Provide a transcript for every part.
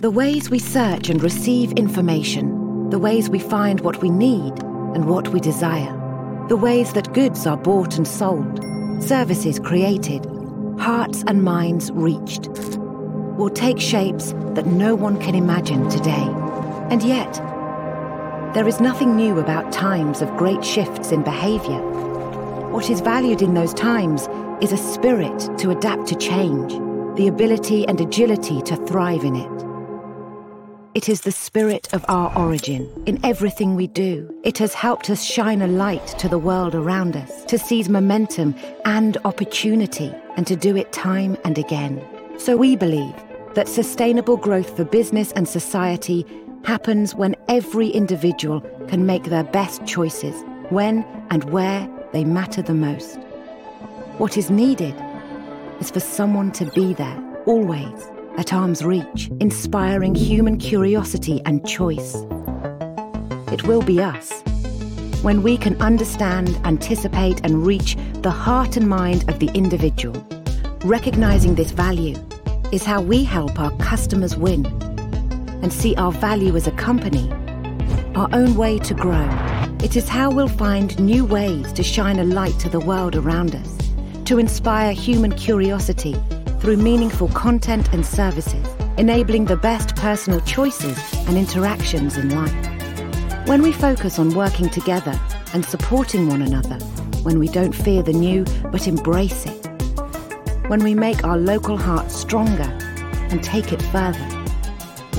The ways we search and receive information, the ways we find what we need and what we desire. The ways that goods are bought and sold, services created, hearts and minds reached, will take shapes that no one can imagine today. Yet, there is nothing new about times of great shifts in behavior. What is valued in those times is a spirit to adapt to change, the ability and agility to thrive in it. It is the spirit of our origin in everything we do. It has helped us shine a light to the world around us, to seize momentum and opportunity, and to do it time and again. We believe that sustainable growth for business and society happens when every individual can make their best choices, when and where they matter the most. What is needed is for someone to be there, always, at arm's reach, inspiring human curiosity and choice. It will be us. When we can understand, anticipate, and reach the heart and mind of the individual. Recognizing this value is how we help our customers win and see our value as a company our own way to grow. It is how we'll find new ways to shine a light to the world around us, to inspire human curiosity through meaningful content and services, enabling the best personal choices and interactions in life. When we focus on working together and supporting one another, when we don't fear the new, but embrace it, when we make our local heart stronger and take it further,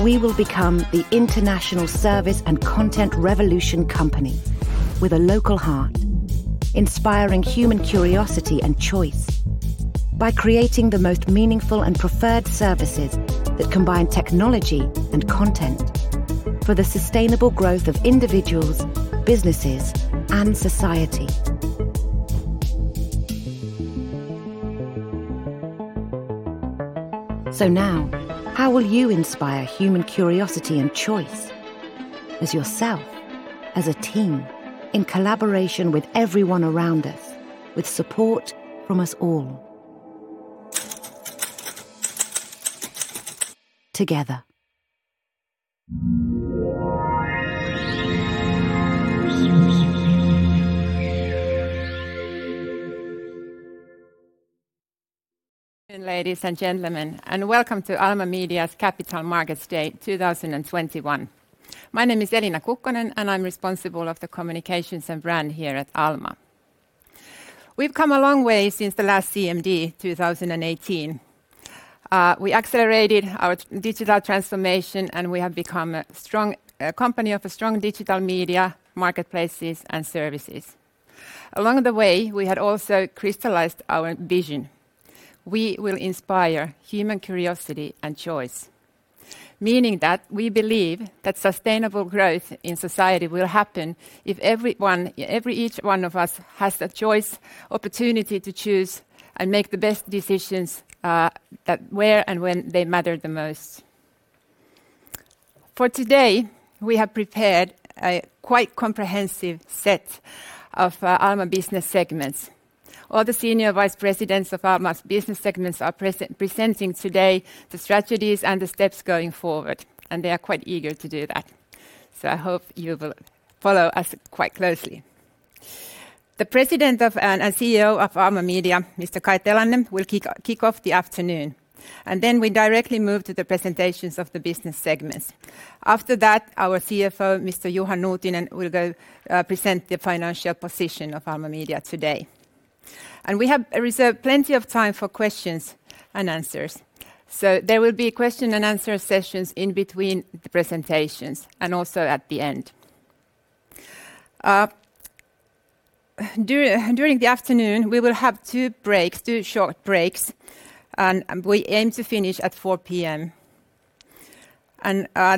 we will become the international service and content revolution company with a local heart, inspiring human curiosity and choice by creating the most meaningful and preferred services that combine technology and content for the sustainable growth of individuals, businesses, and society. Now, how will you inspire human curiosity and choice as yourself, as a team, in collaboration with everyone around us, with support from us all? Together. Good evening, ladies and gentlemen, welcome to Alma Media's Capital Markets Day 2021. My name is Elina Kukkonen, and I'm responsible of the Communications and Brand here at Alma. We've come a long way since the last CMD 2018. We accelerated our digital transformation, and we have become a company of a strong digital media, marketplaces, and services. Along the way, we had also crystallized our vision. We will inspire human curiosity and choice, meaning that we believe that sustainable growth in society will happen if each one of us has a choice, opportunity to choose, and make the best decisions where and when they matter the most. For today, we have prepared a quite comprehensive set of Alma business segments. All the senior vice presidents of Alma's business segments are presenting today the strategies and the steps going forward, and they are quite eager to do that. I hope you will follow us quite closely. The President and CEO of Alma Media, Mr. Kai Telanne, will kick off the afternoon, and then we directly move to the presentations of the business segments. After that, our CFO, Mr. Juha Nuutinen, will go present the financial position of Alma Media today. We have reserved plenty of time for questions and answers. There will be question and answer sessions in between the presentations, and also at the end. During the afternoon, we will have two short breaks, and we aim to finish at 4:00 P.M.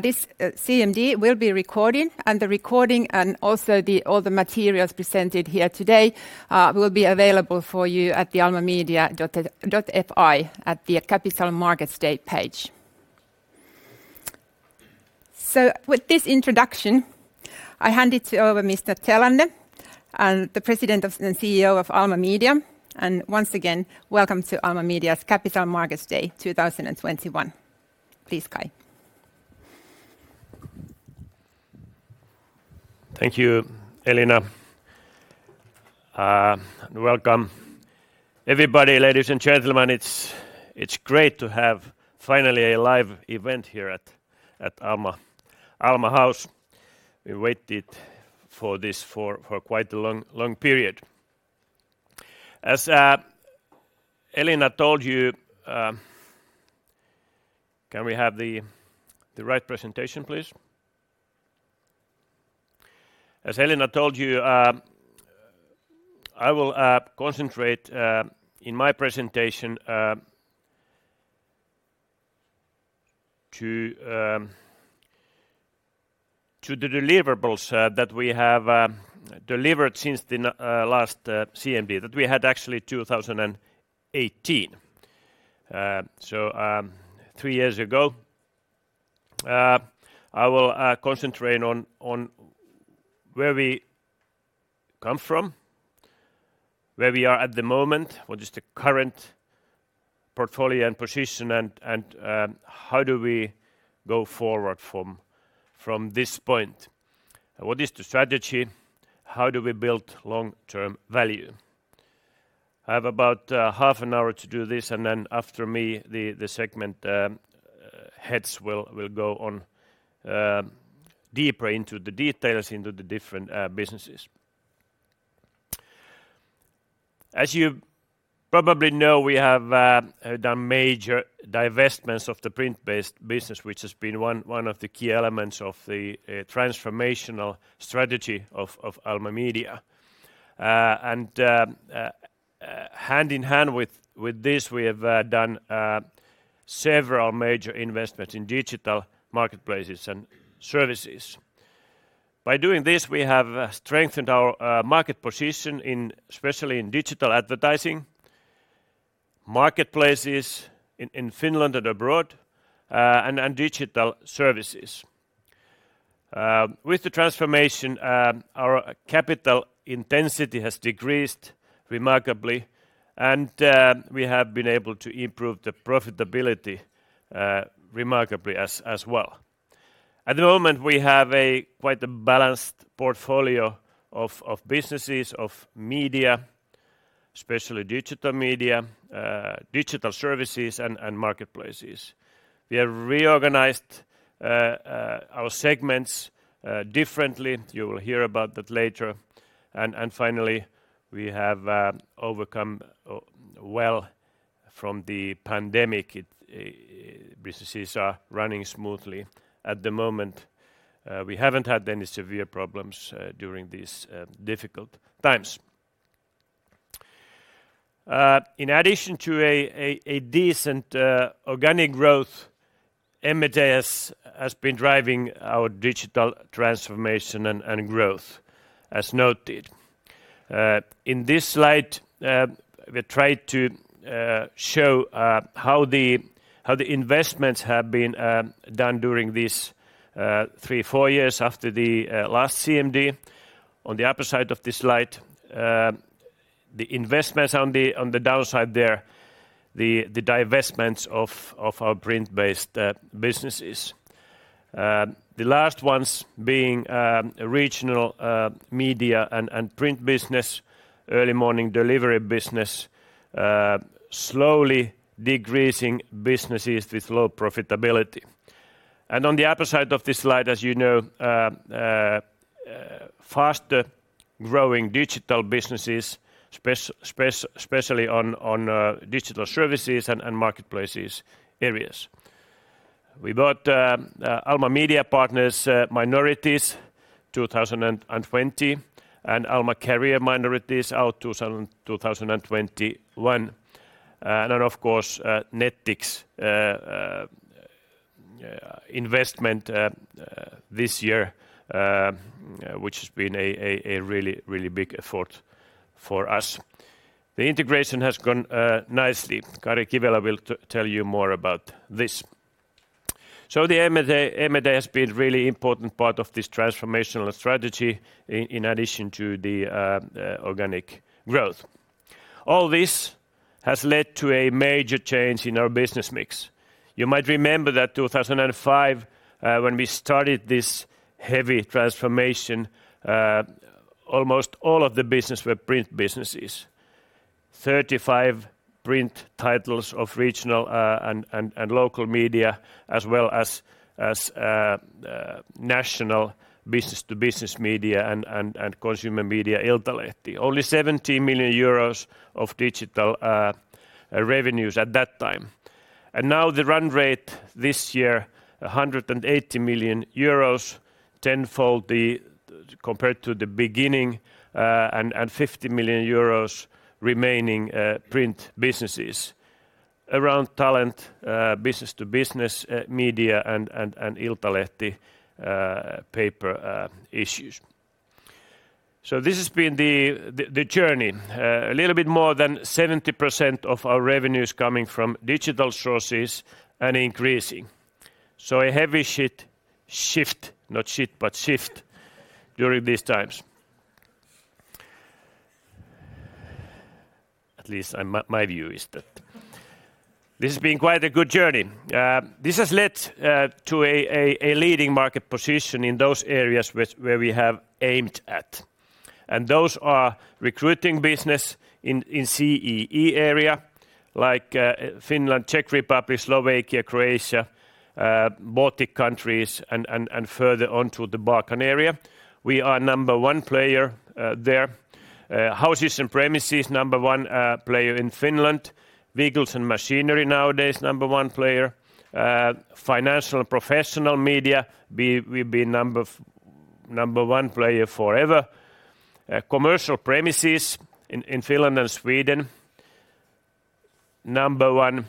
This CMD will be recorded, and the recording and also all the materials presented here today will be available for you at the almamedia.fi at the Capital Markets Day page. With this introduction, I hand it over to Mr. Telanne, the President and CEO of Alma Media. Once again, welcome to Alma Media's Capital Markets Day 2021. Please, Kai. Thank you, Elina. Welcome everybody, ladies and gentlemen. It is great to have finally a live event here at Alma House. We waited for this for quite a long period. As Elina told you. Can we have the right presentation, please? As Elina told you, I will concentrate in my presentation to the deliverables that we have delivered since the last CMD that we had actually 2018. Three years ago. I will concentrate on where we come from, where we are at the moment, what is the current portfolio and position, and how do we go forward from this point? What is the strategy? How do we build long-term value? I have about half an hour to do this, and then after me, the segment heads will go on deeper into the details into the different businesses. As you probably know, we have done major divestments of the print-based business, which has been one of the key elements of the transformational strategy of Alma Media. Hand in hand with this, we have done several major investments in digital marketplaces and services. By doing this, we have strengthened our market position especially in digital advertising, marketplaces in Finland and abroad, and digital services. With the transformation, our capital intensity has decreased remarkably, and we have been able to improve the profitability remarkably as well. At the moment, we have quite a balanced portfolio of businesses, of media, especially digital media, digital services, and marketplaces. We have reorganized our segments differently. You will hear about that later. Finally, we have overcome well from the pandemic. Businesses are running smoothly at the moment. We haven't had any severe problems during these difficult times. In addition to a decent organic growth, M&A has been driving our digital transformation and growth, as noted. In this slide, we try to show how the investments have been done during these three, four years after the last CMD. On the upper side of this slide the investments. On the downside there, the divestments of our print-based businesses. The last ones being regional media and print business, early morning delivery business, slowly decreasing businesses with low profitability. On the upper side of this slide, as you know, faster-growing digital businesses, especially on digital services and marketplaces areas. We bought Alma Mediapartners minorities 2020 and Alma Career minorities out 2021. Then, of course, Nettix investment this year which has been a really big effort for us. The integration has gone nicely. Kari Kivelä will tell you more about this. The M&A has been really important part of this transformational strategy in addition to the organic growth. All this has led to a major change in our business mix. You might remember that 2005 when we started this heavy transformation almost all of the business were print businesses. 35 print titles of regional and local media as well as national business-to-business media and consumer media, Iltalehti. Only 70 million euros of digital revenues at that time. Now the run rate this year, 180 million euros, tenfold compared to the beginning. 50 million euros remaining print businesses around Talent, business-to-business media, and Iltalehti paper issues. This has been the journey. A little bit more than 70% of our revenues coming from digital sources and increasing. A heavy shit shift, not shit, but shift during these times. At least my view is that this has been quite a good journey. This has led to a leading market position in those areas where we have aimed at. Those are recruiting business in CEE area like Finland, Czech Republic, Slovakia, Croatia, Baltic countries, and further on to the Balkan area. We are number one player there. Houses and premises, number one player in Finland. Vehicles and machinery nowadays, number one player. Financial and professional media, we've been number one player forever. Commercial premises in Finland and Sweden, number one.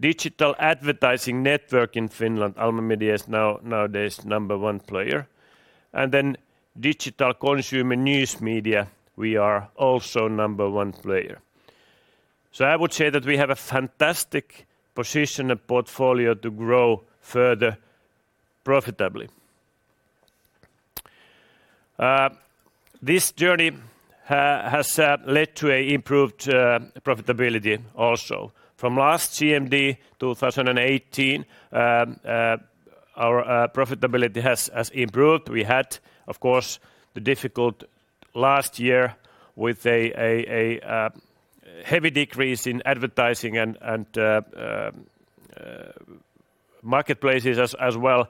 Digital advertising network in Finland, Alma Media is nowadays number one player. Digital consumer news media, we are also number one player. I would say that we have a fantastic position and portfolio to grow further profitably. This journey has led to improved profitability also. From last CMD 2018, our profitability has improved. We had, of course, the difficult last year with a heavy decrease in advertising and marketplaces as well.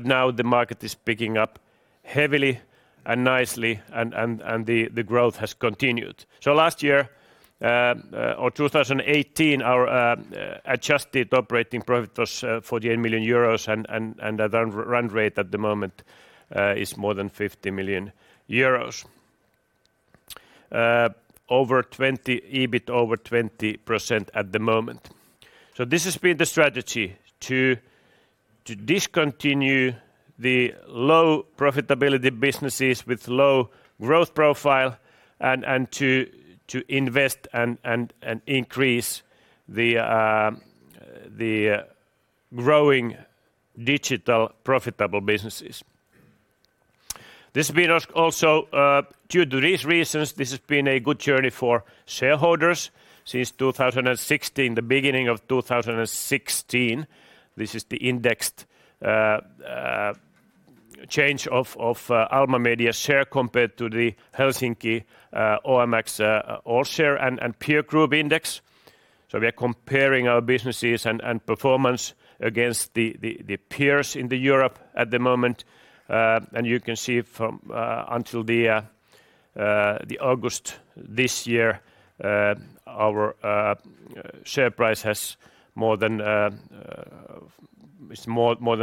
Now the market is picking up heavily and nicely, and the growth has continued. Last year, or 2018, our adjusted operating profit was 48 million euros and the run rate at the moment is more than 50 million euros. EBIT over 20% at the moment. This has been the strategy to discontinue the low profitability businesses with low growth profile and to invest and increase the growing digital profitable businesses. Due to these reasons, this has been a good journey for shareholders since 2016, the beginning of 2016. This is the indexed change of Alma Media share compared to the OMX Helsinki All-Share and Peer Group Index. We are comparing our businesses and performance against the peers in Europe at the moment. You can see from until the August this year, our share price is more than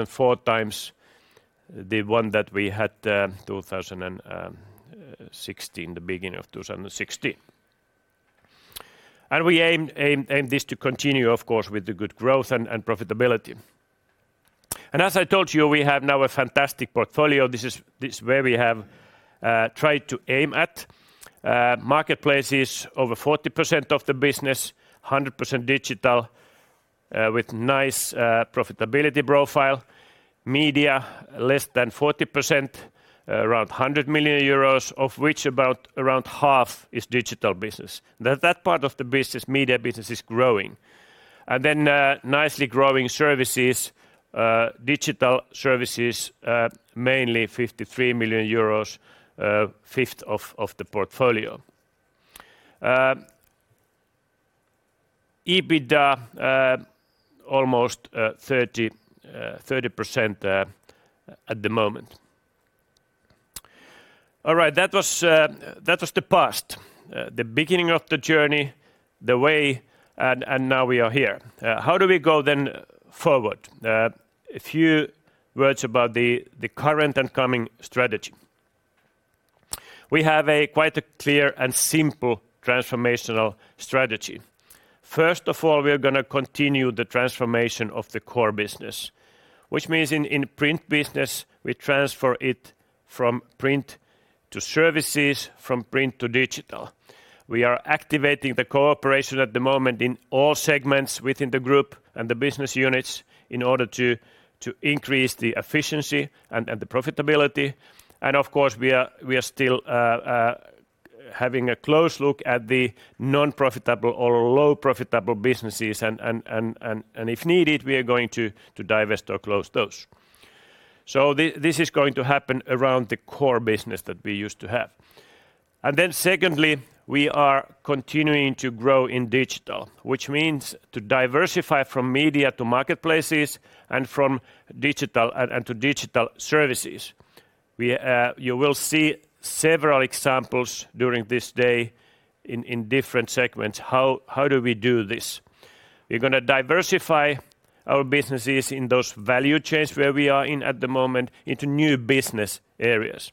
four times the one that we had in the beginning of 2016. We aim this to continue, of course, with the good growth and profitability. As I told you, we have now a fantastic portfolio. This is where we have tried to aim at. Marketplaces over 40% of the business, 100% digital with nice profitability profile. Media, less than 40%, around 100 million euros, of which about half is digital business. That part of the business, media business, is growing. Nicely growing services, digital services, mainly 53 million euros, fifth of the portfolio. EBITDA almost 30% at the moment. All right. That was the past, the beginning of the journey, the way, and now we are here. How do we go then forward? A few words about the current and coming strategy. We have a quite a clear and simple transformational strategy. First of all, we're going to continue the transformation of the core business, which means in print business, we transfer it from print to services, from print to digital. We are activating the cooperation at the moment in all segments within the group and the business units in order to increase the efficiency and the profitability. Of course, we are still having a close look at the non-profitable or low profitable businesses, and if needed, we are going to divest or close those. This is going to happen around the core business that we used to have. Secondly, we are continuing to grow in digital, which means to diversify from media to marketplaces and to digital services. You will see several examples during this day in different segments. How do we do this? We're going to diversify our businesses in those value chains where we are in at the moment into new business areas.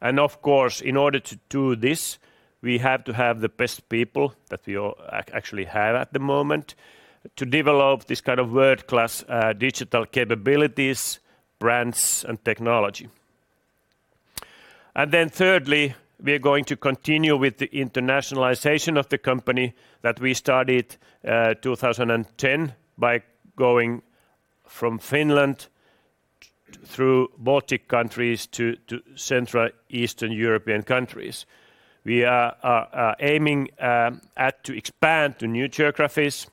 Of course, in order to do this, we have to have the best people that we actually have at the moment to develop this kind of world-class digital capabilities, brands, and technology. Thirdly, we are going to continue with the internationalization of the company that we started 2010 by going from Finland through Baltic countries to Central Eastern European countries. We are aiming to expand to new geographies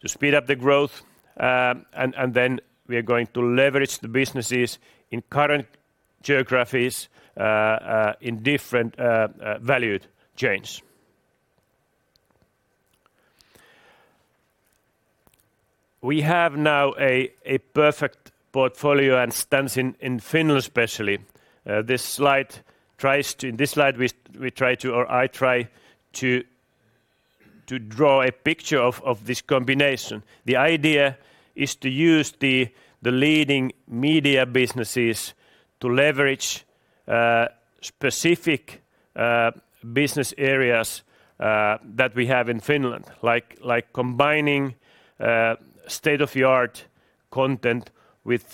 to speed up the growth, and then we are going to leverage the businesses in current geographies in different valued chains. We have now a perfect portfolio and stance in Finland, especially. In this slide I try to draw a picture of this combination. The idea is to use the leading media businesses to leverage specific business areas that we have in Finland, like combining state-of-the-art content with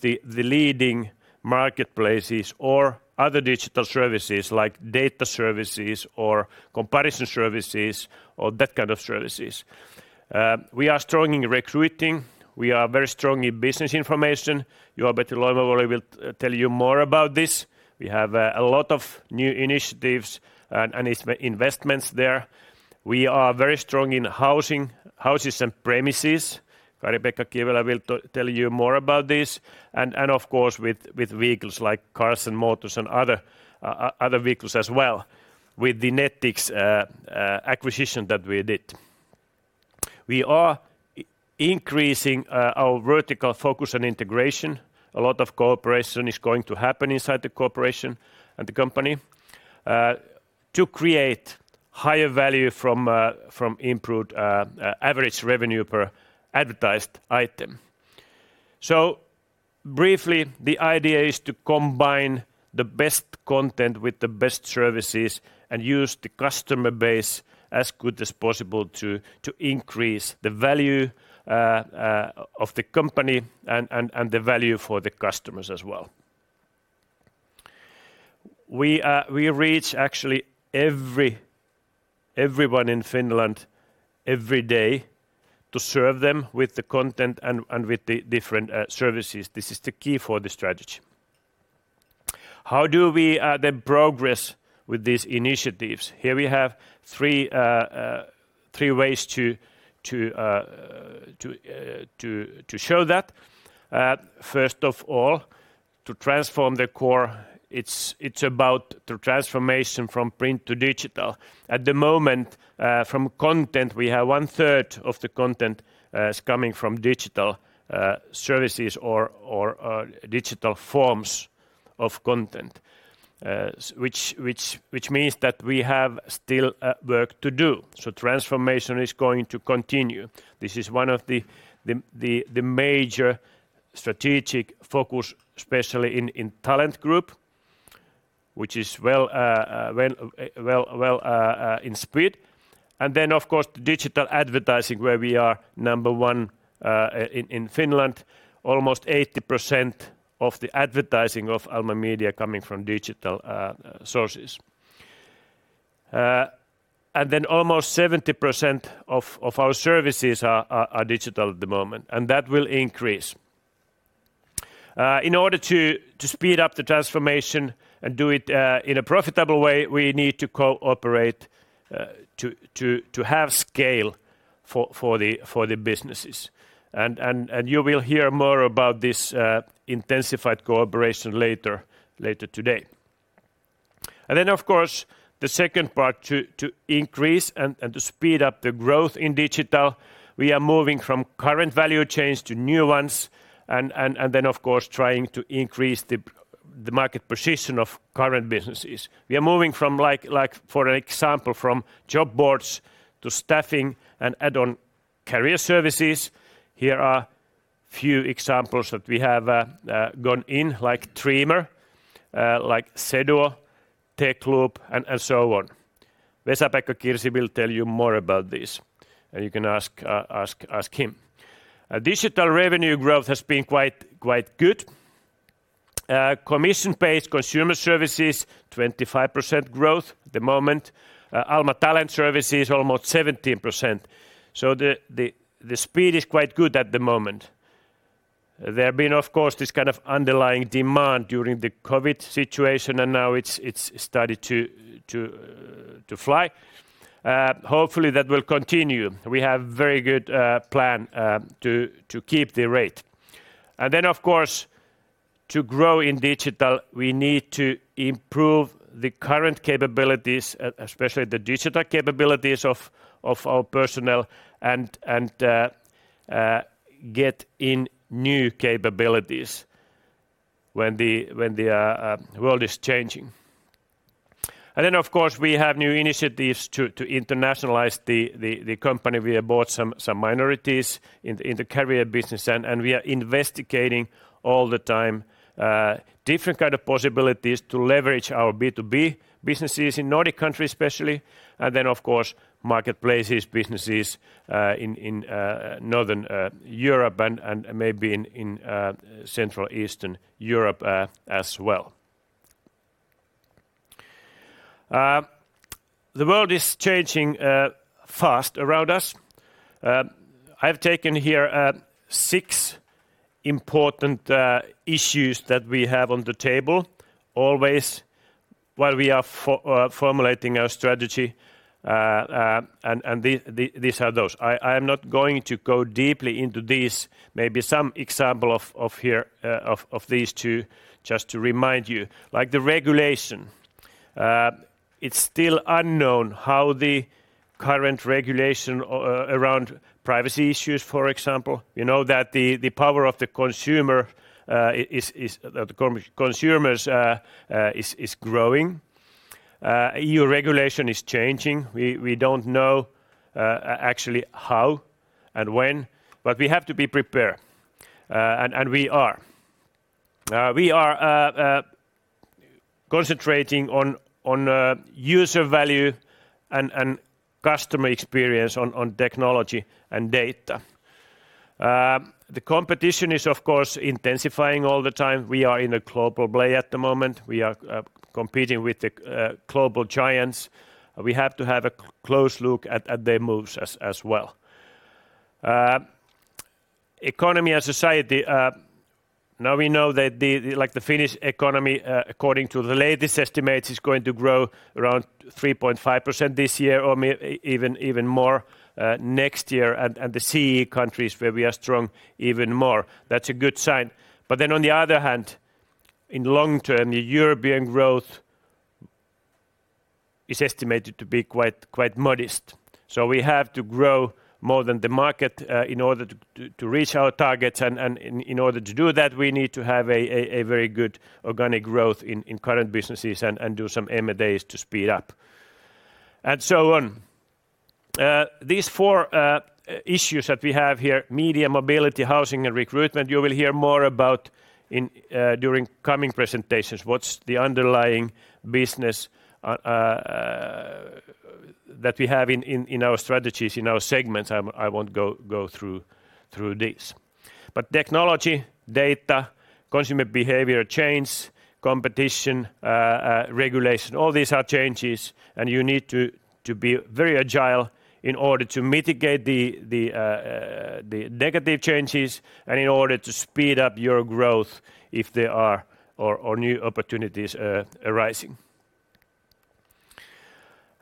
the leading marketplaces or other digital services like data services or comparison services or that kind of services. We are strong in recruiting. We are very strong in business information. Juha-Petri Loimovuori will tell you more about this. We have a lot of new initiatives and investments there. We are very strong in houses and premises. Riikka Kivimäki will tell you more about this. Of course, with vehicles like cars and motors and other vehicles as well with the Nettix acquisition that we did. We are increasing our vertical focus on integration. A lot of cooperation is going to happen inside the cooperation and the company to create higher value from improved average revenue per advertised item. Briefly, the idea is to combine the best content with the best services and use the customer base as good as possible to increase the value of the company and the value for the customers as well. We actually reach everyone in Finland every day to serve them with the content and with the different services. This is the key for the strategy. How do we then progress with these initiatives? Here we have three ways to show that. First of all, to transform the core, it's about the transformation from print to digital. At the moment, from content, we have one-third of the content is coming from digital services or digital forms of content which means that we have still work to do. Transformation is going to continue. This is one of the major strategic focus, especially in Alma Talent, which is well in speed. Of course, digital advertising, where we are number one in Finland. Almost 80% of the advertising of Alma Media coming from digital sources. Almost 70% of our services are digital at the moment, and that will increase. In order to speed up the transformation and do it in a profitable way, we need to cooperate to have scale for the businesses. You will hear more about this intensified cooperation later today. Of course, the second part to increase and to speed up the growth in digital. We are moving from current value chains to new ones, and then, of course, trying to increase the market position of current businesses. We are moving for an example, from job boards to staffing and add-on career services. Here are few examples that we have gone in, like Treamer, like Seduo, Techloop, and so on. Vesa-Pekka Kirsi will tell you more about this, and you can ask him. Digital revenue growth has been quite good. Commission-based consumer services, 25% growth at the moment. Alma Talent services, almost 17%. The speed is quite good at the moment. There have been, of course, this kind of underlying demand during the COVID-19 situation, and now it's started to fly. Hopefully, that will continue. We have very good plan to keep the rate. Then, of course, to grow in digital, we need to improve the current capabilities, especially the digital capabilities of our personnel and get in new capabilities when the world is changing. Of course, we have new initiatives to internationalize the company. We have bought some minorities in the career business center, and we are investigating all the time different kind of possibilities to leverage our B2B businesses in Nordic countries, especially. Of course, marketplaces, businesses in Northern Europe and maybe in Central Eastern Europe as well. The world is changing fast around us. I've taken here six important issues that we have on the table always while we are formulating our strategy, and these are those. I am not going to go deeply into these. Maybe some example of these two, just to remind you. Like the regulation. It's still unknown how the current regulation around privacy issues, for example, you know that the power of the consumers is growing. EU regulation is changing. We don't know actually how and when, but we have to be prepared, and we are. We are concentrating on user value and customer experience on technology and data. The competition is, of course, intensifying all the time. We are in a global play at the moment. We are competing with the global giants. We have to have a close look at their moves as well. Economy and society. Now we know that the Finnish economy, according to the latest estimates, is going to grow around 3.5% this year, or maybe even more next year, and the CEE countries where we are strong, even more. That's a good sign. On the other hand, in the long term, the European growth is estimated to be quite modest. We have to grow more than the market in order to reach our targets. In order to do that, we need to have a very good organic growth in current businesses and do some M&As to speed up and so on. These four issues that we have here, media, mobility, housing, and recruitment, you will hear more about during coming presentations. What is the underlying business that we have in our strategies, in our segments? I won't go through this. Technology, data, consumer behavior change, competition, regulation, all these are changes. You need to be very agile in order to mitigate the negative changes and in order to speed up your growth if there are or new opportunities arising.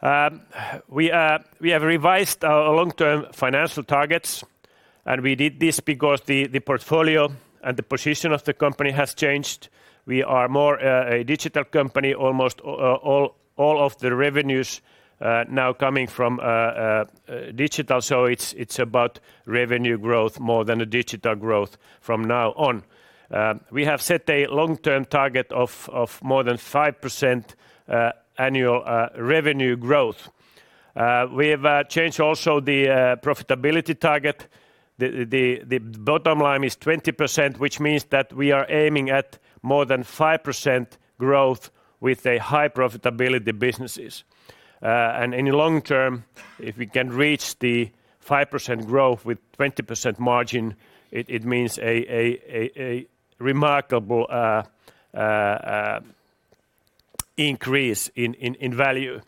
We have revised our long-term financial targets. We did this because the portfolio and the position of the company has changed. We are more a digital company. Almost all of the revenues now coming from digital. It's about revenue growth more than a digital growth from now on. We have set a long-term target of more than 5% annual revenue growth. We have changed also the profitability target. The bottom line is 20%, which means that we are aiming at more than 5% growth with a high profitability businesses. In the long term, if we can reach the 5% growth with 20% margin, it means a remarkable increase in value.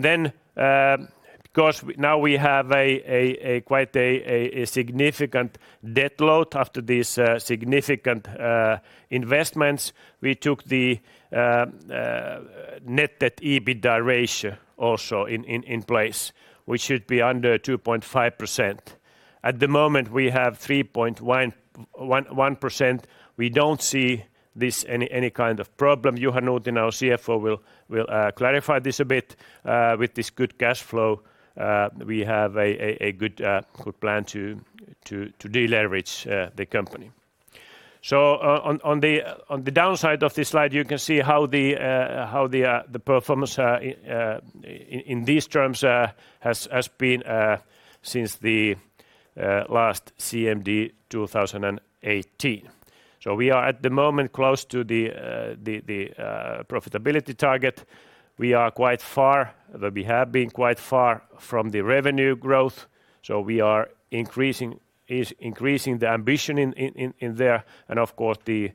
Then, because now we have quite a significant debt load after these significant investments, we took the net debt EBITDA ratio also in place, which should be under 2.5%. At the moment, we have 3.1%. We don't see this any kind of problem. Juha Nuutinen, our CFO, will clarify this a bit. With this good cash flow, we have a good plan to deleverage the company. On the downside of this slide, you can see how the performance in these terms has been since the last CMD 2018. We are at the moment close to the profitability target. We have been quite far from the revenue growth, so we are increasing the ambition in there, and of course, the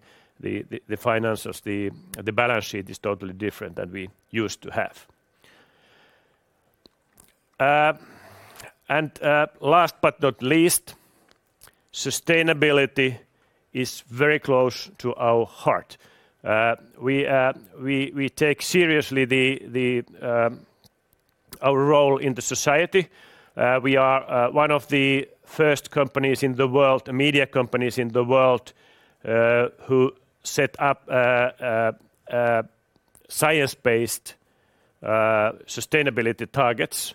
balance sheet is totally different than we used to have. Last but not least, sustainability is very close to our heart. We take seriously our role in the society. We are one of the first media companies in the world who set up science-based sustainability targets.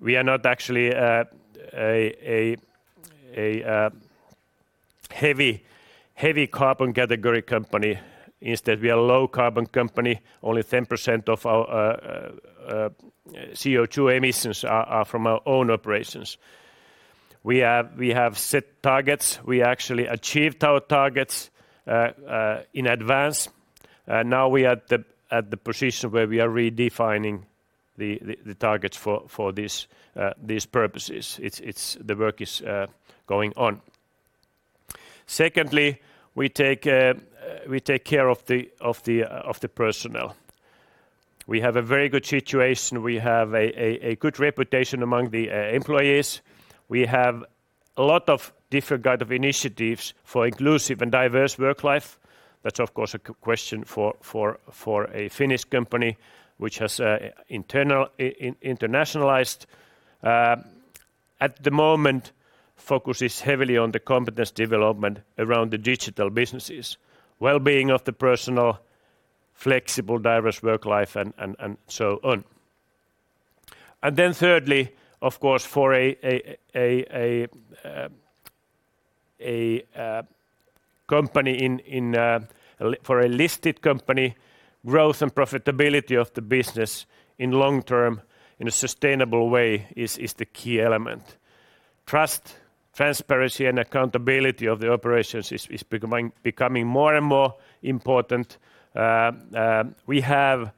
We are not actually a heavy carbon category company. Instead, we are a low carbon company. Only 10% of our CO2 emissions are from our own operations. We have set targets. We actually achieved our targets in advance. Now we are at the position where we are redefining the targets for these purposes. The work is going on. Secondly, we take care of the personnel. We have a very good situation. We have a good reputation among the employees. We have a lot of different kind of initiatives for inclusive and diverse work life. That's of course a question for a Finnish company which has internationalized. At the moment, focus is heavily on the competence development around the digital businesses, wellbeing of the personnel, flexible, diverse work life, and so on. Thirdly, of course, for a listed company, growth and profitability of the business in long term in a sustainable way is the key element. Trust, transparency, and accountability of the operations is becoming more and more important. We have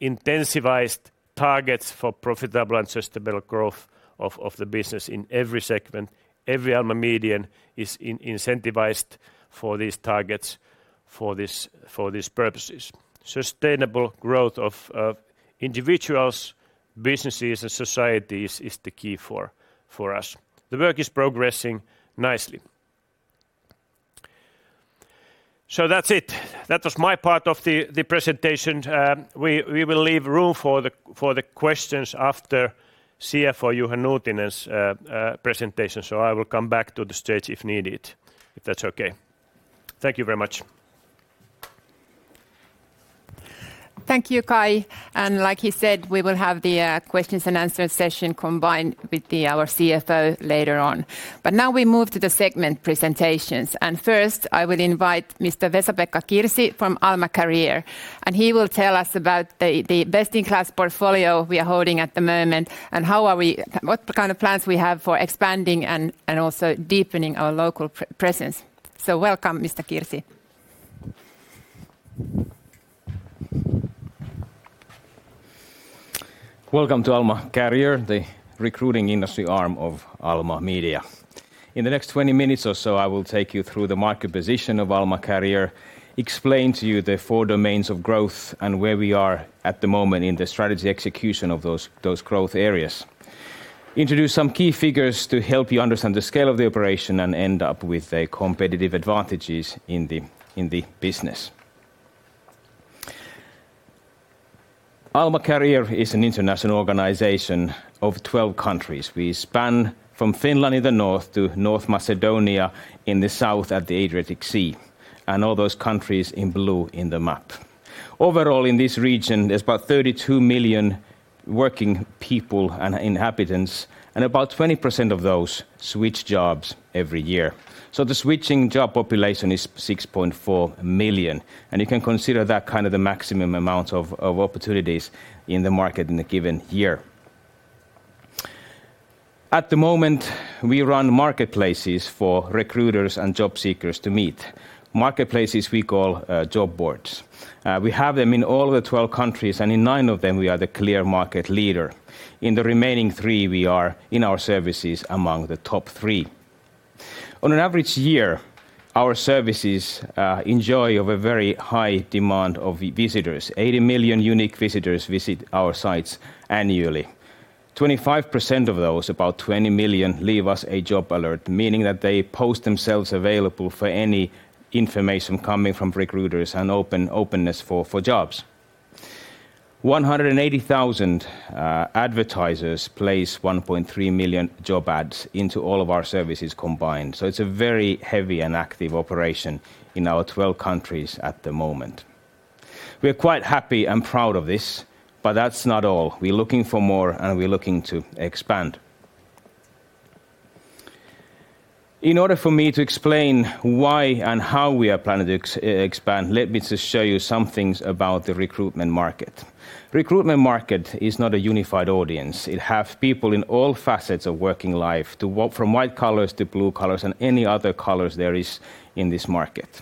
intensified targets for profitable and sustainable growth of the business in every segment. Every Alma Median is incentivized for these targets, for these purposes. Sustainable growth of individuals, businesses, and societies is the key for us. The work is progressing nicely. That's it. That was my part of the presentation. We will leave room for the questions after CFO Juha Nuutinen's presentation. I will come back to the stage if needed, if that's okay. Thank you very much. Thank you, Kai. Like he said, we will have the questions and answer session combined with our CFO later on. Now we move to the segment presentations. First, I will invite Mr. Vesa-Pekka Kirsi from Alma Career, and he will tell us about the best-in-class portfolio we are holding at the moment and what kind of plans we have for expanding and also deepening our local presence. Welcome, Mr. Kirsi. Welcome to Alma Career, the recruiting industry arm of Alma Media. In the next 20 minutes or so, I will take you through the market position of Alma Career, explain to you the four domains of growth and where we are at the moment in the strategy execution of those growth areas, introduce some key figures to help you understand the scale of the operation, and end up with the competitive advantages in the business. Alma Career is an international organization of 12 countries. We span from Finland in the north to North Macedonia in the south at the Adriatic Sea, and all those countries in blue on the map. Overall, in this region, there's about 32 million working people and inhabitants, and about 20% of those switch jobs every year. The switching job population is 6.4 million, and you can consider that kind of the maximum amount of opportunities in the market in a given year. At the moment, we run marketplaces for recruiters and job seekers to meet, marketplaces we call job boards. We have them in all the 12 countries, and in nine of them, we are the clear market leader. In the remaining three, we are, in our services, among the top three. On an average year, our services enjoy a very high demand of visitors. 80 million unique visitors visit our sites annually. 25% of those, about 20 million, leave us a job alert, meaning that they post themselves available for any information coming from recruiters and openness for jobs. 180,000 advertisers place 1.3 million job ads into all of our services combined. It's a very heavy and active operation in our 12 countries at the moment. We are quite happy and proud of this, but that's not all. We are looking for more, and we are looking to expand. In order for me to explain why and how we are planning to expand, let me just show you some things about the recruitment market. Recruitment market is not a unified audience. It has people in all facets of working life, from white collars to blue collars and any other collars there is in this market.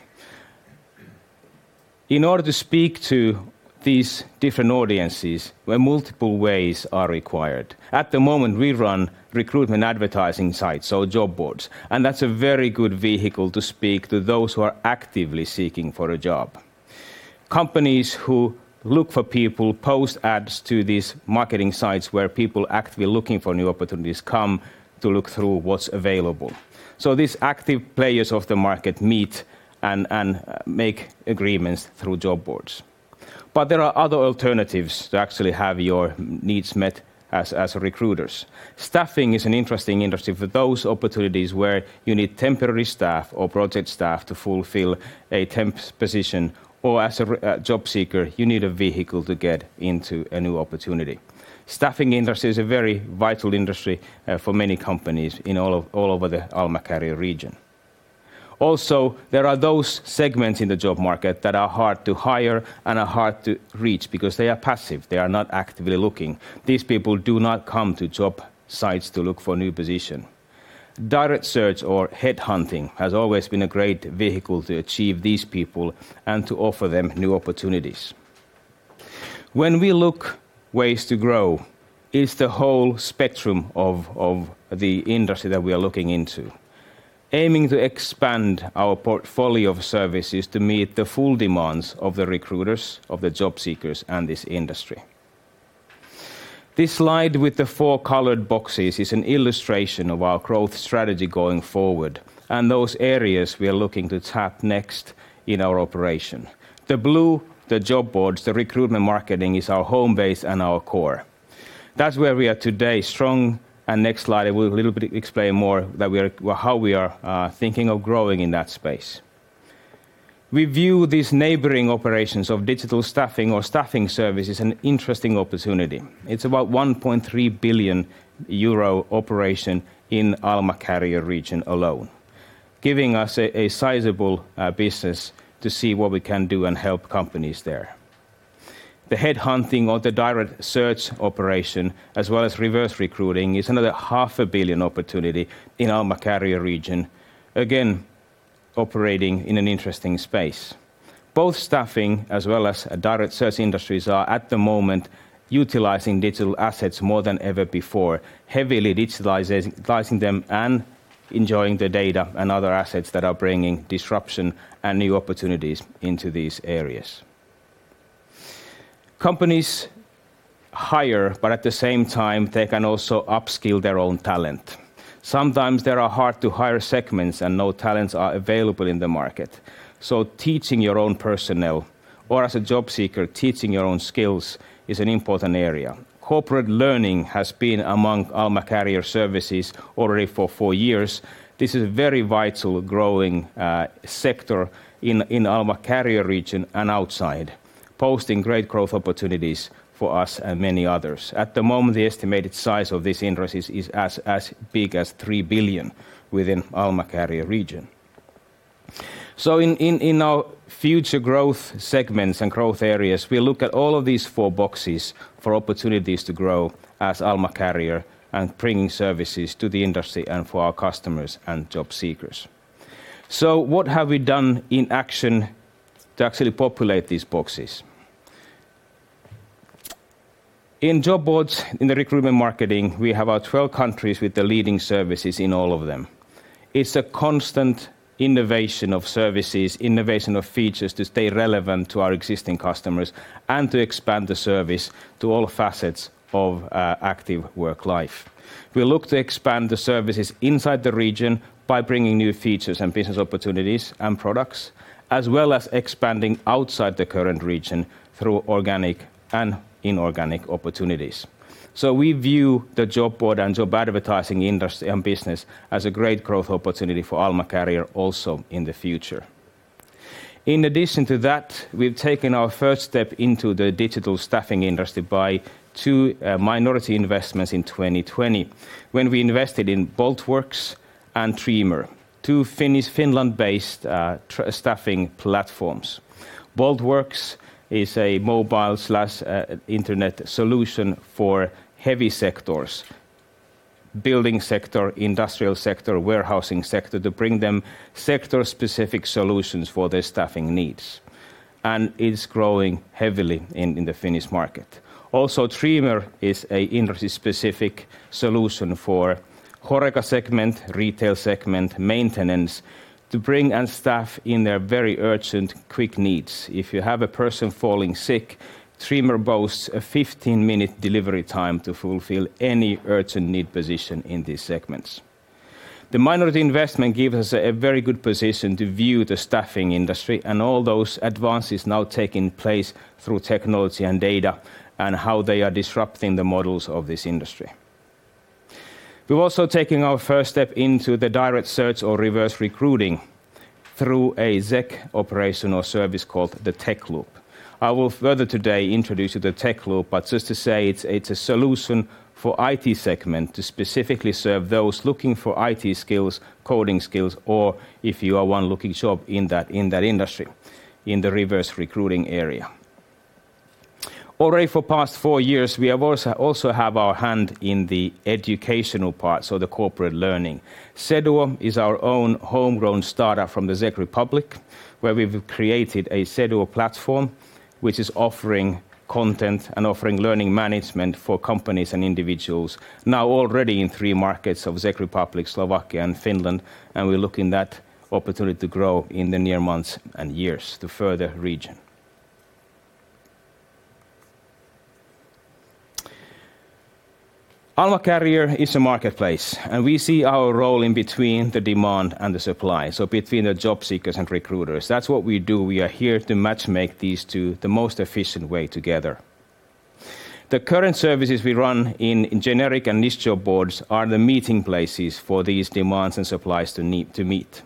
In order to speak to these different audiences, where multiple ways are required. At the moment, we run recruitment advertising sites, so job boards, and that's a very good vehicle to speak to those who are actively seeking for a job. Companies who look for people post ads to these marketing sites where people actively looking for new opportunities come to look through what's available. These active players of the market meet and make agreements through job boards. There are other alternatives to actually have your needs met as recruiters. Staffing is an interesting industry for those opportunities where you need temporary staff or project staff to fulfill a temp position, or as a job seeker, you need a vehicle to get into a new opportunity. Staffing industry is a very vital industry for many companies in all over the Alma Career region. There are those segments in the job market that are hard to hire and are hard to reach because they are passive. They are not actively looking. These people do not come to job sites to look for a new position. Direct search or headhunting has always been a great vehicle to achieve these people and to offer them new opportunities. When we look ways to grow, it's the whole spectrum of the industry that we are looking into, aiming to expand our portfolio of services to meet the full demands of the recruiters, of the job seekers, and this industry. This slide with the four colored boxes is an illustration of our growth strategy going forward and those areas we are looking to tap next in our operation. The blue, the job boards, the recruitment marketing, is our home base and our core. That's where we are today, strong. Next slide will a little bit explain more how we are thinking of growing in that space. We view these neighboring operations of digital staffing or staffing services an interesting opportunity. It's about a 1.3 billion euro operation in Alma Career region alone, giving us a sizable business to see what we can do and help companies there. The headhunting or the direct search operation, as well as reverse recruiting, is another 0.5 billion opportunity in Alma Career region, again, operating in an interesting space. Both staffing as well as direct search industries are at the moment utilizing digital assets more than ever before, heavily digitalizing them and enjoying the data and other assets that are bringing disruption and new opportunities into these areas. Companies hire, but at the same time, they can also upskill their own talent. Sometimes there are hard-to-hire segments and no talents are available in the market. Teaching your own personnel, or as a job seeker, teaching your own skills is an important area. Corporate learning has been among Alma Career services already for four years. This is a very vital growing sector in Alma Career region and outside, posting great growth opportunities for us and many others. At the moment, the estimated size of this industry is as big as 3 billion within Alma Career region. In our future growth segments and growth areas, we look at all of these four boxes for opportunities to grow as Alma Career and bringing services to the industry and for our customers and job seekers. What have we done in action to actually populate these boxes? In job boards, in the recruitment marketing, we have about 12 countries with the leading services in all of them. It's a constant innovation of services, innovation of features to stay relevant to our existing customers, and to expand the service to all facets of active work life. We look to expand the services inside the region by bringing new features and business opportunities and products, as well as expanding outside the current region through organic and inorganic opportunities. We view the job board and job advertising industry and business as a great growth opportunity for Alma Career also in the future. In addition to that, we've taken our first step into the digital staffing industry by two minority investments in 2020, when we invested in Bolt.Works and Treamer, two Finland-based staffing platforms. Bolt.Works is a mobile/internet solution for heavy sectors, building sector, industrial sector, warehousing sector, to bring them sector-specific solutions for their staffing needs, and it is growing heavily in the Finnish market. Treamer is a industry-specific solution for HORECA segment, retail segment, maintenance, to bring and staff in their very urgent, quick needs. If you have a person falling sick, Treamer boasts a 15-minute delivery time to fulfill any urgent need position in these segments. The minority investment gives us a very good position to view the staffing industry and all those advances now taking place through technology and data and how they are disrupting the models of this industry. We're also taking our first step into the direct search or reverse recruiting through a Czech operational service called the Techloop. I will further today introduce you to Techloop, but just to say it's a solution for IT segment to specifically serve those looking for IT skills, coding skills, or if you are one looking job in that industry, in the reverse recruiting area. Already for past four years, we have also have our hand in the educational part, so the corporate learning. Seduo is our own homegrown startup from the Czech Republic, where we've created a Seduo platform, which is offering content and offering learning management for companies and individuals, now already in three markets of Czech Republic, Slovakia, and Finland, and we look in that opportunity to grow in the near months and years to further region. Alma Career is a marketplace, and we see our role in between the demand and the supply, so between the job seekers and recruiters. That's what we do. We are here to matchmake these two the most efficient way together. The current services we run in generic and niche job boards are the meeting places for these demands and supplies to meet.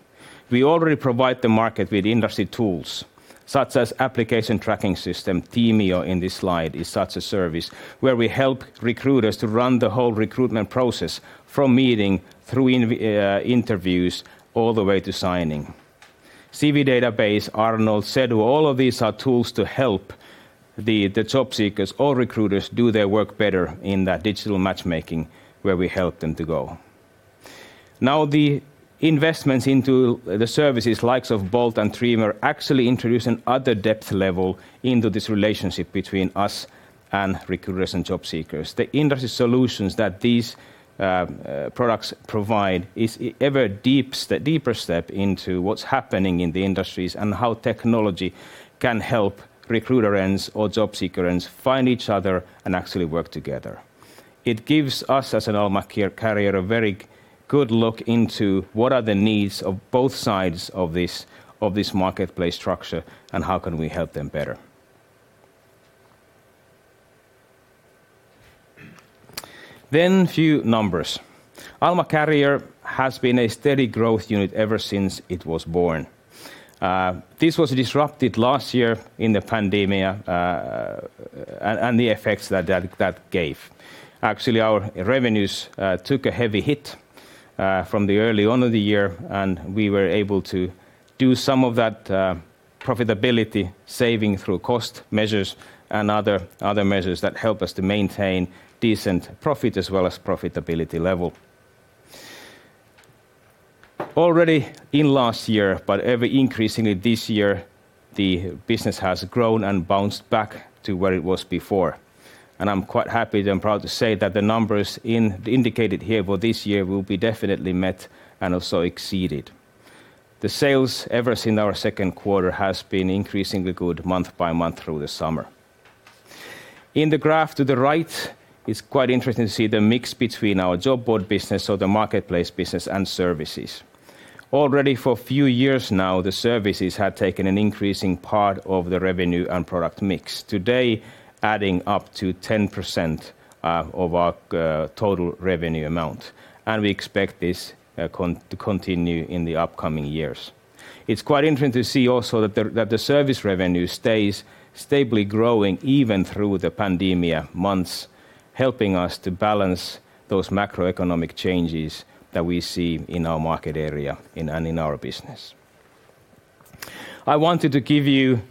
We already provide the market with industry tools, such as application tracking system. Teamio in this slide is such a service, where we help recruiters to run the whole recruitment process from meeting through interviews all the way to signing. CV database, Arnold, Seduo, all of these are tools to help the job seekers or recruiters do their work better in that digital matchmaking where we help them to go. The investments into the services likes of Bolt and Treamer actually introduce another depth level into this relationship between us and recruiters and job seekers. The industry solutions that these products provide is ever deeper step into what's happening in the industries and how technology can help recruiter ends or job seeker ends find each other and actually work together. It gives us as an Alma Career a very good look into what are the needs of both sides of this marketplace structure and how can we help them better. Few numbers. Alma Career has been a steady growth unit ever since it was born. This was disrupted last year in the pandemic, and the effects that gave. Actually, our revenues took a heavy hit from the early on of the year, and we were able to do some of that profitability saving through cost measures and other measures that help us to maintain decent profit as well as profitability level. Already in last year, but ever-increasingly this year, the business has grown and bounced back to where it was before. I'm quite happy and proud to say that the numbers indicated here for this year will be definitely met and also exceeded. The sales ever since our second quarter has been increasingly good month by month through the summer. In the graph to the right, it's quite interesting to see the mix between our job board business or the marketplace business and services. Already for a few years now, the services have taken an increasing part of the revenue and product mix. Today, adding up to 10% of our total revenue amount. We expect this to continue in the upcoming years. It's quite interesting to see also that the service revenue stays stably growing even through the pandemia months, helping us to balance those macroeconomic changes that we see in our market area and in our business. I wanted to give you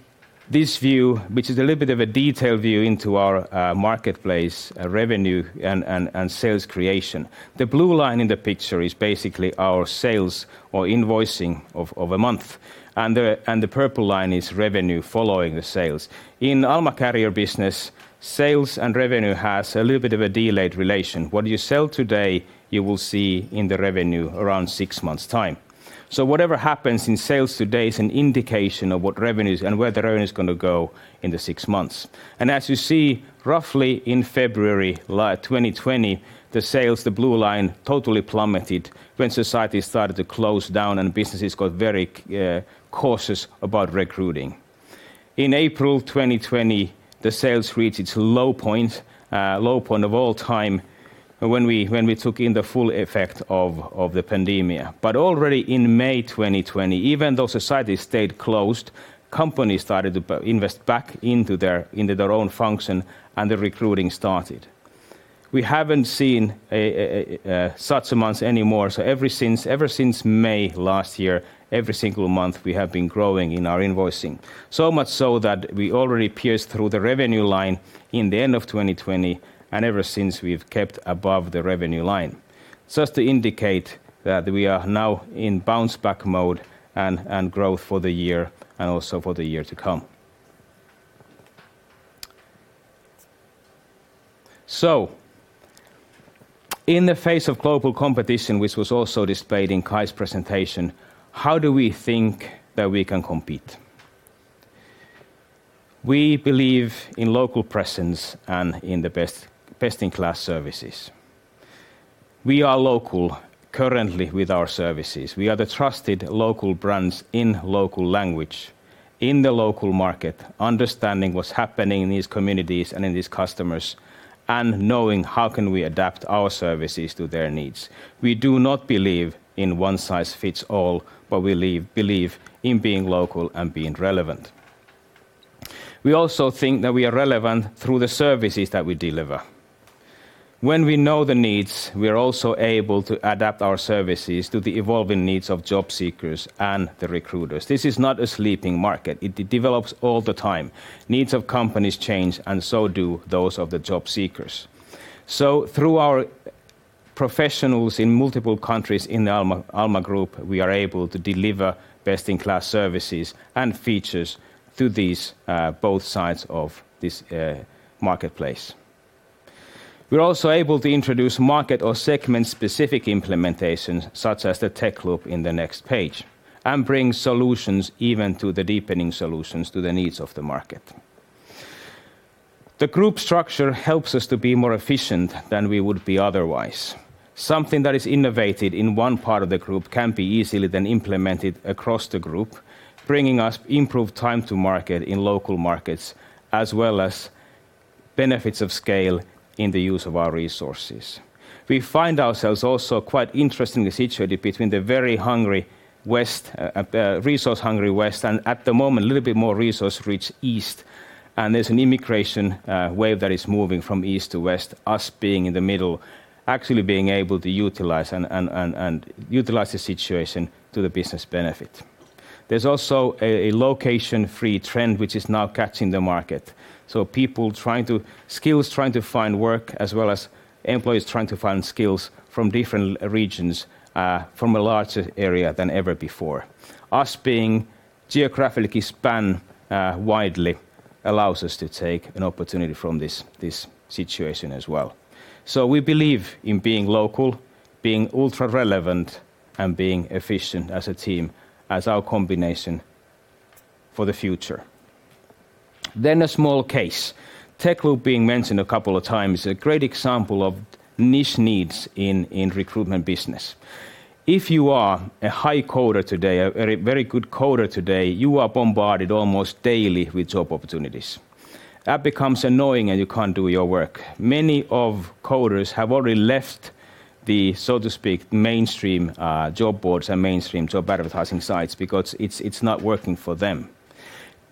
this view, which is a little bit of a detailed view into our marketplace revenue and sales creation. The blue line in the picture is basically our sales or invoicing of a month. The purple line is revenue following the sales. In Alma Career business, sales and revenue has a little bit of a delayed relation. What you sell today, you will see in the revenue around six months' time. Whatever happens in sales today is an indication of what revenues and where the revenue is going to go in the six months. As you see, roughly in February 2020, the sales, the blue line, totally plummeted when society started to close down and businesses got very cautious about recruiting. In April 2020, the sales reached its low point of all time when we took in the full effect of the pandemic. Already in May 2020, even though society stayed closed, companies started to invest back into their own function and the recruiting started. We haven't seen such amounts anymore. Ever since May last year, every single month we have been growing in our invoicing. So much so that we already pierced through the revenue line in the end of 2020, and ever since we've kept above the revenue line. Just to indicate that we are now in bounce back mode and growth for the year and also for the year to come. In the face of global competition, which was also displayed in Kai's presentation, how do we think that we can compete? We believe in local presence and in the best-in-class services. We are local currently with our services. We are the trusted local brands in local language, in the local market, understanding what's happening in these communities and in these customers, and knowing how can we adapt our services to their needs. We do not believe in one size fits all, but we believe in being local and being relevant. We also think that we are relevant through the services that we deliver. When we know the needs, we are also able to adapt our services to the evolving needs of job seekers and the recruiters. This is not a sleeping market. It develops all the time. Needs of companies change and so do those of the job seekers. Through our professionals in multiple countries in the Alma Group, we are able to deliver best-in-class services and features to both sides of this marketplace. We are also able to introduce market or segment specific implementations such as the Techloop in the next page and bring solutions even to the deepening solutions to the needs of the market. The group structure helps us to be more efficient than we would be otherwise. Something that is innovated in one part of the group can be easily then implemented across the group, bringing us improved time to market in local markets, as well as benefits of scale in the use of our resources. We find ourselves also quite interestingly situated between the very hungry West, resource hungry West, and at the moment, a little bit more resource-rich East. There's an immigration wave that is moving from East to West, us being in the middle, actually being able to utilize the situation to the business benefit. There's also a location-free trend which is now catching the market. People trying to Skills trying to find work as well as employees trying to find skills from different regions, from a larger area than ever before. Us being geographically span widely allows us to take an opportunity from this situation as well. We believe in being local, being ultra relevant, and being efficient as a team, as our combination for the future. A small case. Techloop being mentioned a couple of times, a great example of niche needs in recruitment business. If you are a high coder today, a very good coder today, you are bombarded almost daily with job opportunities. That becomes annoying and you can't do your work. Many of coders have already left the, so to speak, mainstream job boards and mainstream job advertising sites because it's not working for them.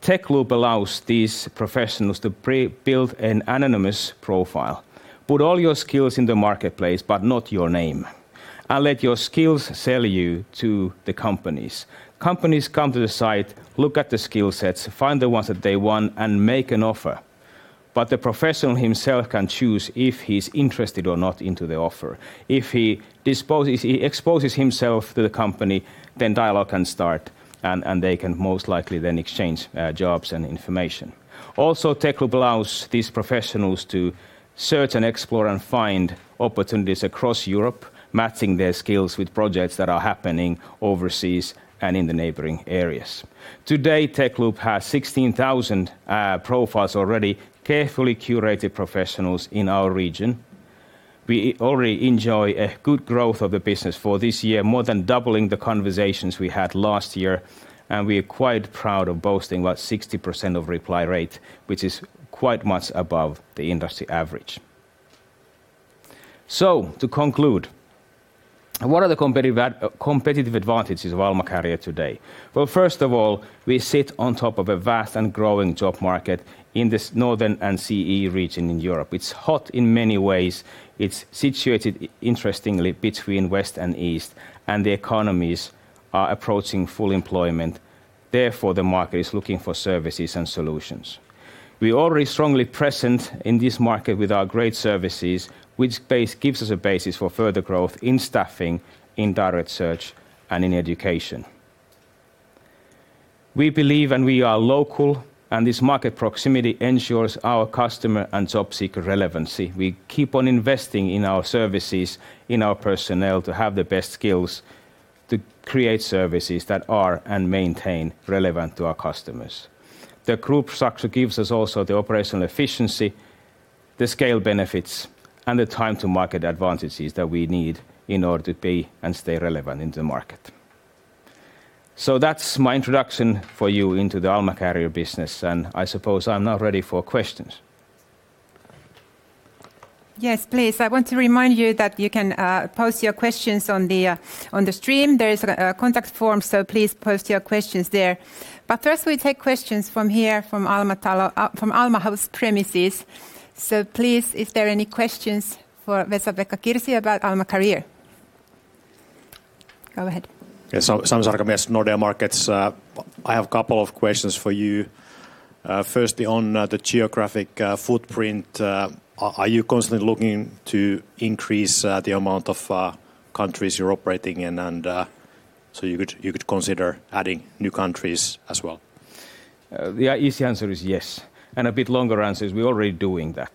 Tech Loop allows these professionals to build an anonymous profile, put all your skills in the marketplace, but not your name, and let your skills sell you to the companies. Companies come to the site, look at the skill sets, find the ones that they want, and make an offer. The professional himself can choose if he's interested or not in the offer. If he exposes himself to the company, dialogue can start, and they can most likely then exchange jobs and information. Techloop allows these professionals to search and explore and find opportunities across Europe, matching their skills with projects that are happening overseas and in the neighboring areas. Today Techloop has 16,000 profiles already, carefully curated professionals in our region. We already enjoy a good growth of the business for this year, more than doubling the conversations we had last year, and we are quite proud of boasting about 60% of reply rate, which is quite much above the industry average. To conclude, what are the competitive advantages of Alma Career today? Well, first of all, we sit on top of a vast and growing job market in this Northern and CEE region in Europe. It's hot in many ways. It's situated interestingly between West and East. The economies are approaching full employment. Therefore, the market is looking for services and solutions. We are already strongly present in this market with our great services, which gives us a basis for further growth in staffing, in direct search, and in education. We believe. We are local. This market proximity ensures our customer and job seeker relevancy. We keep on investing in our services, in our personnel to have the best skills to create services that are and maintain relevance to our customers. The group structure gives us also the operational efficiency, the scale benefits, and the time to market advantages that we need in order to be and stay relevant in the market. That's my introduction for you into the Alma Career business, and I suppose I'm now ready for questions. Yes, please. I want to remind you that you can pose your questions on the stream. There is a contact form, so please post your questions there. First, we take questions from here, from Alma House premises. Please, if there are any questions for Vesa-Pekka Kirsi about Alma Career. Go ahead. Yes. Sami Sarkamies, Nordea Markets. I have a couple of questions for you. Firstly, on the geographic footprint, are you constantly looking to increase the amount of countries you're operating in? You could consider adding new countries as well? The easy answer is yes, and a bit longer answer is we're already doing that.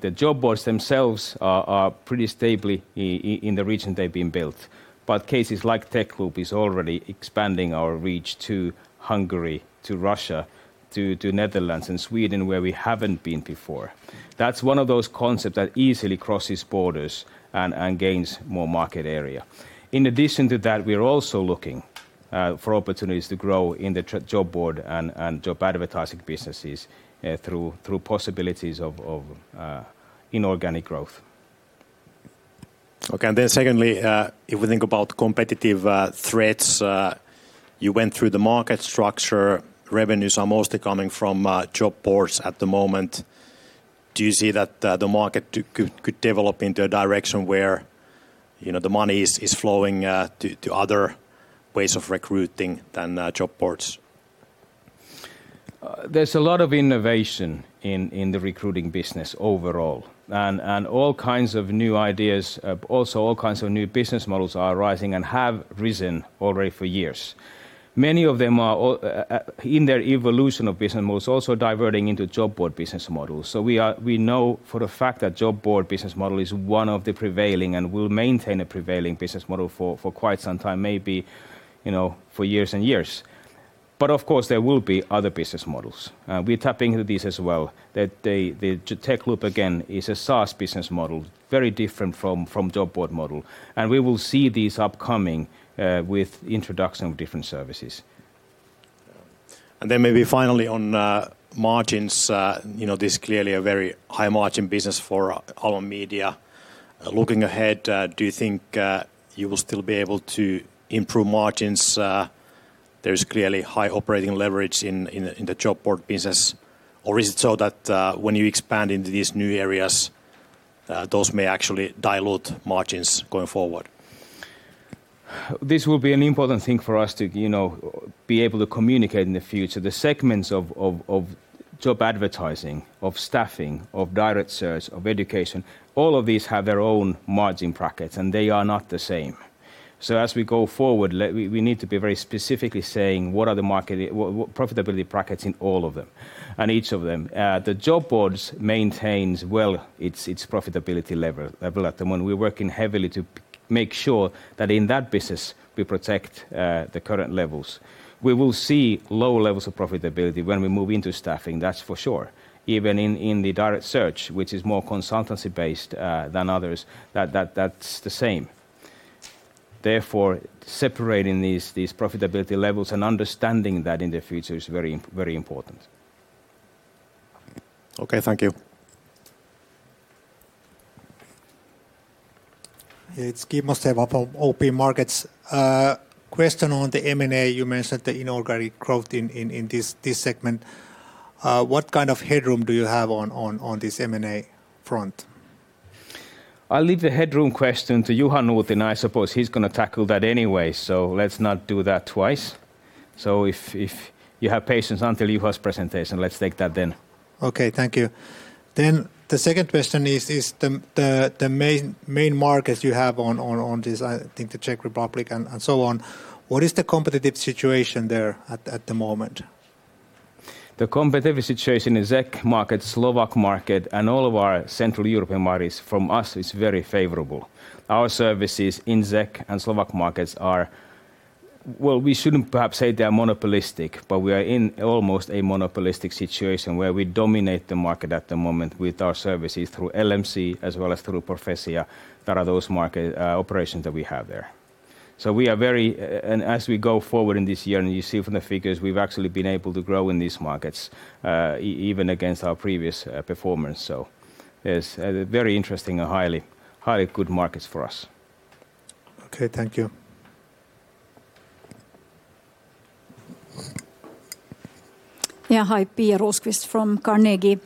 The job boards themselves are pretty stable in the region they've been built, but cases like Techloop is already expanding our reach to Hungary, to Russia, to Netherlands, and Sweden, where we haven't been before. That's one of those concepts that easily crosses borders and gains more market area. In addition to that, we are also Therefore, separating these profitability levels and understanding that in the future is very important. Okay. Thank you. It's Kimmo Stenvall of OP Markets. Question on the M&A, you mentioned the inorganic growth in this segment. What kind of headroom do you have on this M&A front? I'll leave the headroom question to Juha Nuutinen. I suppose he's going to tackle that anyway, so let's not do that twice. If you have patience until Juha's presentation, let's take that then. Okay, thank you. The second question is the main markets you have on this, I think the Czech Republic and so on, what is the competitive situation there at the moment? The competitive situation in Czech market, Slovak market, and all of our Central European markets from us is very favorable. Our services in Czech and Slovak markets are Well, we shouldn't perhaps say they are monopolistic, but we are in almost a monopolistic situation where we dominate the market at the moment with our services through LMC as well as through Profesia that are those market operations that we have there. As we go forward in this year and you see from the figures, we've actually been able to grow in these markets even against our previous performance. It's very interesting and highly good markets for us. Okay, thank you. Yeah, hi. Pia Rosqvist from Carnegie.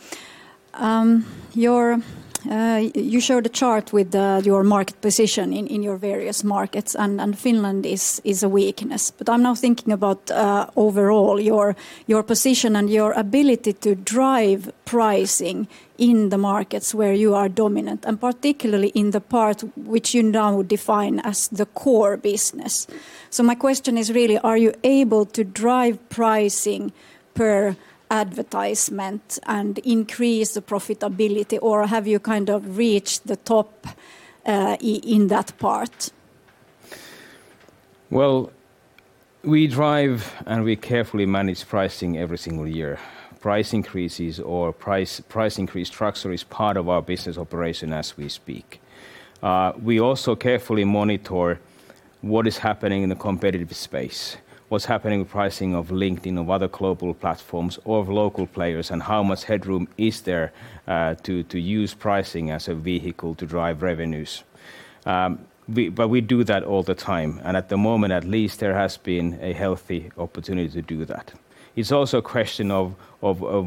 You showed a chart with your market position in your various markets. Finland is a weakness. I'm now thinking about overall your position and your ability to drive pricing in the markets where you are dominant, and particularly in the part which you now define as the core business. My question is really, are you able to drive pricing per advertisement and increase the profitability, or have you kind of reached the top in that part? Well, we drive and we carefully manage pricing every single year. Price increases or price increase structure is part of our business operation as we speak. We also carefully monitor what is happening in the competitive space, what's happening with pricing of LinkedIn, of other global platforms or of local players, and how much headroom is there to use pricing as a vehicle to drive revenues. We do that all the time, and at the moment at least, there has been a healthy opportunity to do that. It's also a question of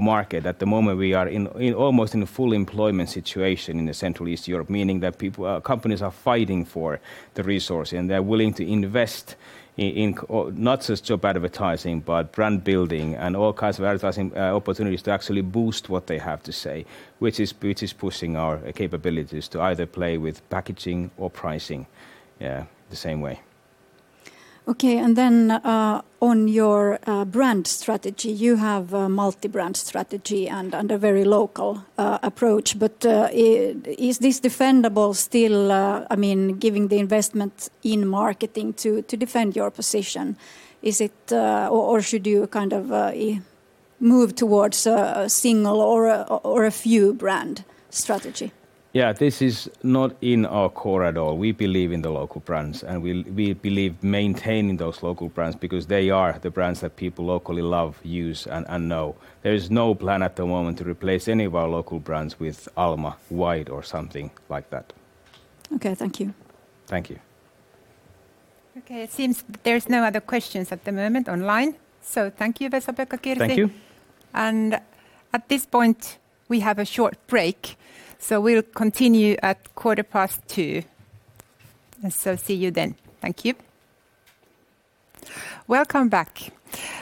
market. At the moment, we are almost in a full employment situation in Central East Europe, meaning that companies are fighting for the resource and they're willing to invest in not just job advertising, but brand building and all kinds of advertising opportunities to actually boost what they have to say, which is pushing our capabilities to either play with packaging or pricing the same way. On your brand strategy, you have a multi-brand strategy and a very local approach. Is this defendable still giving the investment in marketing to defend your position? Should you kind of move towards a single or a few brand strategy? This is not in our core at all. We believe in the local brands, we believe maintaining those local brands because they are the brands that people locally love, use, and know. There is no plan at the moment to replace any of our local brands with Alma White or something like that. Okay. Thank you. Thank you. Okay, it seems there's no other questions at the moment online. Thank you, Vesa-Pekka Kirsi. Thank you. At this point, we have a short break, we'll continue at 2:15 P.M. See you then. Thank you. Welcome back.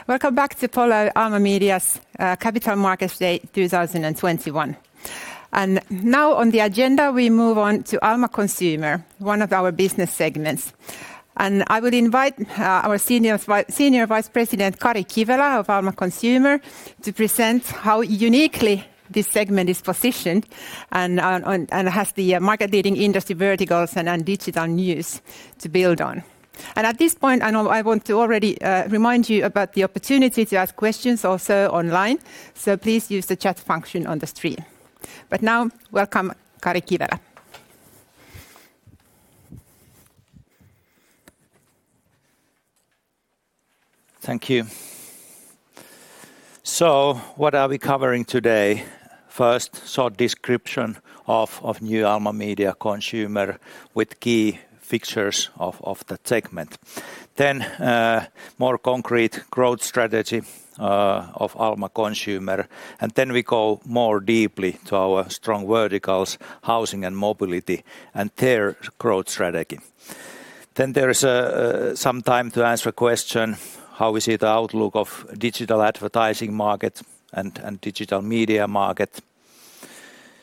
Welcome back to follow Alma Media's Capital Markets Day 2021. Now on the agenda, we move on to Alma Consumer, one of our business segments. I would invite our Senior Vice President, Kari Kivelä of Alma Consumer to present how uniquely this segment is positioned and has the market leading industry verticals and digital news to build on. At this point, I know I want to already remind you about the opportunity to ask questions also online. Please use the chat function on the screen. Now welcome, Kari Kivelä. Thank you. What are we covering today? First short description of new Alma Consumer with key features of the segment. More concrete growth strategy of Alma Consumer. We go more deeply to our strong verticals, housing and mobility and their growth strategy. There is some time to answer question how we see the outlook of digital advertising market and digital media market.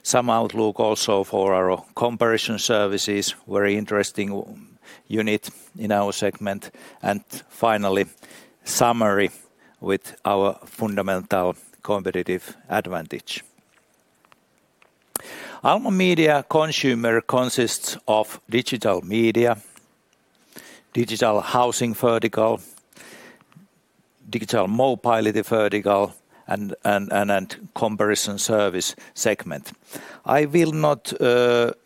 Some outlook also for our comparison services. Very interesting unit in our segment. Finally, summary with our fundamental competitive advantage. Alma Media Consumer consists of digital media, digital housing vertical, digital mobility vertical, and comparison service segment. I will not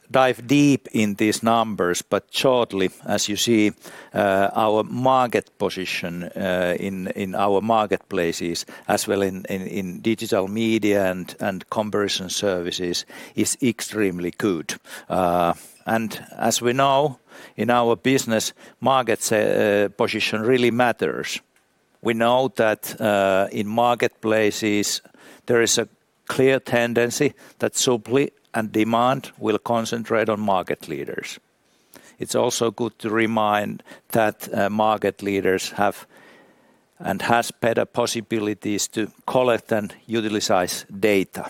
dive deep in these numbers, but shortly, as you see our market position in our marketplaces as well in digital media and comparison services is extremely good. As we know in our business markets position really matters. We know that in marketplaces there is a clear tendency that supply and demand will concentrate on market leaders. It's also good to remind that market leaders have better possibilities to collect and utilize data.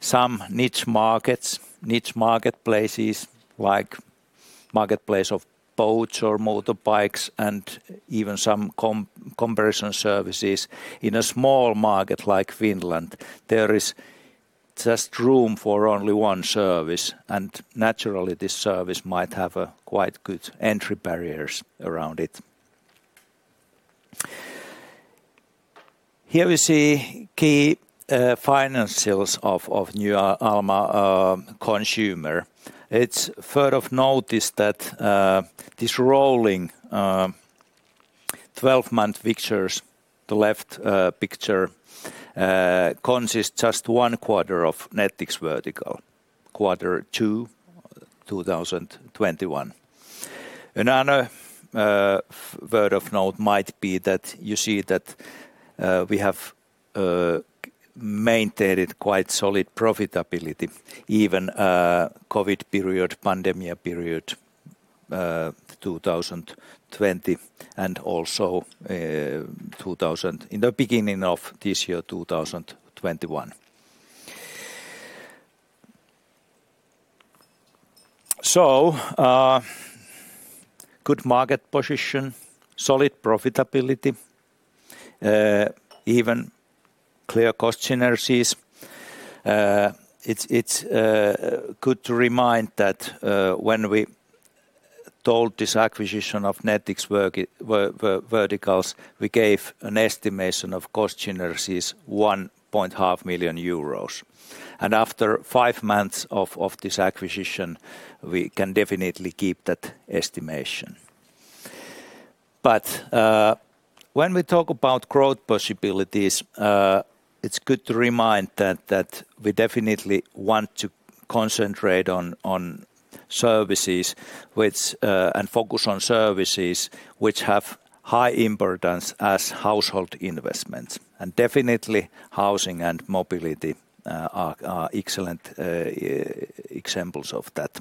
Some niche marketplaces, like marketplace of boats or motorbikes and even some comparison services. In a small market like Finland, there is just room for only one service, and naturally this service might have quite good entry barriers around it. Here we see key financials of new Alma Consumer. It's worth of notice that this rolling 12-month pictures, the left picture consists just one quarter of Nettix vertical, Q2 2021. Another word of note might be that you see that we have maintained quite solid profitability, even COVID-19 period, pandemic period 2020, and also in the beginning of this year, 2021. Good market position, solid profitability, even clear cost synergies. It's good to remind that when we told this acquisition of Nettix verticals, we gave an estimation of cost synergies 1.5 million euros. After five months of this acquisition, we can definitely keep that estimation. When we talk about growth possibilities, it's good to remind that we definitely want to concentrate on services and focus on services which have high importance as household investments. Definitely housing and mobility are excellent examples of that.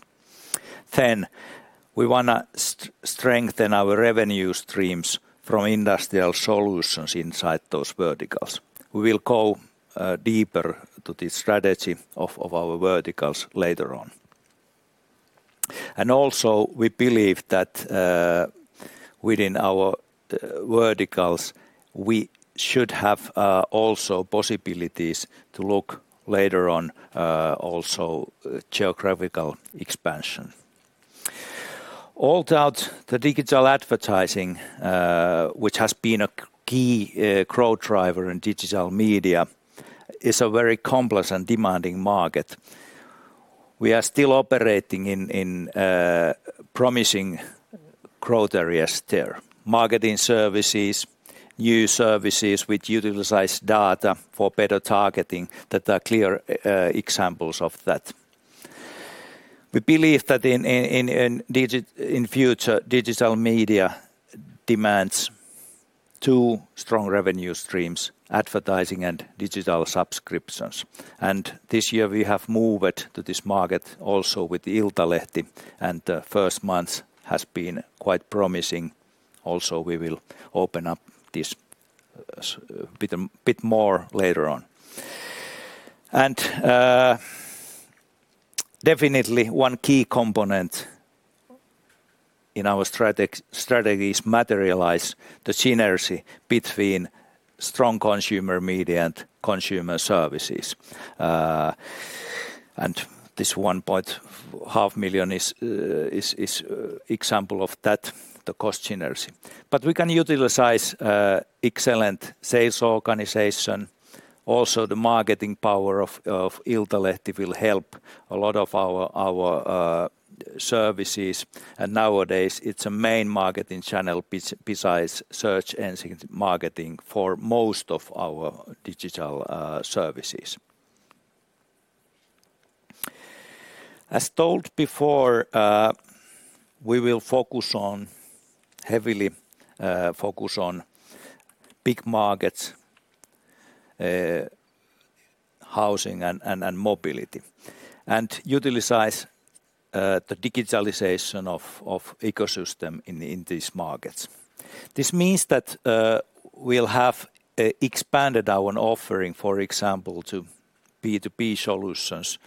We want to strengthen our revenue streams from industrial solutions inside those verticals. We will go deeper to the strategy of our verticals later on. Also we believe that within our verticals, we should have also possibilities to look later on also geographical expansion. All doubt, the digital advertising, which has been a key growth driver in digital media, is a very complex and demanding market. We are still operating in promising growth areas there. Marketing services, new services which utilize data for better targeting that are clear examples of that. We believe that in future digital media demands two strong revenue streams, advertising and digital subscriptions. This year we have moved to this market also with Iltalehti, and the first month has been quite promising. We will open up this bit more later on. Definitely one key component in our strategies materialize the synergy between strong consumer media and consumer services. This 1.5 million is example of that, the cost synergy. We can utilize excellent sales organization. The marketing power of Iltalehti will help a lot of our services. Nowadays it's a main marketing channel besides search engine marketing for most of our digital services. As told before, we will heavily focus on big markets housing and mobility, and utilize the digitalization of ecosystem in these markets. This means that we'll have expanded our offering, for example, to B2B solutions,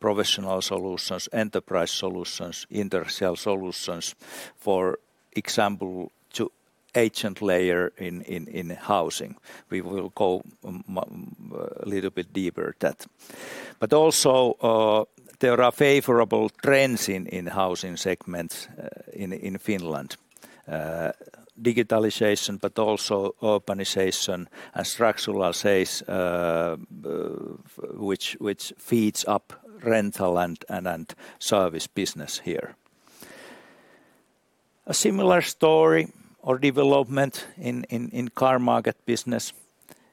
professional solutions, enterprise solutions, intersale solutions, for example, to agent layer in housing. We will go a little bit deeper that. Also there are favorable trends in housing segments in Finland. Digitalization, but also urbanization and structural changes which feeds up rental and service business here. A similar story or development in car market business.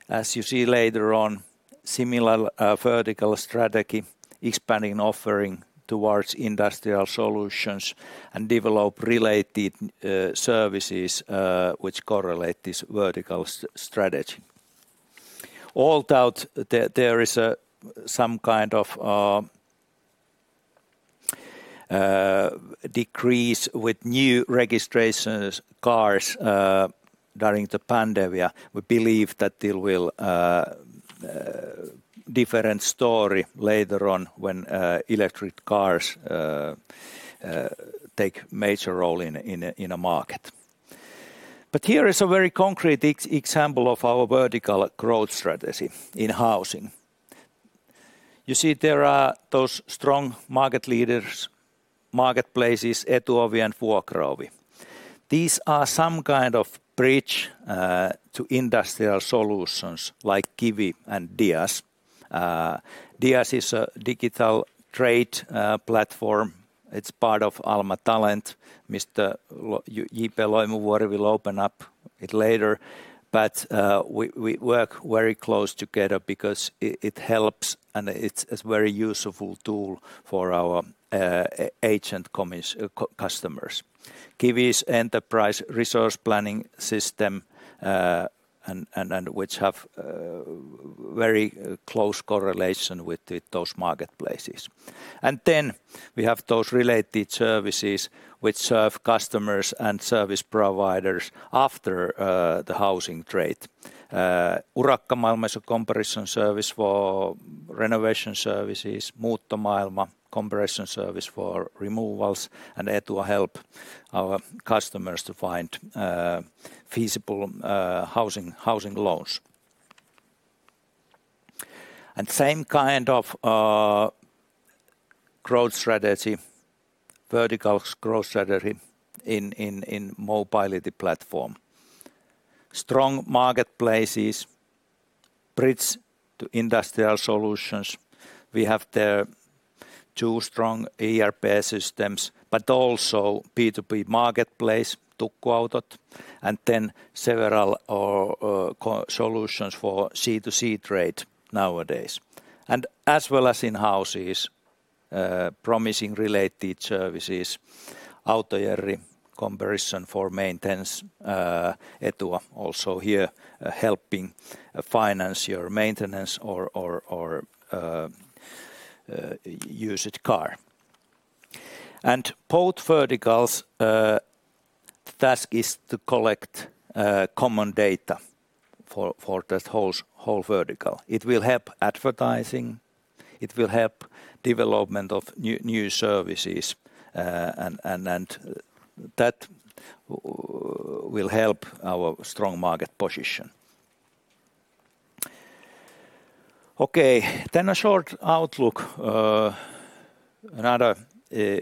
As you see later on, similar vertical strategy, expanding offering towards industrial solutions and develop related services which correlate this vertical strategy. Although there is some kind of decrease with new registrations cars during the pandemic, we believe that there will different story later on when electric cars take major role in a market. Here is a very concrete example of our vertical growth strategy in housing. You see there are those strong market leaders, marketplaces, Etuovi and Vuokraovi. These are some kind of bridge to industrial solutions like Kivi and DIAS. DIAS is a digital trade platform. It's part of Alma Talent. Mr. J-P Loimovuori will open up it later. We work very close together because it helps, and it's a very useful tool for our agent customers. Kivi's enterprise resource planning system which have very close correlation with those marketplaces. Then we have those related services which serve customers and service providers after the housing trade. Urakkamaailma is a comparison service for renovation services, Muuttomaailma comparison service for removals, Etua help our customers to find feasible housing loans. Same kind of growth strategy, vertical growth strategy in mobility platform. Strong marketplaces, bridge to industrial solutions. We have there two strong ERP systems, but also B2B marketplace, Tukkuautot, and then several solutions for C2C trade nowadays. As well as in houses promising related services. Autojerry comparison for maintenance. Etua also here helping finance your maintenance or used car. Both verticals task is to collect common data for that whole vertical. It will help advertising, it will help development of new services and that will help our strong market position. Okay, then a short outlook. Another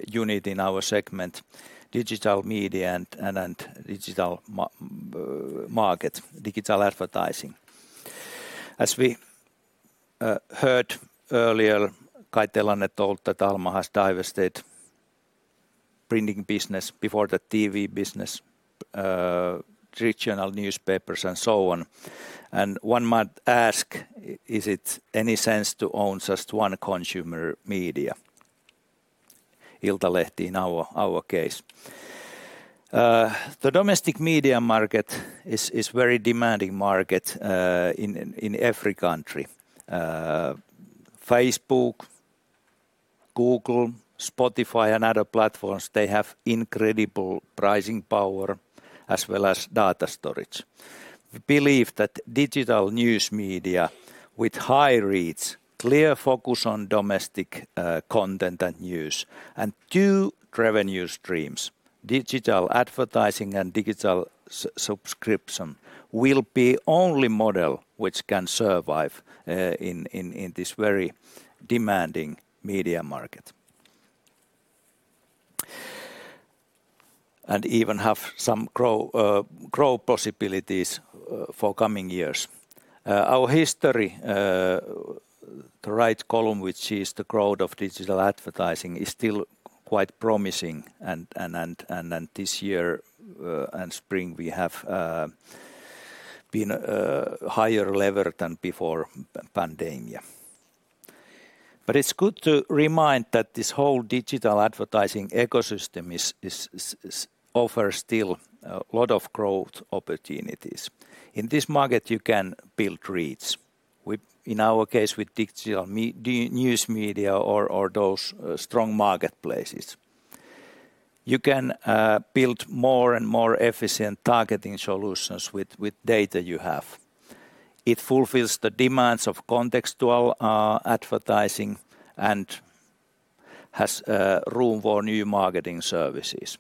unit in our segment, digital media and digital market, digital advertising. As we heard earlier, Kai Telanne told that Alma Media has divested printing business before the TV business, regional newspapers and so on. One might ask, is it any sense to own just one consumer media? Iltalehti in our case. The domestic media market is very demanding market in every country. Facebook, Google, Spotify, and other platforms, they have incredible pricing power as well as data storage. We believe that digital news media with high reach, clear focus on domestic content and news, and two revenue streams, digital advertising and digital subscription will be only model which can survive in this very demanding media market. Even have some growth possibilities for coming years. Our history the right column, which is the growth of digital advertising, is still quite promising. Then this year and spring we have been higher level than before pandemic. It's good to remind that this whole digital advertising ecosystem offers still a lot of growth opportunities. In this market, you can build reach. In our case with digital news media or those strong marketplaces. You can build more and more efficient targeting solutions with data you have. It fulfills the demands of contextual advertising and has room for new marketing services.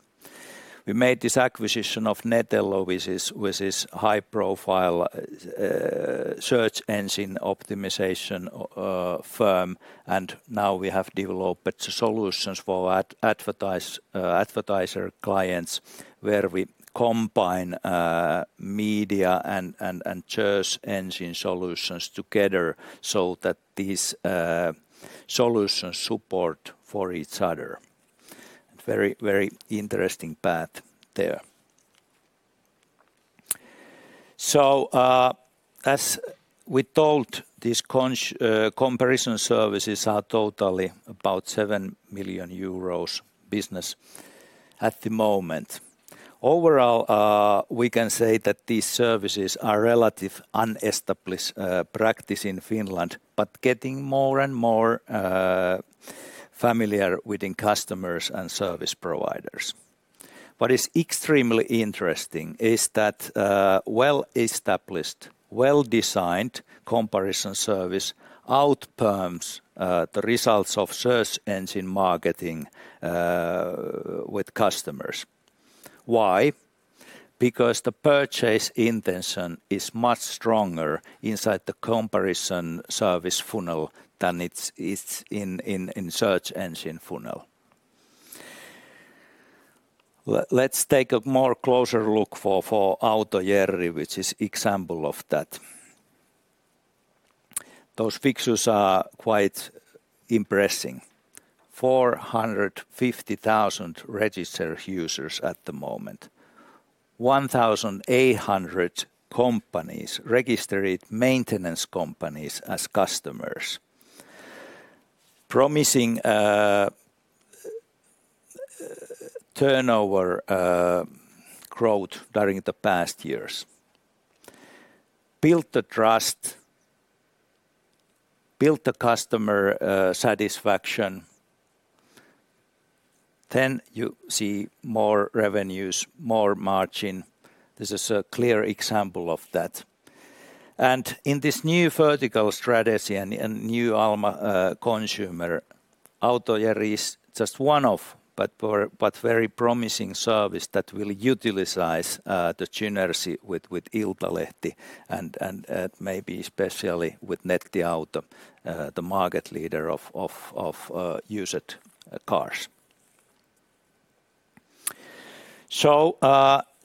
We made this acquisition of Netello which is high profile search engine optimization firm. Now we have developed solutions for advertiser clients where we combine media and search engine solutions together so that these solutions support for each other. Very interesting path there. As we told, these comparison services are totally about 7 million euros business at the moment. Overall, we can say that these services are relatively unestablished practice in Finland, but getting more and more familiar within customers and service providers. What is extremely interesting is that well-established, well-designed comparison service outperforms the results of search engine marketing with customers. Why? Because the purchase intention is much stronger inside the comparison service funnel than it is in search engine funnel. Let's take a more closer look for Autojerry, which is example of that. Those pictures are quite impressing. 450,000 registered users at the moment, 1,800 companies registered maintenance companies as customers. Promising turnover growth during the past years. Built the trust, built the customer satisfaction, then you see more revenues, more margin. This is a clear example of that. In this new vertical strategy and new Alma Consumer, Autojerry is just one of, but very promising service that will utilize the synergy with Iltalehti and maybe especially with Nettiauto, the market leader of used cars.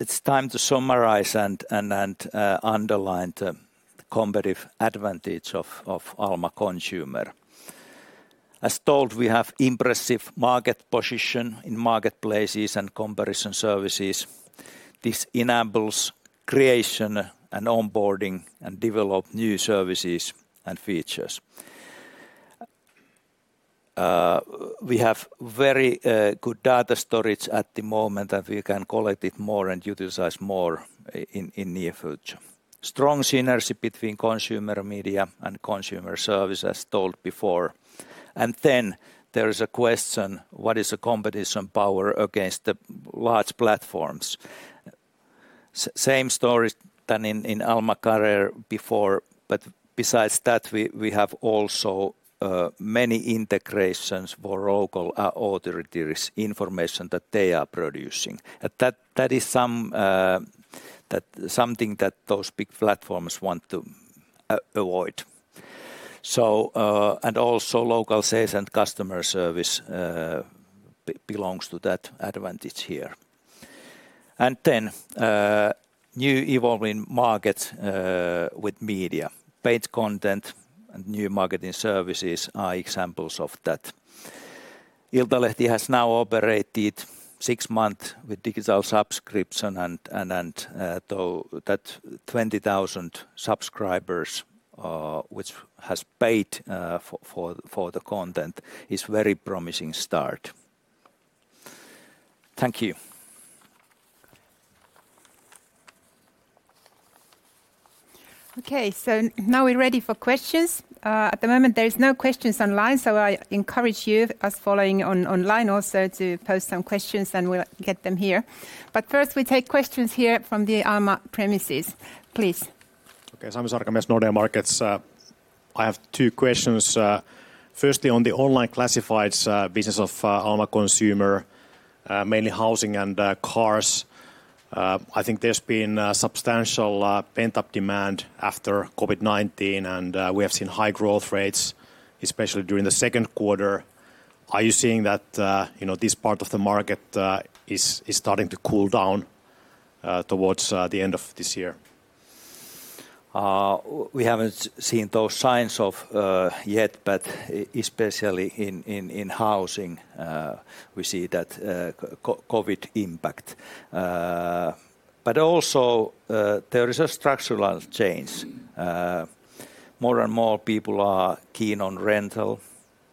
It's time to summarize and underline the competitive advantage of Alma Consumer. As told, we have impressive market position in marketplaces and comparison services. This enables creation and onboarding, and develop new services and features. We have very good data storage at the moment, and we can collect it more and utilize more in near future. Strong synergy between consumer media and consumer service, as told before. Then there is a question, what is the competition power against the large platforms? Same story than in Alma Career before, but besides that, we have also many integrations for local authorities, information that they are producing. That is something that those big platforms want to avoid. Also local sales and customer service belongs to that advantage here. Then new evolving markets with media. Paid content and new marketing services are examples of that. Iltalehti has now operated six months with digital subscription and that 20,000 subscribers which has paid for the content is very promising start. Thank you. Okay, now we're ready for questions. At the moment there is no questions online, I encourage you, as following online also to post some questions and we'll get them here. First, we take questions here from the Alma premises. Please. Okay. Sami Sarkamies, Nordea Markets. I have two questions. Firstly, on the online classifieds business of Alma Consumer, mainly housing and cars, I think there's been substantial pent-up demand after COVID-19 and we have seen high growth rates, especially during the second quarter. Are you seeing that this part of the market is starting to cool down towards the end of this year? We haven't seen those signs yet, but especially in housing, we see that COVID impact. Also, there is a structural change. More and more people are keen on rental,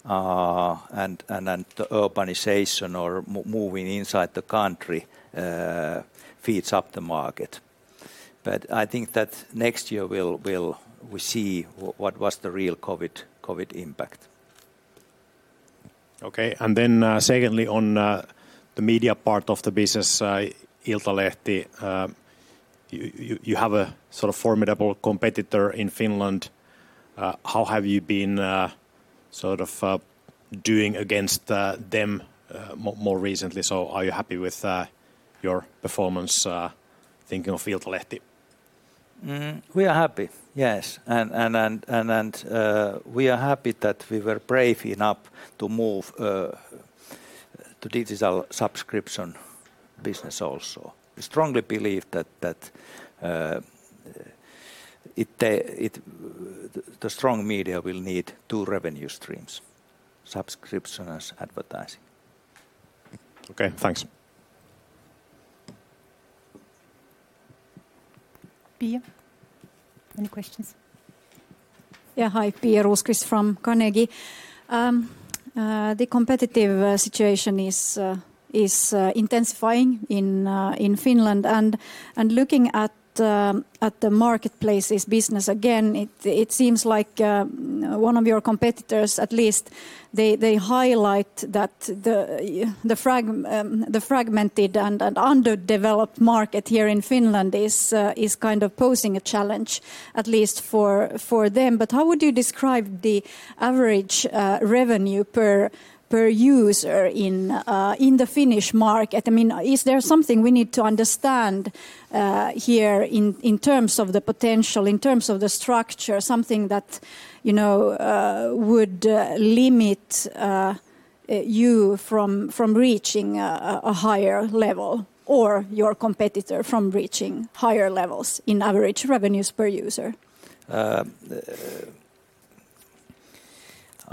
and the urbanization or moving inside the country feeds up the market. I think that next year we'll see what was the real COVID impact. Okay. Secondly, on the media part of the business, Iltalehti, you have a sort of formidable competitor in Finland. How have you been doing against them more recently? Are you happy with your performance, thinking of Iltalehti? We are happy. Yes. We are happy that we were brave enough to move to digital subscription business also. We strongly believe the strong media will need two revenue streams, subscription and advertising. Okay, thanks. Pia, any questions? Yeah. Hi. Pia Rosqvist from Carnegie. The competitive situation is intensifying in Finland. Looking at the marketplace's business again, it seems like one of your competitors, at least, they highlight that the fragmented and underdeveloped market here in Finland is posing a challenge, at least for them. How would you describe the average revenue per user in the Finnish market? Is there something we need to understand here in terms of the potential, in terms of the structure, something that would limit you from reaching a higher level or your competitor from reaching higher levels in average revenues per user?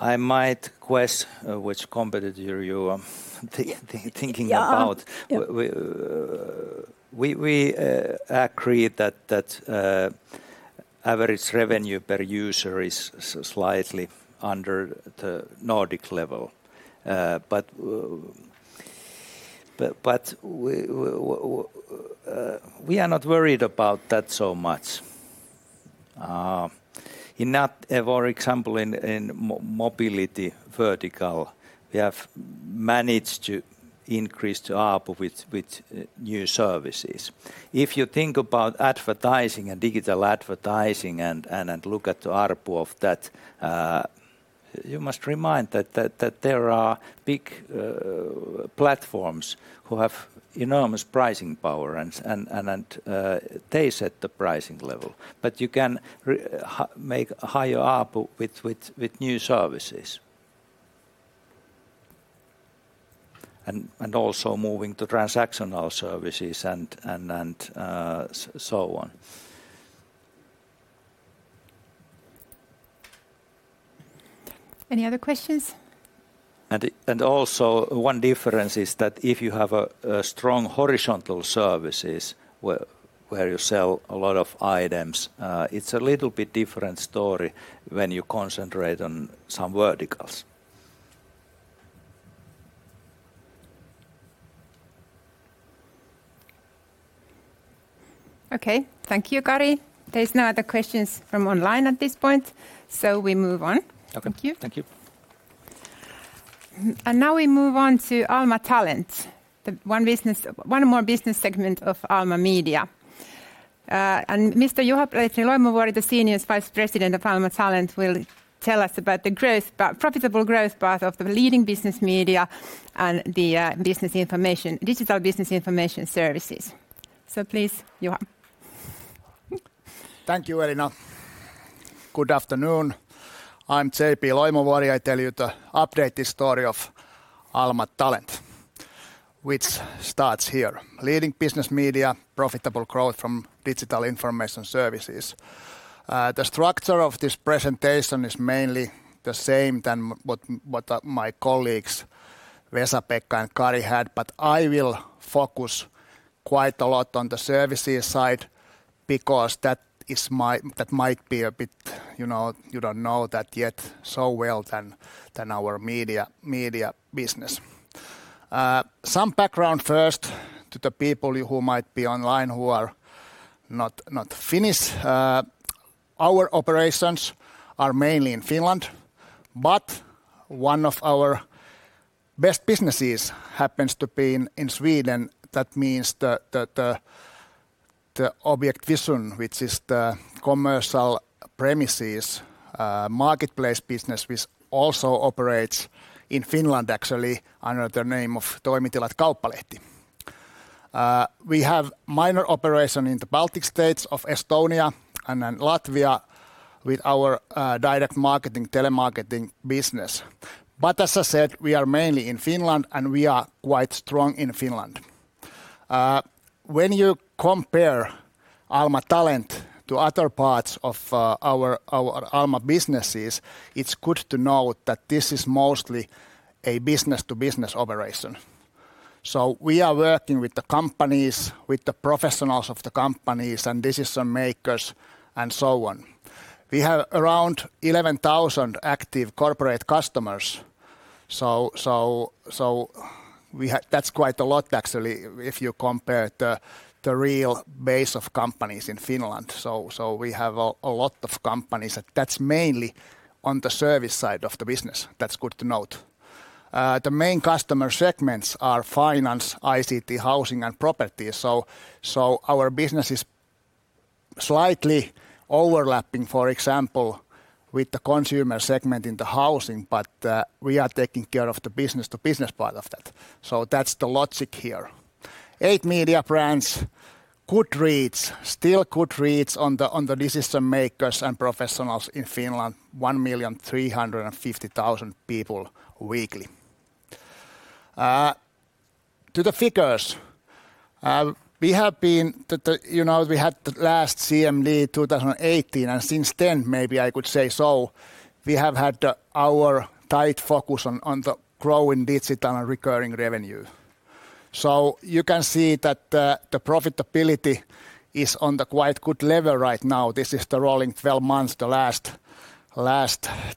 I might guess which competitor you're thinking about. Yeah. We agree that ARPU is slightly under the Nordic level. We are not worried about that so much. For example, in mobility vertical, we have managed to increase the ARPU with new services. If you think about advertising and digital advertising and look at the ARPU of that, you must remind that there are big platforms who have enormous pricing power and they set the pricing level. You can make higher ARPU with new services, and also moving to transactional services and so on. Any other questions? Also one difference is that if you have strong horizontal services where you sell a lot of items, it's a little bit different story when you concentrate on some verticals. Okay. Thank you, Kari. There is no other questions from online at this point. We move on. Okay. Thank you. Thank you. Now we move on to Alma Talent, one more business segment of Alma Media. Mr. Juha-Petri Loimovuori, the Senior Vice President of Alma Talent, will tell us about the profitable growth path of the leading business media and the digital business information services. Please, Juha. Thank you, Elina. Good afternoon. I'm J-P Loimovuori. I tell you the updated story of Alma Talent, which starts here. Leading business media profitable growth from digital information services. The structure of this presentation is mainly the same than what my colleagues, Vesa-Pekka, and Kari had, but I will focus quite a lot on the services side because that might be a bit you don't know that yet so well than our media business. Some background first to the people who might be online who are not Finnish. Our operations are mainly in Finland, but one of our best businesses happens to be in Sweden. That means that the Objektvision, which is the commercial premises marketplace business, which also operates in Finland actually under the name of Toimitilat Kauppalehti. We have minor operation in the Baltic States of Estonia and Latvia with our direct marketing, telemarketing business. As I said, we are mainly in Finland, and we are quite strong in Finland. When you compare Alma Talent to other parts of our Alma businesses, it's good to know that this is mostly a business-to-business operation. We are working with the companies, with the professionals of the companies and decision-makers and so on. We have around 11,000 active corporate customers. That's quite a lot actually if you compare the real base of companies in Finland. We have a lot of companies. That's mainly on the service side of the business. That's good to note. The main customer segments are finance, ICT, housing, and property. Our business is slightly overlapping, for example, with the Consumer Segment in the housing, but we are taking care of the business-to-business part of that. That's the logic here. Eight media brands could reach, still could reach on the decision-makers and professionals in Finland, 1,350,000 people weekly. To the figures. We had the last CMD 2018, and since then, maybe I could say so, we have had our tight focus on the growing digital and recurring revenue. You can see that the profitability is on the quite good level right now. This is the rolling 12 months, the last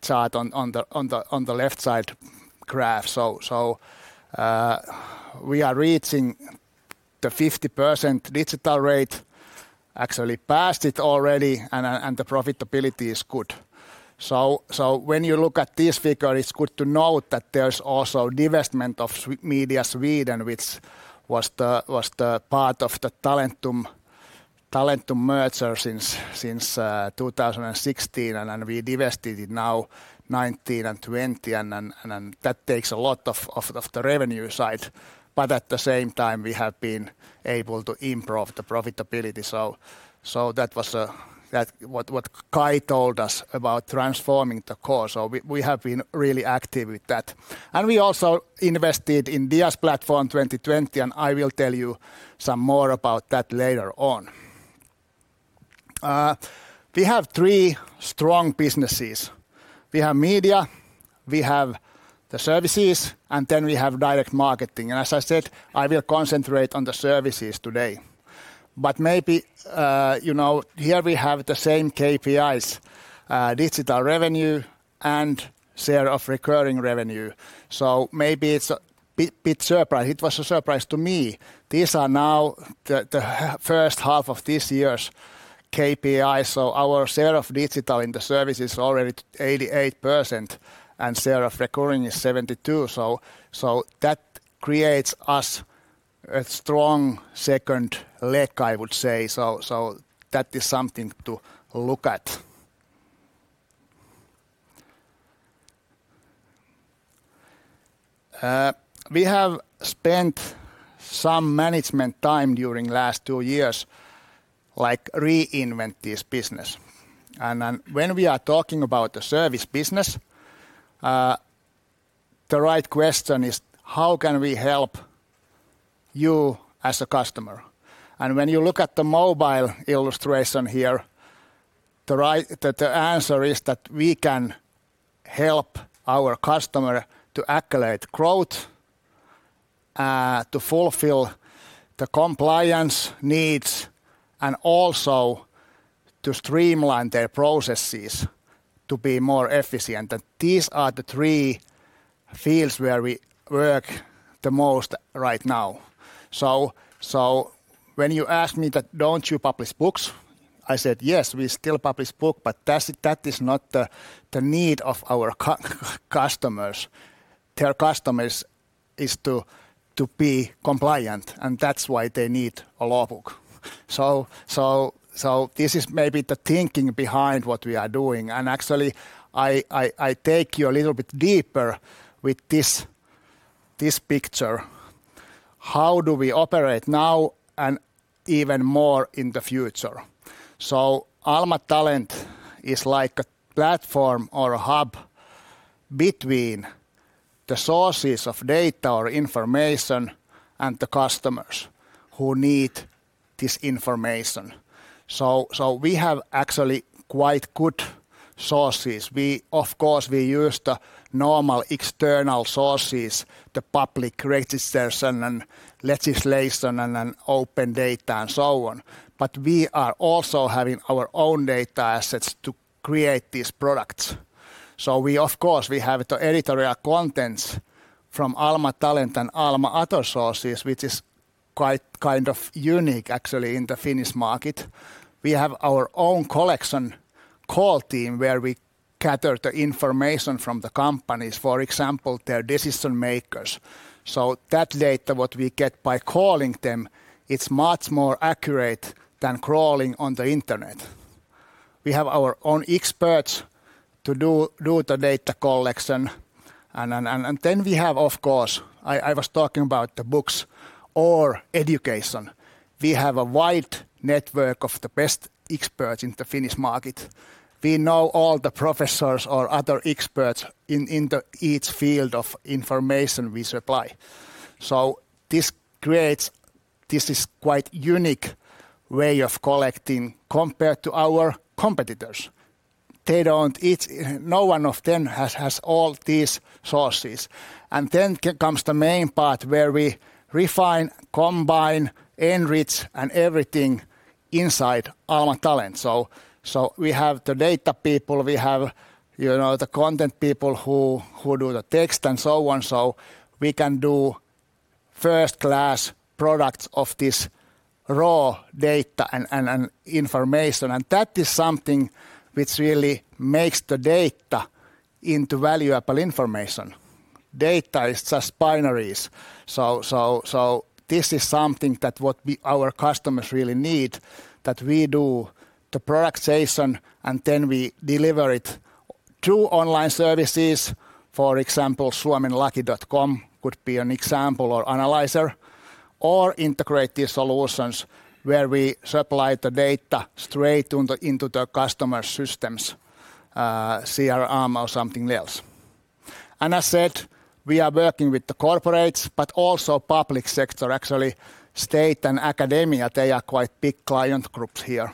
chart on the left side graph. We are reaching the 50% digital rate, actually passed it already, and the profitability is good. When you look at this figure, it's good to note that there's also divestment of Alma Talent AB, which was the part of the Talentum merger since 2016, and we divested it now 2019 and 2020, and that takes a lot of the revenue side. At the same time, we have been able to improve the profitability. That was what Kai told us about transforming the core. We have been really active with that. We also invested in DIAS Platform 2020, and I will tell you some more about that later on. We have three strong businesses. We have media, we have the services, and we have direct marketing. As I said, I will concentrate on the services today. Maybe here we have the same KPIs, digital revenue, and share of recurring revenue. Maybe it's a bit surprise. It was a surprise to me. These are now the first half of this year's KPIs. Our share of digital in the service is already 88%, and share of recurring is 72%. That creates us a strong second leg, I would say. That is something to look at. We have spent some management time during last two years, reinvent this business. When we are talking about the service business, the right question is: How can we help you as a customer? When you look at the mobile illustration here, the answer is that we can help our customer to accelerate growth, to fulfill the compliance needs, and also to streamline their processes to be more efficient. These are the three fields where we work the most right now. When you ask me that, "Don't you publish books?" I said, "Yes, we still publish book," but that is not the need of our customers. Their customers is to be compliant, and that's why they need a law book. This is maybe the thinking behind what we are doing. Actually, I take you a little bit deeper with this picture. How do we operate now and even more in the future? Alma Talent is like a platform or a hub between the sources of data or information and the customers who need this information. We have actually quite good sources. Of course, we use the normal external sources, the public registration and legislation and open data and so on. We are also having our own data assets to create these products. We, of course, we have the editorial contents from Alma Talent and Alma other sources, which is quite kind of unique actually in the Finnish market. We have our own collection call team where we gather the information from the companies, for example, their decision-makers. That data, what we get by calling them, it's much more accurate than crawling on the Internet. We have our own experts to do the data collection. We have, of course, I was talking about the books or education. We have a wide network of the best experts in the Finnish market. We know all the professors or other experts in the each field of information we supply. This is quite unique way of collecting compared to our competitors. No one of them has all these sources. Comes the main part where we refine, combine, enrich, and everything inside Alma Talent. We have the data people, we have the content people who do the text and so on. We can do first-class products of this raw data and information. That is something which really makes the data into valuable information. Data is just binaries. This is something that what our customers really need, that we do the productization, then we deliver it to online services. For example, suomenlaki.com could be an example or Analyzer. Or integrate these solutions where we supply the data straight into the customer's systems, CRM or something else. As said, we are working with the corporates, but also public sector, actually, state and academia. They are quite big client groups here,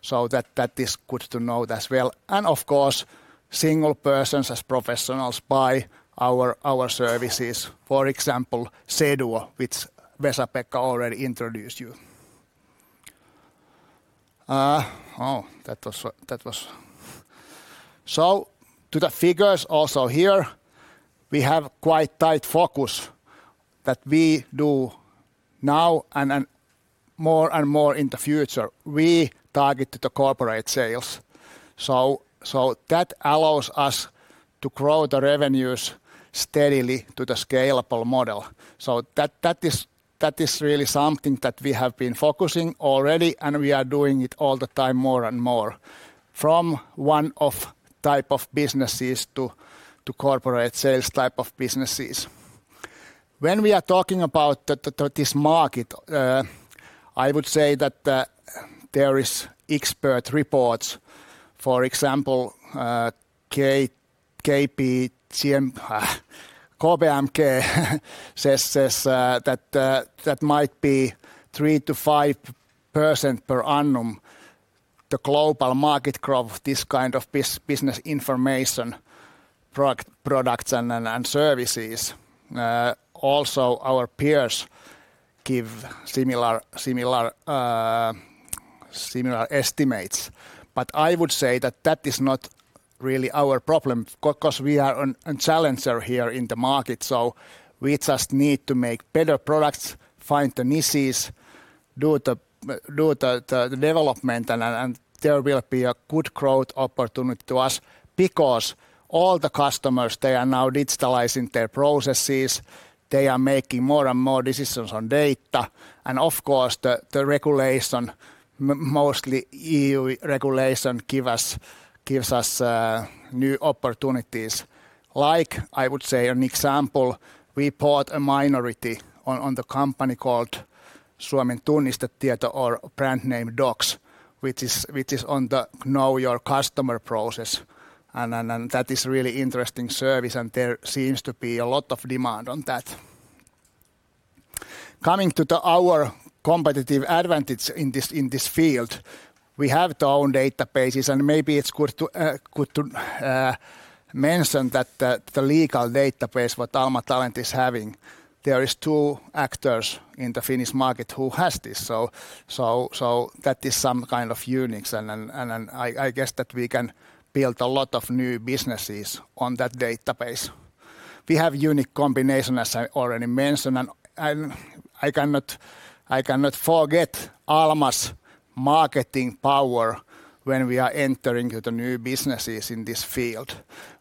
so that is good to note as well. Of course, single persons as professionals buy our services. For example, Seduo, which Vesa-Pekka already introduced you. To the figures also here, we have quite tight focus that we do now and more and more in the future. We target the corporate sales. That allows us to grow the revenues steadily to the scalable model. That is really something that we have been focusing already, and we are doing it all the time more and more from one type of businesses to corporate sales type of businesses. When we are talking about this market, I would say that there is expert reports, for example, KPMG says that might be 3%-5% per annum, the global market growth of this kind of business information products and services. Also, our peers give similar estimates. I would say that is not really our problem because we are a challenger here in the market, so we just need to make better products, find the niches, do the development, and there will be a good growth opportunity to us because all the customers, they are now digitalizing their processes. They are making more and more decisions on data. Of course, the regulation, mostly EU regulation, gives us new opportunities. I would say an example, we bought a minority on the company called Suomen Tunnistetieto, or brand name Dok, which is on the know your customer process. That is really interesting service, and there seems to be a lot of demand on that. Coming to our competitive advantage in this field, we have our own databases, and maybe it's good to mention that the legal database what Alma Talent is having, there is two actors in the Finnish market who has this. That is some kind of uniqueness, and I guess that we can build a lot of new businesses on that database. We have unique combination, as I already mentioned, and I cannot forget Alma's marketing power when we are entering into new businesses in this field.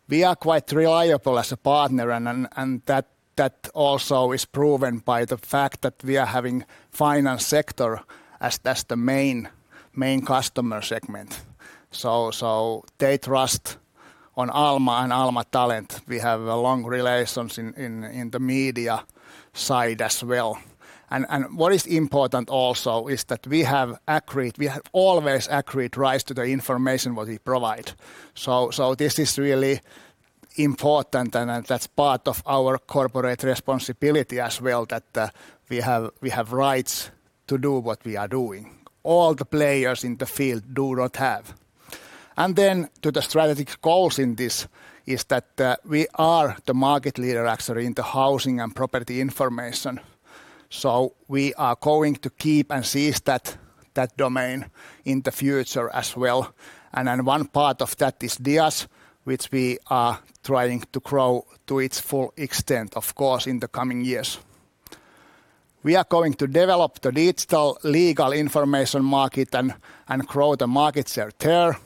We are quite reliable as a partner, and that also is proven by the fact that we are having finance sector as the main customer segment. They trust on Alma and Alma Talent. We have a long relations in the media side as well. What is important also is that we have always accurate rights to the information what we provide. This is really important, and that's part of our corporate responsibility as well, that we have rights to do what we are doing. All the players in the field do not have. To the strategic goals in this is that we are the market leader actually in the housing and property information. We are going to keep and seize that domain in the future as well. One part of that is DIAS, which we are trying to grow to its full extent, of course, in the coming years. We are going to develop the digital legal information market and grow the market share there.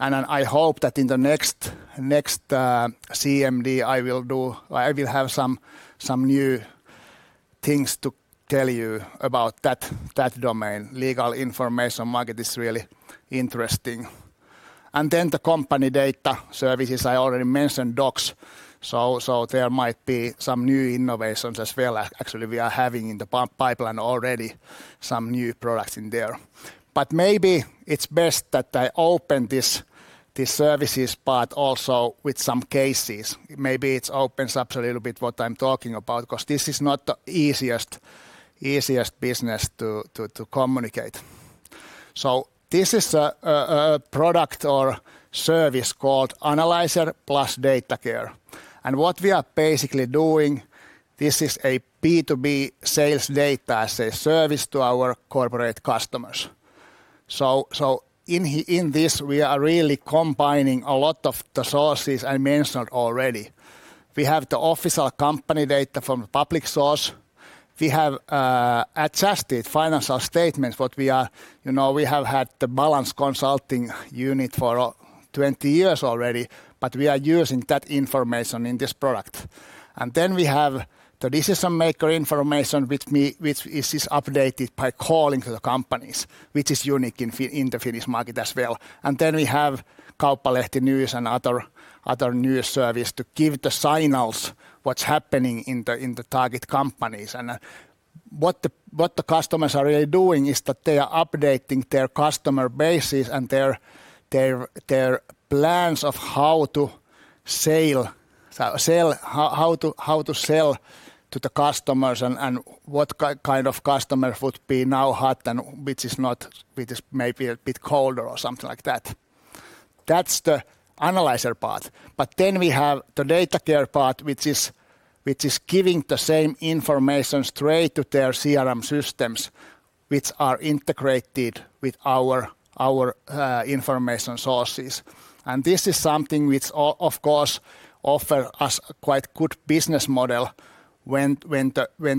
I hope that in the next CMD, I will have some new things to tell you about that domain. Legal information market is really interesting. The company data services, I already mentioned DOKS, there might be some new innovations as well. Actually, we are having in the pipeline already some new products in there. Maybe it's best that I open this services part also with some cases. Maybe it opens up a little bit what I'm talking about because this is not the easiest business to communicate. This is a product or service called Analyzer plus DataCare. What we are basically doing, this is a B2B sales data as a service to our corporate customers. In this, we are really combining a lot of the sources I mentioned already. We have the official company data from public source. We have adjusted financial statements. We have had the Balance Consulting unit for 20 years already, but we are using that information in this product. Then we have the decision maker information, which is updated by calling to the companies, which is unique in the Finnish market as well. We have Kauppalehti and other news service to give the signals what's happening in the target companies. What the customers are really doing is that they are updating their customer bases and their plans of how to sell to the customers and what kind of customer would be now hot and which is maybe a bit colder or something like that. That's the analyzer part. We have the DataCare part, which is giving the same information straight to their CRM systems, which are integrated with our information sources. This is something which of course offers us a quite good business model when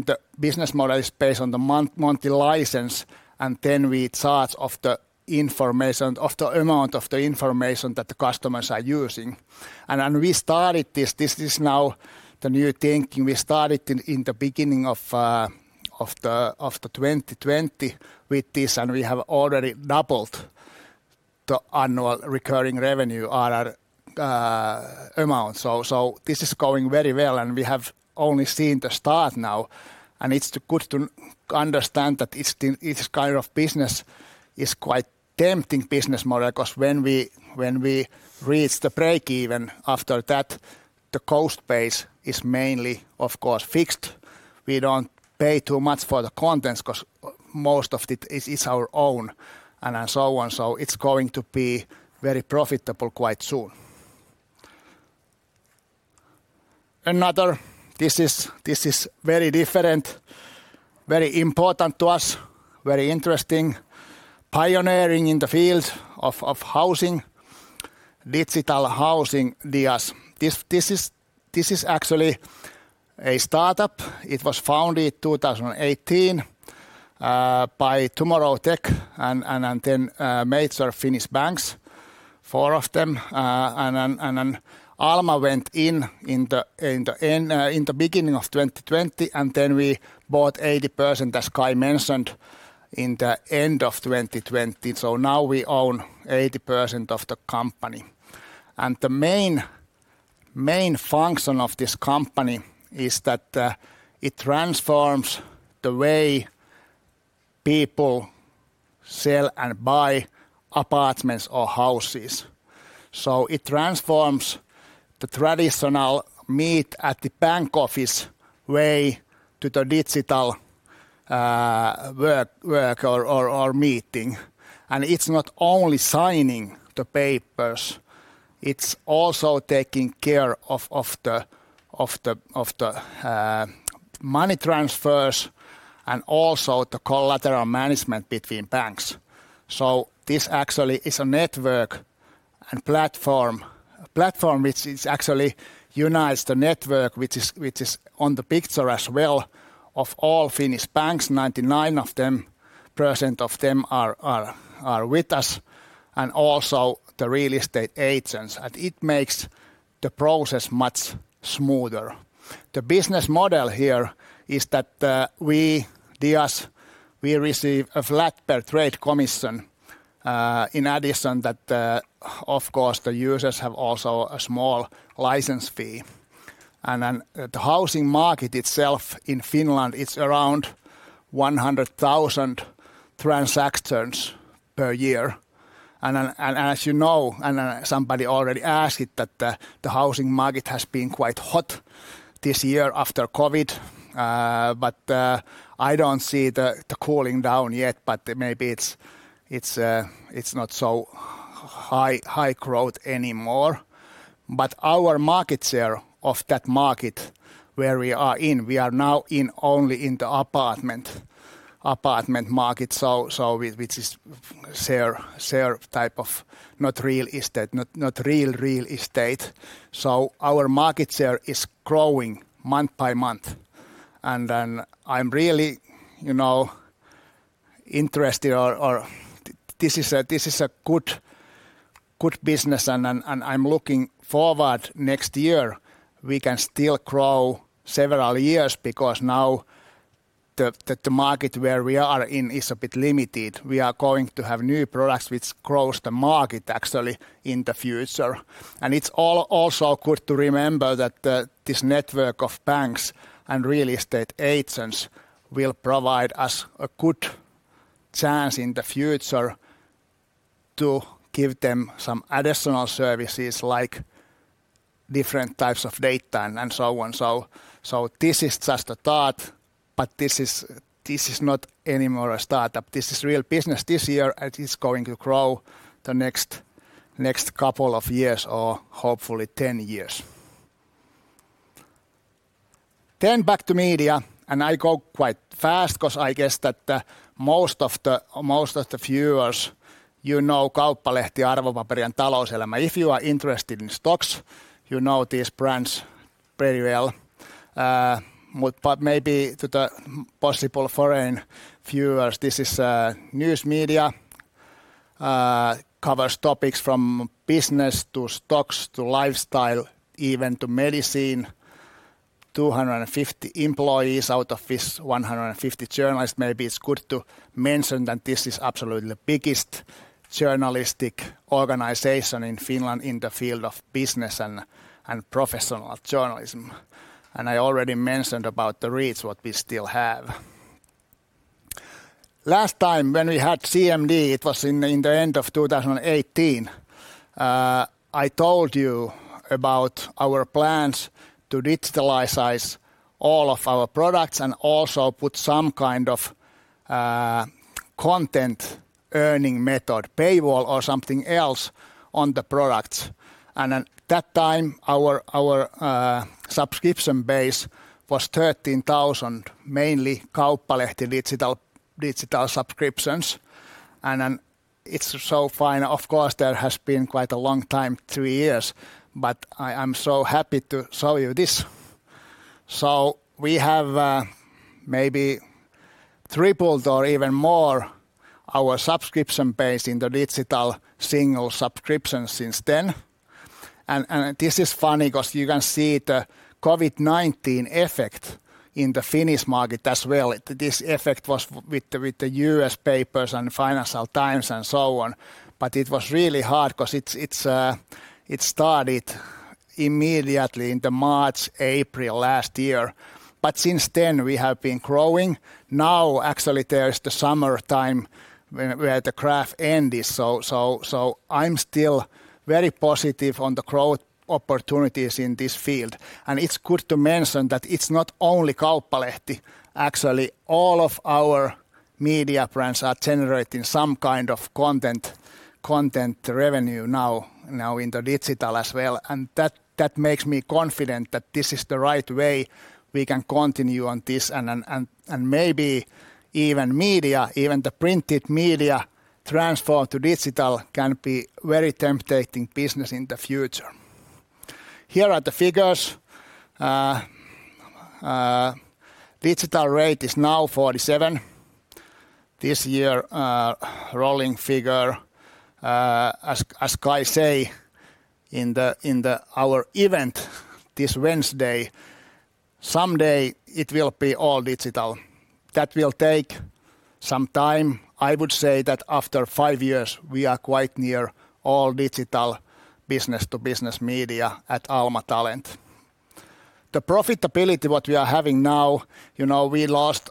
the business model is based on the monthly license, and then we charge off the amount of the information that the customers are using. We started this is now the new thinking. We started in the beginning of 2020 with this, and we have already doubled the annual recurring revenue ARR amount. This is going very well, and we have only seen the start now, and it's good to understand that it's the kind of business is quite tempting business model because when we reach the break-even, after that, the cost base is mainly, of course, fixed. We don't pay too much for the contents because most of it is our own, and so on. It's going to be very profitable quite soon. Another, this is very different, very important to us, very interesting, pioneering in the field of housing, digital housing, DIAS. This is actually a startup. It was founded 2018 by Tomorrow Tech and then major Finnish banks, four of them. Alma went in in the beginning of 2020, and then we bought 80%, as Kai mentioned, in the end of 2020. Now we own 80% of the company. The main function of this company is that it transforms the way people sell and buy apartments or houses. It transforms the traditional meet at the bank office way to the digital work or meeting. It's not only signing the papers, it's also taking care of the money transfers and also the collateral management between banks. This actually is a network and platform. A platform which actually unites the network which is on the picture as well of all Finnish banks, 99% of them are with us, and also the real estate agents. It makes the process much smoother. The business model here is that we, DIAS, receive a flat per trade commission, in addition that, of course, the users have also a small license fee. The housing market itself in Finland, it's around 100,000 transactions per year. As you know, and somebody already asked it, that the housing market has been quite hot this year after COVID. I don't see the cooling down yet, but maybe it's not so high growth anymore. Our market share of that market where we are in, we are now only in the apartment market, which is share type of not real estate. Our market share is growing month by month. I'm really interested or this is a good business, and I'm looking forward next year, we can still grow several years because now the market where we are in is a bit limited. We are going to have new products which grows the market, actually, in the future. It's also good to remember that this network of banks and real estate agents will provide us a good chance in the future to give them some additional services like different types of data and so on. This is just a thought, but this is not anymore a startup. This is real business this year, and it's going to grow the next couple of years or hopefully 10 years. Back to media, and I go quite fast because I guess that most of the viewers, you know Kauppalehti, Arvopaperi, and Talouselämä. If you are interested in stocks, you know these brands pretty well. Maybe to the possible foreign viewers, this is news media. It covers topics from business to stocks, to lifestyle, even to medicine. It has 250 employees, out of which 150 journalists. Maybe it's good to mention that this is absolutely the biggest journalistic organization in Finland in the field of business and professional journalism. I already mentioned about the reach, what we still have. Last time when we had CMD, it was in the end of 2018. I told you about our plans to digitalize all of our products and also put some kind of content earning method, paywall, or something else on the products. At that time, our subscription base was 13,000, mainly Kauppalehti digital subscriptions. It's so fine. Of course, there has been quite a long time, three years, but I am so happy to show you this. We have maybe tripled or even more our subscription base in the digital single subscription since then. This is funny because you can see the COVID-19 effect in the Finnish market as well. This effect was with the U.S. papers and Financial Times and so on. It was really hard because it started immediately in the March, April last year. Since then, we have been growing. Now actually there is the summertime where the graph end is. I'm still very positive on the growth opportunities in this field. It's good to mention that it's not only Kauppalehti. Actually, all of our media brands are generating some kind of content revenue now in the digital as well. That makes me confident that this is the right way we can continue on this and maybe even media, even the printed media transformed to digital can be very tempting business in the future. Here are the figures. Digital rate is now 47 this year, rolling figure. As Kai say in our event this Wednesday, someday it will be all digital. That will take some time. I would say that after five years, we are quite near all digital business-to-business media at Alma Talent. The profitability, what we are having now, we lost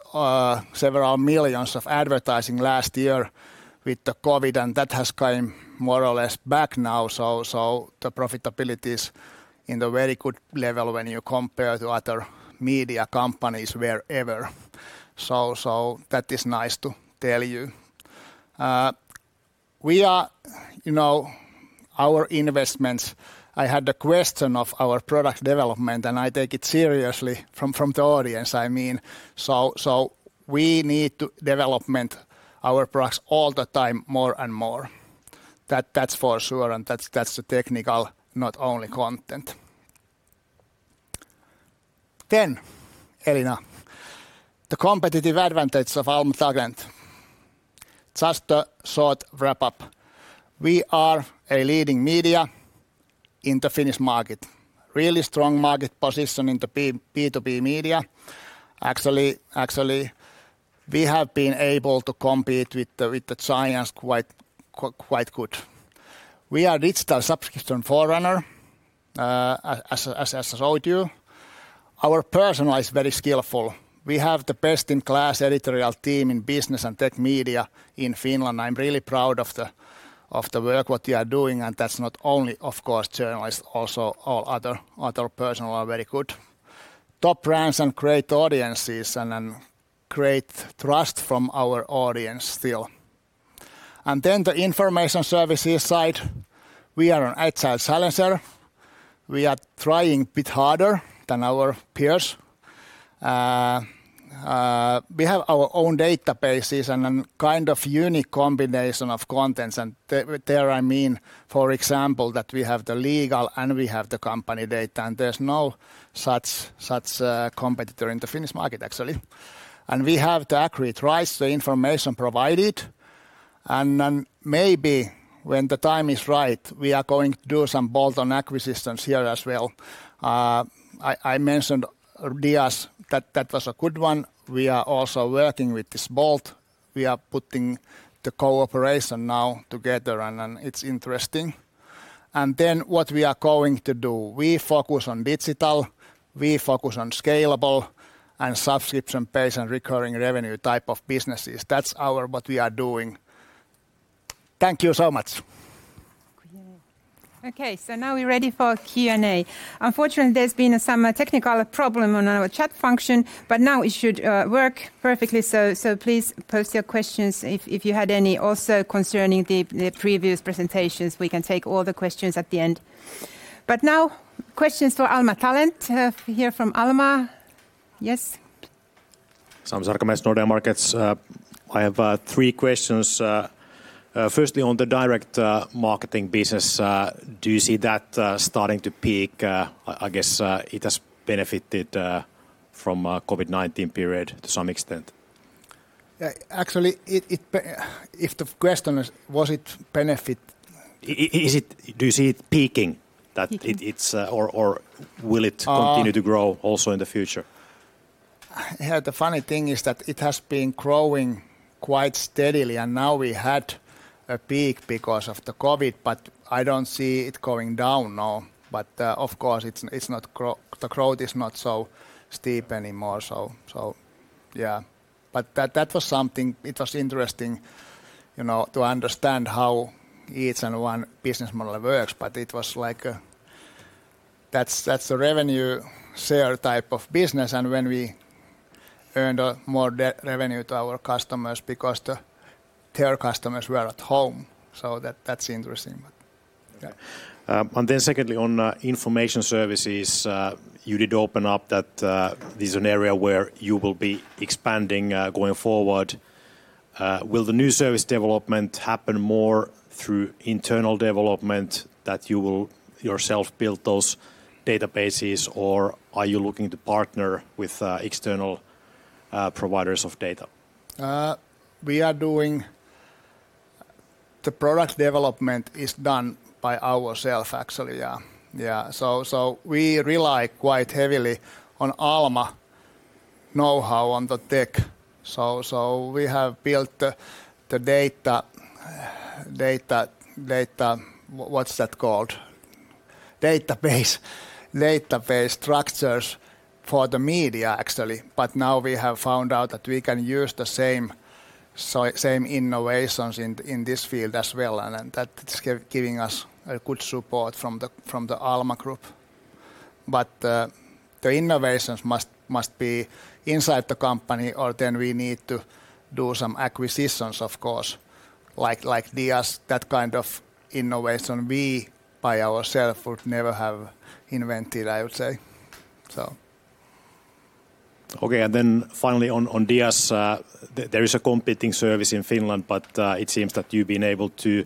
several million EUR of advertising last year with the COVID-19, and that has come more or less back now. The profitability is in the very good level when you compare to other media companies wherever. That is nice to tell you. Our investments, I had the question of our product development, and I take it seriously from the audience, I mean. We need to development our products all the time more and more. That's for sure, and that's the technical, not only content. Elina, the competitive advantage of Alma Talent. Just a short wrap-up. We are a leading media in the Finnish market. Really strong market position in the B2B media. Actually, we have been able to compete with the giants quite good. We are digital subscription forerunner as I showed you. Our personnel is very skillful. We have the best-in-class editorial team in business and tech media in Finland. I'm really proud of the work what you are doing, and that's not only, of course, journalists, also all other personnel are very good. Top brands and great audiences and great trust from our audience still. The information services side, we are an agile challenger. We are trying a bit harder than our peers. We have our own databases and a kind of unique combination of contents, and there I mean, for example, that we have the legal and we have the company data, and there's no such competitor in the Finnish market actually. We have the accurate rights to information provided, maybe when the time is right, we are going to do some bolt-on acquisitions here as well. I mentioned DIAS, that that was a good one. We are also working with this Bolt.Works. We are putting the cooperation now together, it's interesting. What we are going to do, we focus on digital, we focus on scalable and subscription-based and recurring revenue type of businesses. That's what we are doing. Thank you so much. Okay, now we're ready for Q&A. Unfortunately, there's been some technical problem on our chat function, but now it should work perfectly, so please post your questions if you had any also concerning the previous presentations. We can take all the questions at the end. Now, questions for Alma Talent. Here from Alma. Yes. Sami Sarkamies, Nordea Markets. I have three questions. Firstly, on the direct marketing business, do you see that starting to peak? I guess it has benefited from COVID-19 period to some extent. Actually, if the question is was it benefit- Do you see it peaking? Will it continue to grow also in the future? Yeah, the funny thing is that it has been growing quite steadily, and now we had a peak because of the COVID, but I don't see it going down now. Of course, the growth is not so steep anymore. Yeah. That was something. It was interesting to understand how each and one business model works, but it was like that's a revenue share type of business. When we earned more revenue to our customers because their customers were at home, so that's interesting. Yeah. Secondly, on information services, you did open up that this is an area where you will be expanding going forward. Will the new service development happen more through internal development that you will yourself build those databases, or are you looking to partner with external providers of data? The product development is done by ourselves actually. Yeah. We rely quite heavily on Alma knowhow on the tech. We have built the data, what's that called? Database structures for the media, actually. Now we have found out that we can use the same innovations in this field as well, and that is giving us a good support from the Alma Group. The innovations must be inside the company, or then we need to do some acquisitions, of course, like DIAS, that kind of innovation we, by ourselves, would never have invented, I would say. Finally on DIAS, there is a competing service in Finland, but it seems that you've been able to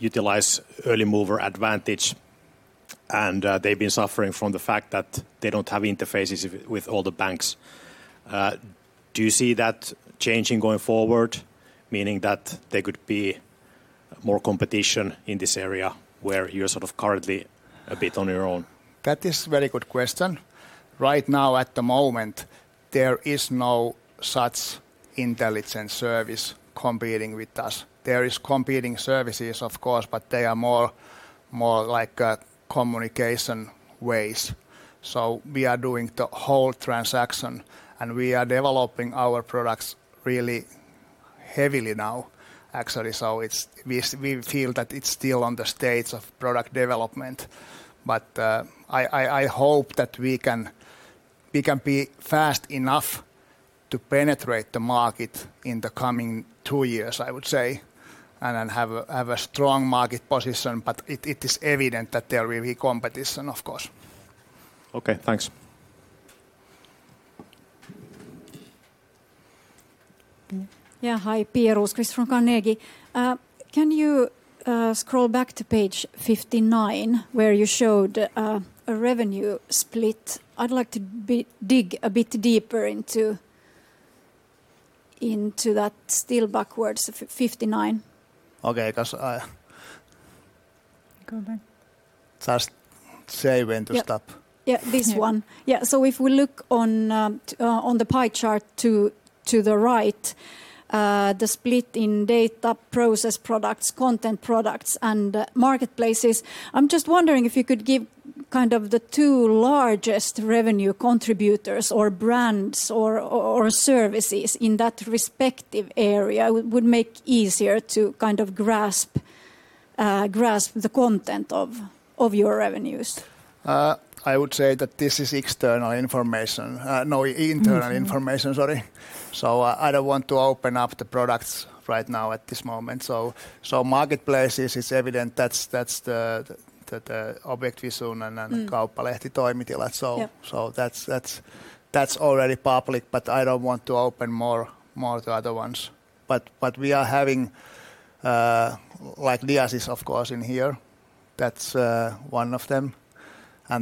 utilize early mover advantage, and they've been suffering from the fact that they don't have interfaces with all the banks. Do you see that changing going forward, meaning that there could be more competition in this area where you're sort of currently a bit on your own? That is a very good question. Right now, at the moment, there is no such intelligent service competing with us. There is competing services, of course, but they are more like communication ways. We are doing the whole transaction, and we are developing our products really heavily now, actually. We feel that it's still on the stage of product development. I hope that we can be fast enough to penetrate the market in the coming two years, I would say, and have a strong market position. It is evident that there will be competition, of course. Okay, thanks. Yeah, hi. Pia Rosqvist from Carnegie. Can you scroll back to page 59 where you showed a revenue split? I'd like to dig a bit deeper into that. Still backwards, 59. Okay. Go back. Just say when to stop. Yep. Yeah, this one. Yeah. Yeah. If we look on the pie chart to the right, the split in data process products, content products, and marketplaces, I'm just wondering if you could give kind of the two largest revenue contributors, or brands, or services in that respective area would make easier to kind of grasp the content of your revenues? I would say that this is external information. No internal information, sorry. I don't want to open up the products right now at this moment. Marketplaces is evident. That's the Objektvision and then Toimitilat Kauppalehti. Yeah. That's already public, but I don't want to open more to other ones. We are having, like DIAS is of course in here. That's one of them.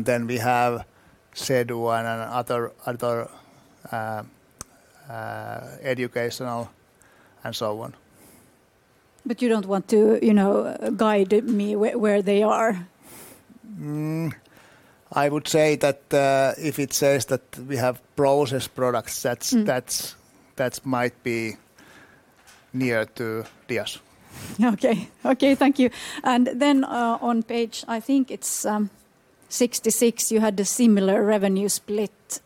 Then we have Seduo and other educational, and so on. You don't want to guide me where they are? I would say that if it says that we have processed products. that might be near to DIAS. Okay. Thank you. Then on page, I think it's 66, you had a similar revenue split.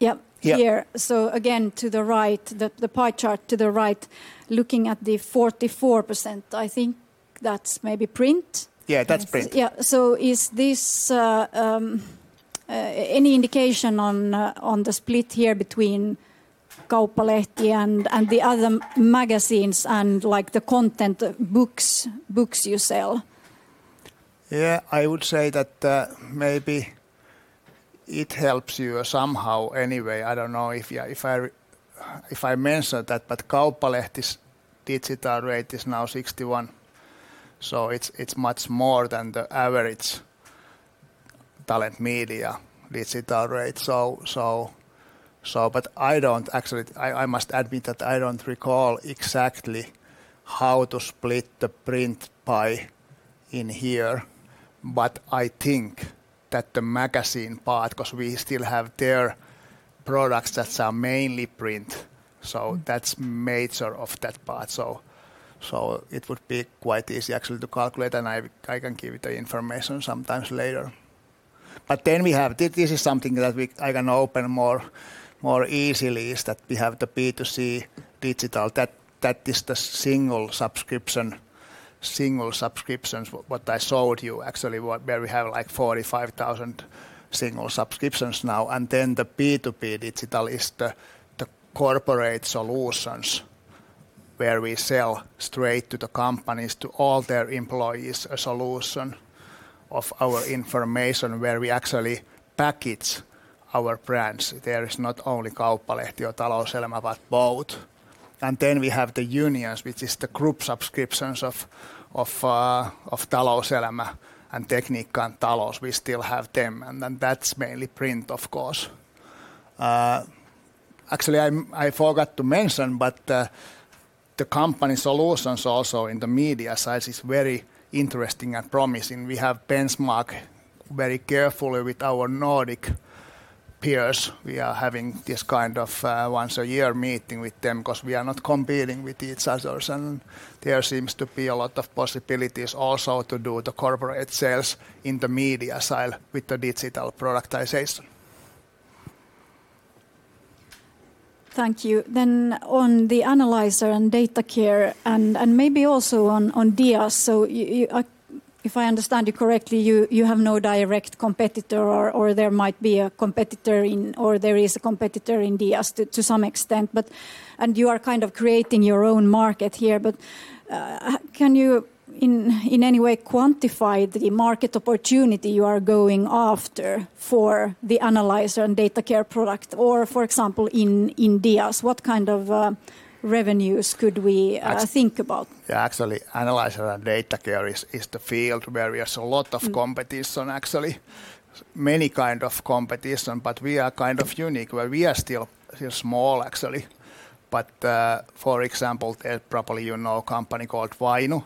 Yep. Yep. Here. Again, to the right, the pie chart to the right, looking at the 44%, I think that's maybe print. Yeah, that's print. Yeah. Is this any indication on the split here between Kauppalehti and the other magazines and the content books you sell? Yeah, I would say that maybe it helps you somehow anyway. I don't know if I mentioned that, Kauppalehti's digital rate is now 61%, so it's much more than the average Alma Talent digital rate. I must admit that I don't recall exactly how to split the print pie in here, but I think that the magazine part, because we still have their products that are mainly print, so that's major of that part. It would be quite easy actually to calculate, and I can give you the information sometimes later. We have this is something that I can open more easily is that we have the B2C digital, that is the single subscriptions, what I showed you actually, where we have 45,000 single subscriptions now. The B2B digital is the corporate solutions where we sell straight to the companies, to all their employees, a solution of our information where we actually package our brands. There is not only Kauppalehti or Talouselämä, but both. We have the unions, which is the group subscriptions of Talouselämä and Tekniikka & Talous. We still have them, and then that's mainly print, of course. Actually, I forgot to mention, but the company solutions also in the media side is very interesting and promising. We have benchmarked very carefully with our Nordic peers. We are having this kind of once-a-year meeting with them because we are not competing with each other, and there seems to be a lot of possibilities also to do the corporate sales in the media side with the digital productization. Thank you. On the Analyzer and DataCare, and maybe also on DIAS. If I understand you correctly, you have no direct competitor or there might be a competitor in DIAS to some extent, you are creating your own market here. Can you in any way quantify the market opportunity you are going after for the Analyzer and DataCare product? For example, in DIAS, what kind of revenues could we think about? Actually, Analyzer and DataCare is the field where there's a lot of competition actually. Many kind of competition, we are kind of unique where we are still small actually. For example, probably you know a company called Vainu,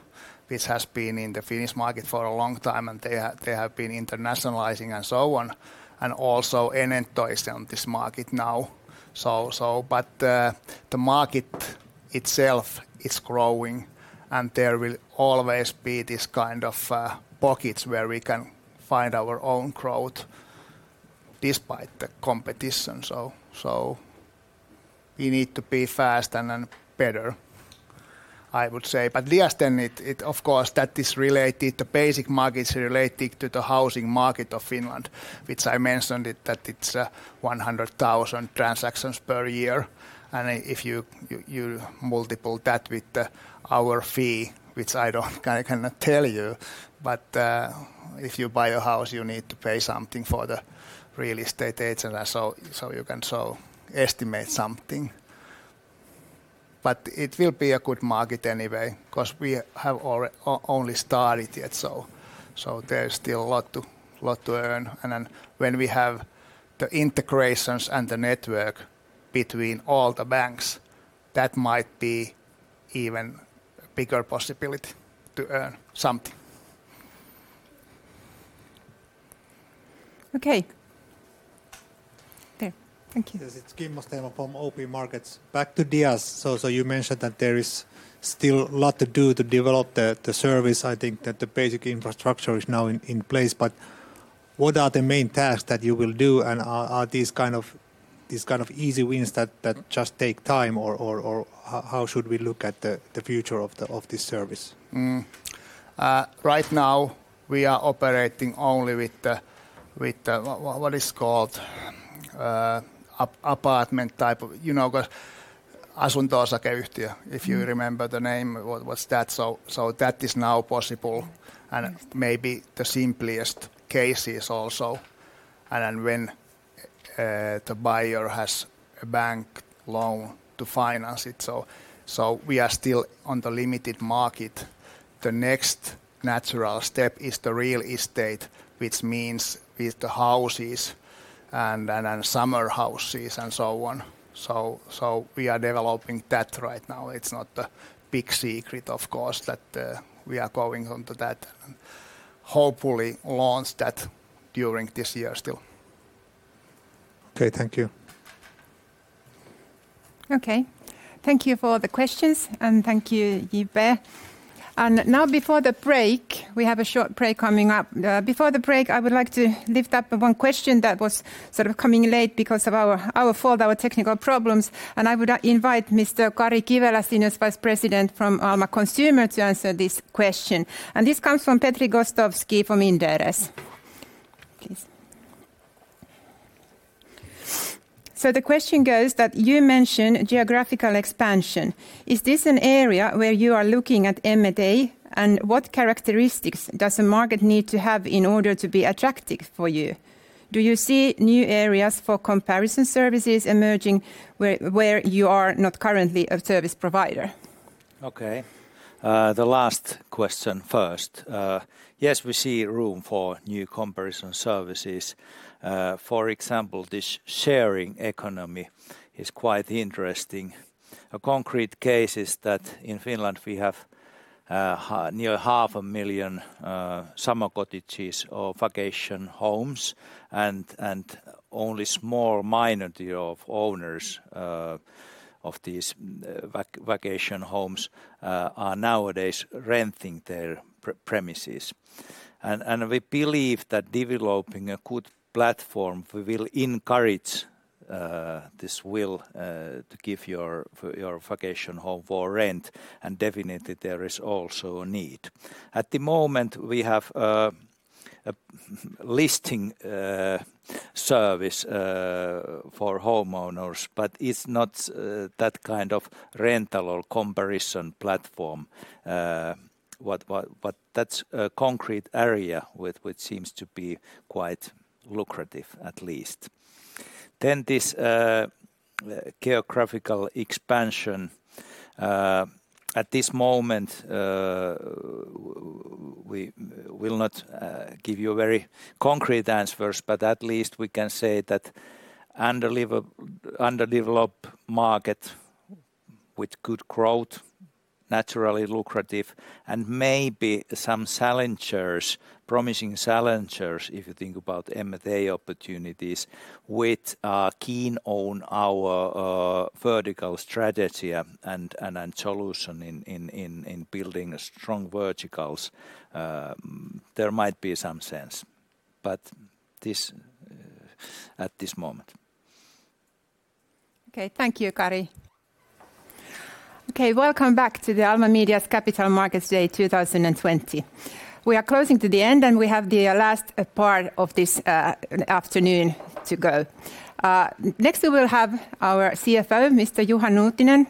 which has been in the Finnish market for a long time, and they have been internationalizing and so on, and also Enento is on this market now. The market itself is growing, and there will always be this kind of pockets where we can find our own growth despite the competition. We need to be fast and then better, I would say. DIAS then it, of course, that is related, the basic market is related to the housing market of Finland, which I mentioned it that it's 100,000 transactions per year. If you multiply that with our fee, which I cannot tell you, but if you buy a house, you need to pay something for the real estate agent, so you can estimate something. It will be a good market anyway because we have only started yet, so there is still a lot to earn. When we have the integrations and the network between all the banks, that might be even bigger possibility to earn something. Okay. There. Thank you. Yes, it's Kimmo Stenvall from OP Markets. Back to DIAS. You mentioned that there is still a lot to do to develop the service. I think that the basic infrastructure is now in place, what are the main tasks that you will do, and are these kind of easy wins that just take time, or how should we look at the future of this service? Right now, we are operating only with the, what is called apartment type of, you know, asunto-osakeyhtiö. If you remember the name, what's that? That is now possible and maybe the simplest cases also. When the buyer has a bank loan to finance it. We are still on the limited market. The next natural step is the real estate, which means with the houses and summer houses and so on. We are developing that right now. It's not a big secret, of course, that we are going on to that and hopefully launch that during this year still. Okay, thank you. Okay. Thank you for the questions, and thank you, J-P. Now before the break, we have a short break coming up. Before the break, I would like to lift up one question that was sort of coming late because of our fault, our technical problems, and I would invite Mr. Kari Kivelä, Senior Vice President from Alma Consumer to answer this question. This comes from Petri Gostowski from Inderes. Please. The question goes that you mentioned geographical expansion. Is this an area where you are looking at M&A, and what characteristics does a market need to have in order to be attractive for you? Do you see new areas for comparison services emerging where you are not currently a service provider? Okay. The last question first. Yes, we see room for new comparison services. For example, this sharing economy is quite interesting. A concrete case is that in Finland we have near half a million summer cottages or vacation homes and only small minority of owners of these vacation homes are nowadays renting their premises. We believe that developing a good platform will encourage this will to give your vacation home for rent and definitely there is also a need. At the moment, we have a listing service for homeowners, but it's not that kind of rental or comparison platform. That's a concrete area which seems to be quite lucrative, at least. This geographical expansion. At this moment, we will not give you very concrete answers, but at least we can say that underdeveloped market with good growth, naturally lucrative, and maybe some challengers, promising challengers, if you think about M&A opportunities with keen on our vertical strategy and solution in building strong verticals. There might be some sense at this moment. Okay. Thank you, Kari. Welcome back to the Alma Media's Capital Markets Day 2020. We are closing to the end, and we have the last part of this afternoon to go. Next, we will have our CFO, Mr. Juha Nuutinen,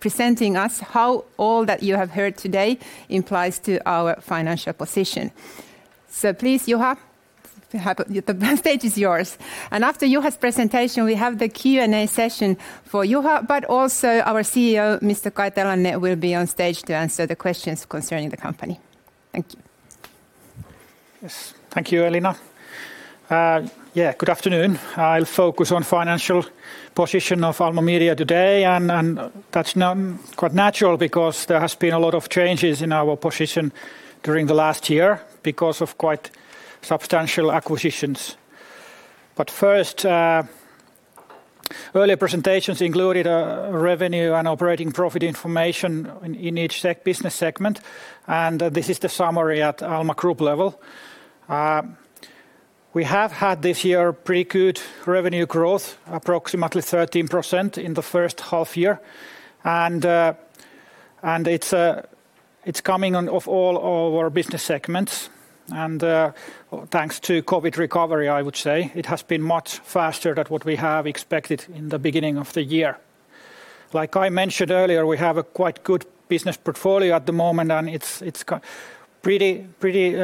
presenting us how all that you have heard today implies to our financial position. Please, Juha, the stage is yours. After Juha's presentation, we have the Q&A session for Juha, but also our CEO, Mr. Kai Telanne, will be on stage to answer the questions concerning the company. Thank you. Yes. Thank you, Elina. Good afternoon. I'll focus on financial position of Alma Media today. That's quite natural because there has been a lot of changes in our position during the last year because of quite substantial acquisitions. First, earlier presentations included revenue and operating profit information in each business segment. This is the summary at Alma group level. We have had this year pretty good revenue growth, approximately 13% in the first half year. It's coming of all our business segments. Thanks to COVID recovery, I would say, it has been much faster than what we have expected in the beginning of the year. Like I mentioned earlier, we have a quite good business portfolio at the moment. It's pretty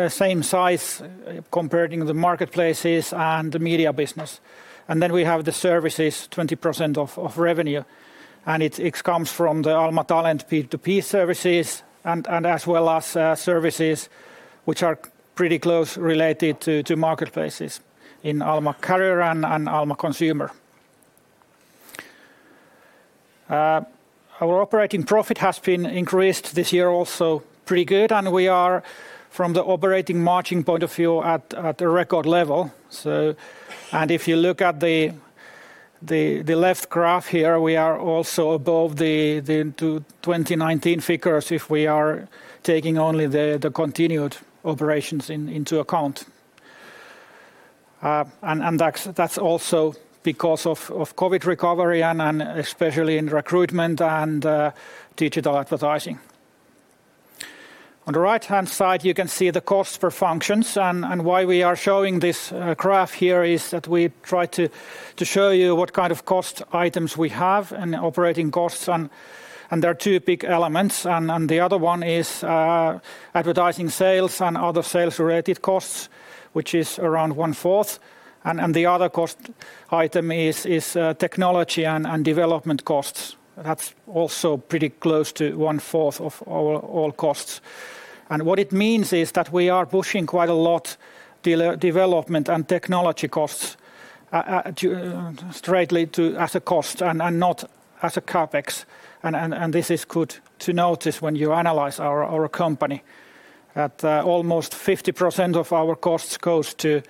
same size comparing the marketplaces and the media business. We have the services, 20% of revenue. It comes from the Alma Talent P2P services and as well as services which are pretty close related to marketplaces in Alma Career and Alma Consumer. Our operating profit has been increased this year also pretty good. We are from the operating margin point of view at a record level. If you look at the left graph here, we are also above the 2019 figures if we are taking only the continued operations into account. That's also because of COVID-19 recovery and especially in recruitment and digital advertising. On the right-hand side, you can see the cost per functions. Why we are showing this graph here is that we try to show you what kind of cost items we have and operating costs and there are two big elements. The other one is advertising sales and other sales-related costs, which is around 1/4. The other cost item is technology and development costs. That's also pretty close to 25% of all costs. What it means is that we are pushing quite a lot development and technology costs straightly as a cost and not as a CapEx. This is good to notice when you analyze our company. Almost 50% of our costs goes to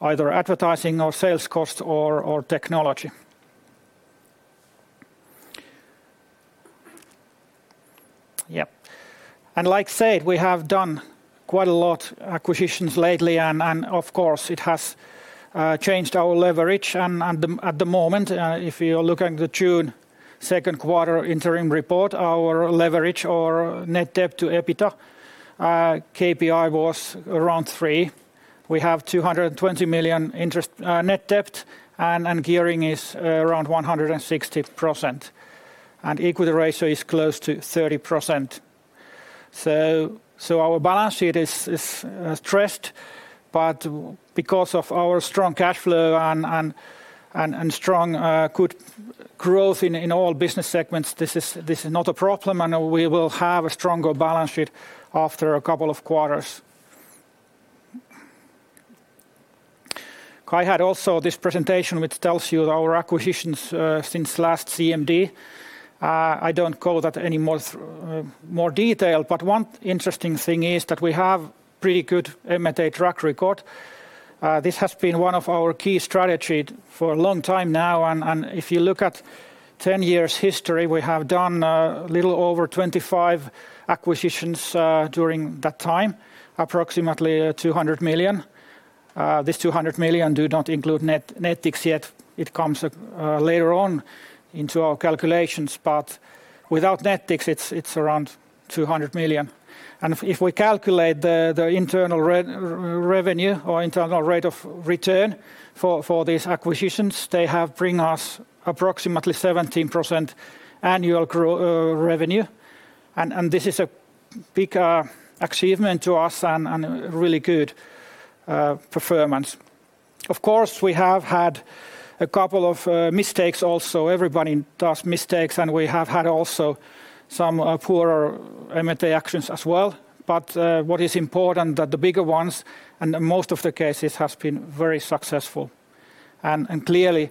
either advertising or sales cost or technology. Yep. Like said, we have done quite a lot acquisitions lately, and of course, it has changed our leverage. At the moment if you are looking at the June second quarter interim report, our leverage or net debt to EBITDA KPI was around three. We have 220 million net debt, and gearing is around 160%. Equity ratio is close to 30%. Our balance sheet is stressed, but because of our strong cash flow and strong good growth in all business segments, this is not a problem, and we will have a stronger balance sheet after a couple of quarters. I had also this presentation, which tells you our acquisitions since last CMD. I don't go into that in more detail, but one interesting thing is that we have pretty good M&A track record. This has been one of our key strategy for a long time now, and if you look at 10 years history, we have done a little over 25 acquisitions during that time, approximately 200 million. This 200 million do not include Nettix yet. It comes later on into our calculations, but without Nettix, it's around 200 million. If we calculate the internal revenue or internal rate of return for these acquisitions, they have bring us approximately 17% annual revenue. This is a big achievement to us and really good performance. Of course, we have had a couple of mistakes also. Everybody does mistakes, and we have had also some poorer M&A actions as well. What is important that the bigger ones and most of the cases have been very successful. Clearly,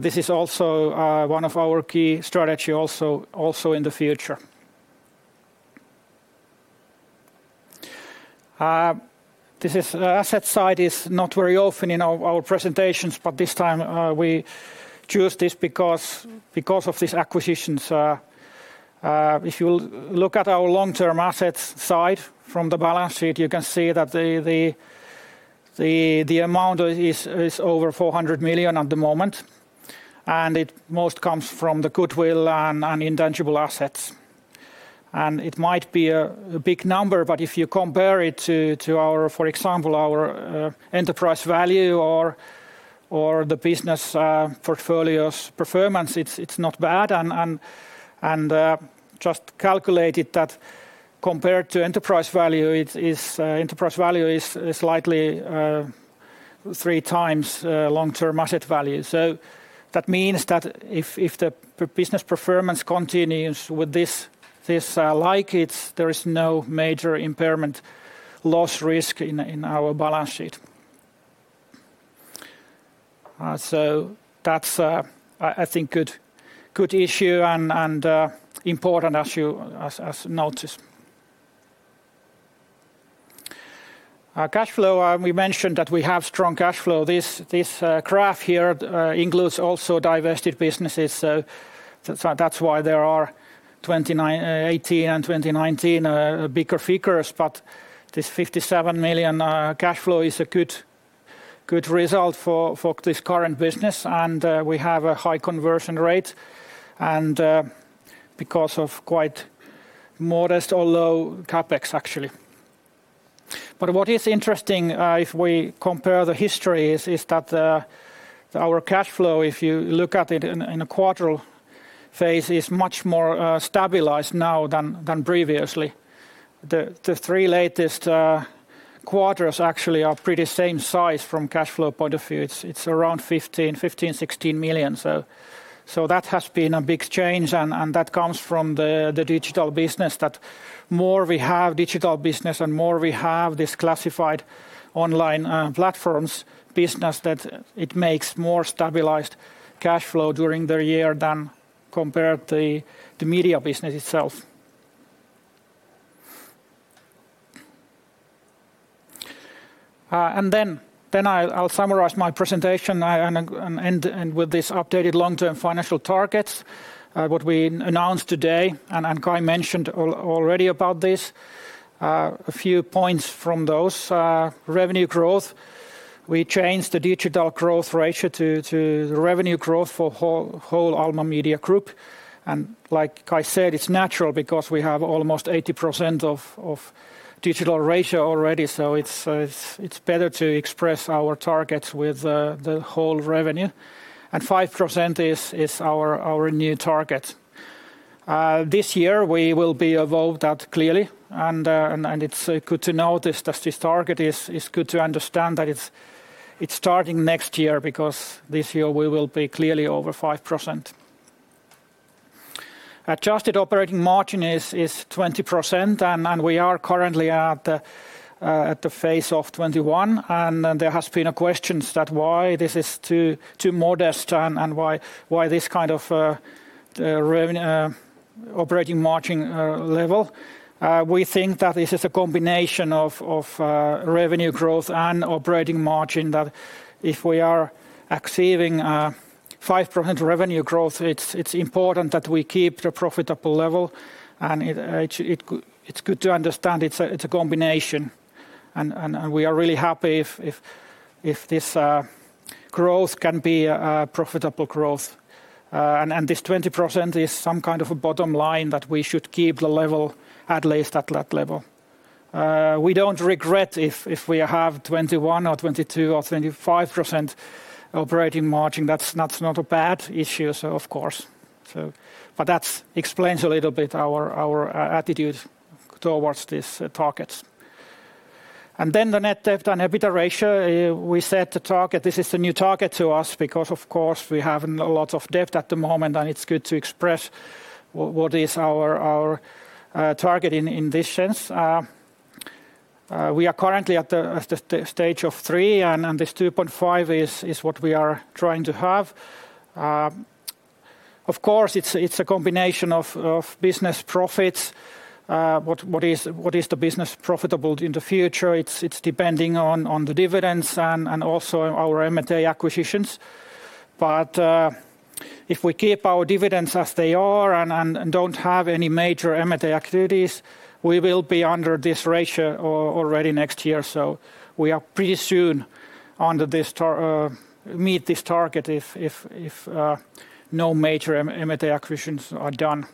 this is also one of our key strategy also in the future. The asset side is not very often in our presentations, but this time we choose this because of these acquisitions. If you look at our long-term assets side from the balance sheet, you can see that the amount is over 400 million at the moment, and it most comes from the goodwill and intangible assets. It might be a big number, but if you compare it to, for example, our enterprise value or the business portfolio's performance, it's not bad. Just calculated that compared to enterprise value, enterprise value is slightly three times long-term asset value. That means that if the business performance continues with this like it, there is no major impairment loss risk in our balance sheet. That's, I think, good issue and important issue as noticed. Our cash flow, we mentioned that we have strong cash flow. This graph here includes also divested businesses, so that's why there are 2018 and 2019 bigger figures. This 57 million cash flow is a good result for this current business, and we have a high conversion rate and because of quite modest or low CapEx actually. What is interesting, if we compare the histories, is that our cash flow, if you look at it in a quarter phase, is much more stabilized now than previously. The three latest quarters actually are pretty same size from cash flow point of view. It's around 15 million, 16 million. That has been a big change, and that comes from the digital business that more we have digital business and more we have this classified online platforms business that it makes more stabilized cash flow during the year than compared to the media business itself. Then I'll summarize my presentation and end with this updated long-term financial targets. What we announced today, and Kai mentioned already about this, a few points from those revenue growth. We changed the digital growth ratio to the revenue growth for whole Alma Media Group. Like I said, it's natural because we have almost 80% of digital ratio already. It's better to express our targets with the whole revenue, and 5% is our new target. This year we will be above that clearly. It's good to notice that this target is good to understand that it's starting next year because this year we will be clearly over 5%. Adjusted operating margin is 20%, and we are currently at the phase of 21%. There has been questions that why this is too modest and why this kind of operating margin level. We think that this is a combination of revenue growth and operating margin that if we are exceeding 5% revenue growth, it's important that we keep the profitable level, and it's good to understand it's a combination. We are really happy if this growth can be a profitable growth. This 20% is some kind of a bottom line that we should keep the level at least at that level. We don't regret if we have 21% or 22% or 25% operating margin. That's not a bad issue, of course. That explains a little bit our attitude towards these targets. The net debt and EBITDA ratio. We set the target. This is the new target to us because of course we have a lot of debt at the moment, and it's good to express what is our target in this sense. We are currently at the stage of 3, and this 2.5 is what we are trying to have. Of course, it's a combination of business profits. What is the business profitable in the future? It's depending on the dividends and also our M&A acquisitions. If we keep our dividends as they are and don't have any major M&A activities, we will be under this ratio already next year. We are pretty soon meet this target if no major M&A acquisitions are done.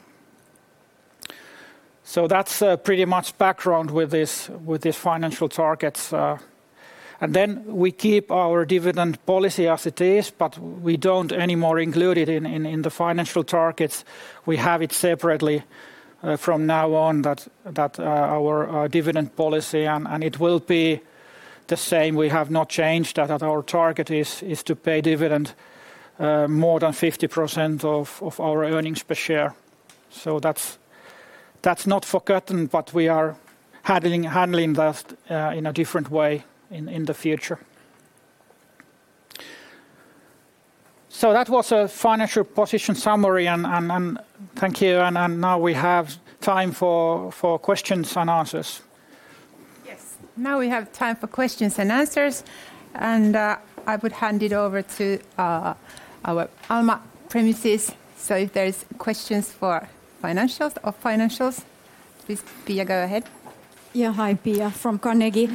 That's pretty much background with these financial targets. Then we keep our dividend policy as it is, but we don't anymore include it in the financial targets. We have it separately from now on, our dividend policy. It will be the same. We have not changed that. Our target is to pay dividend more than 50% of our earnings per share. That's not forgotten, but we are handling that in a different way in the future. That was a financial position summary, and thank you. Now we have time for questions and answers. Yes. Now we have time for questions and answers. I would hand it over to our Alma Media. If there's questions for financials or financials, please, Pia, go ahead. Yeah. Hi. Pia from Carnegie.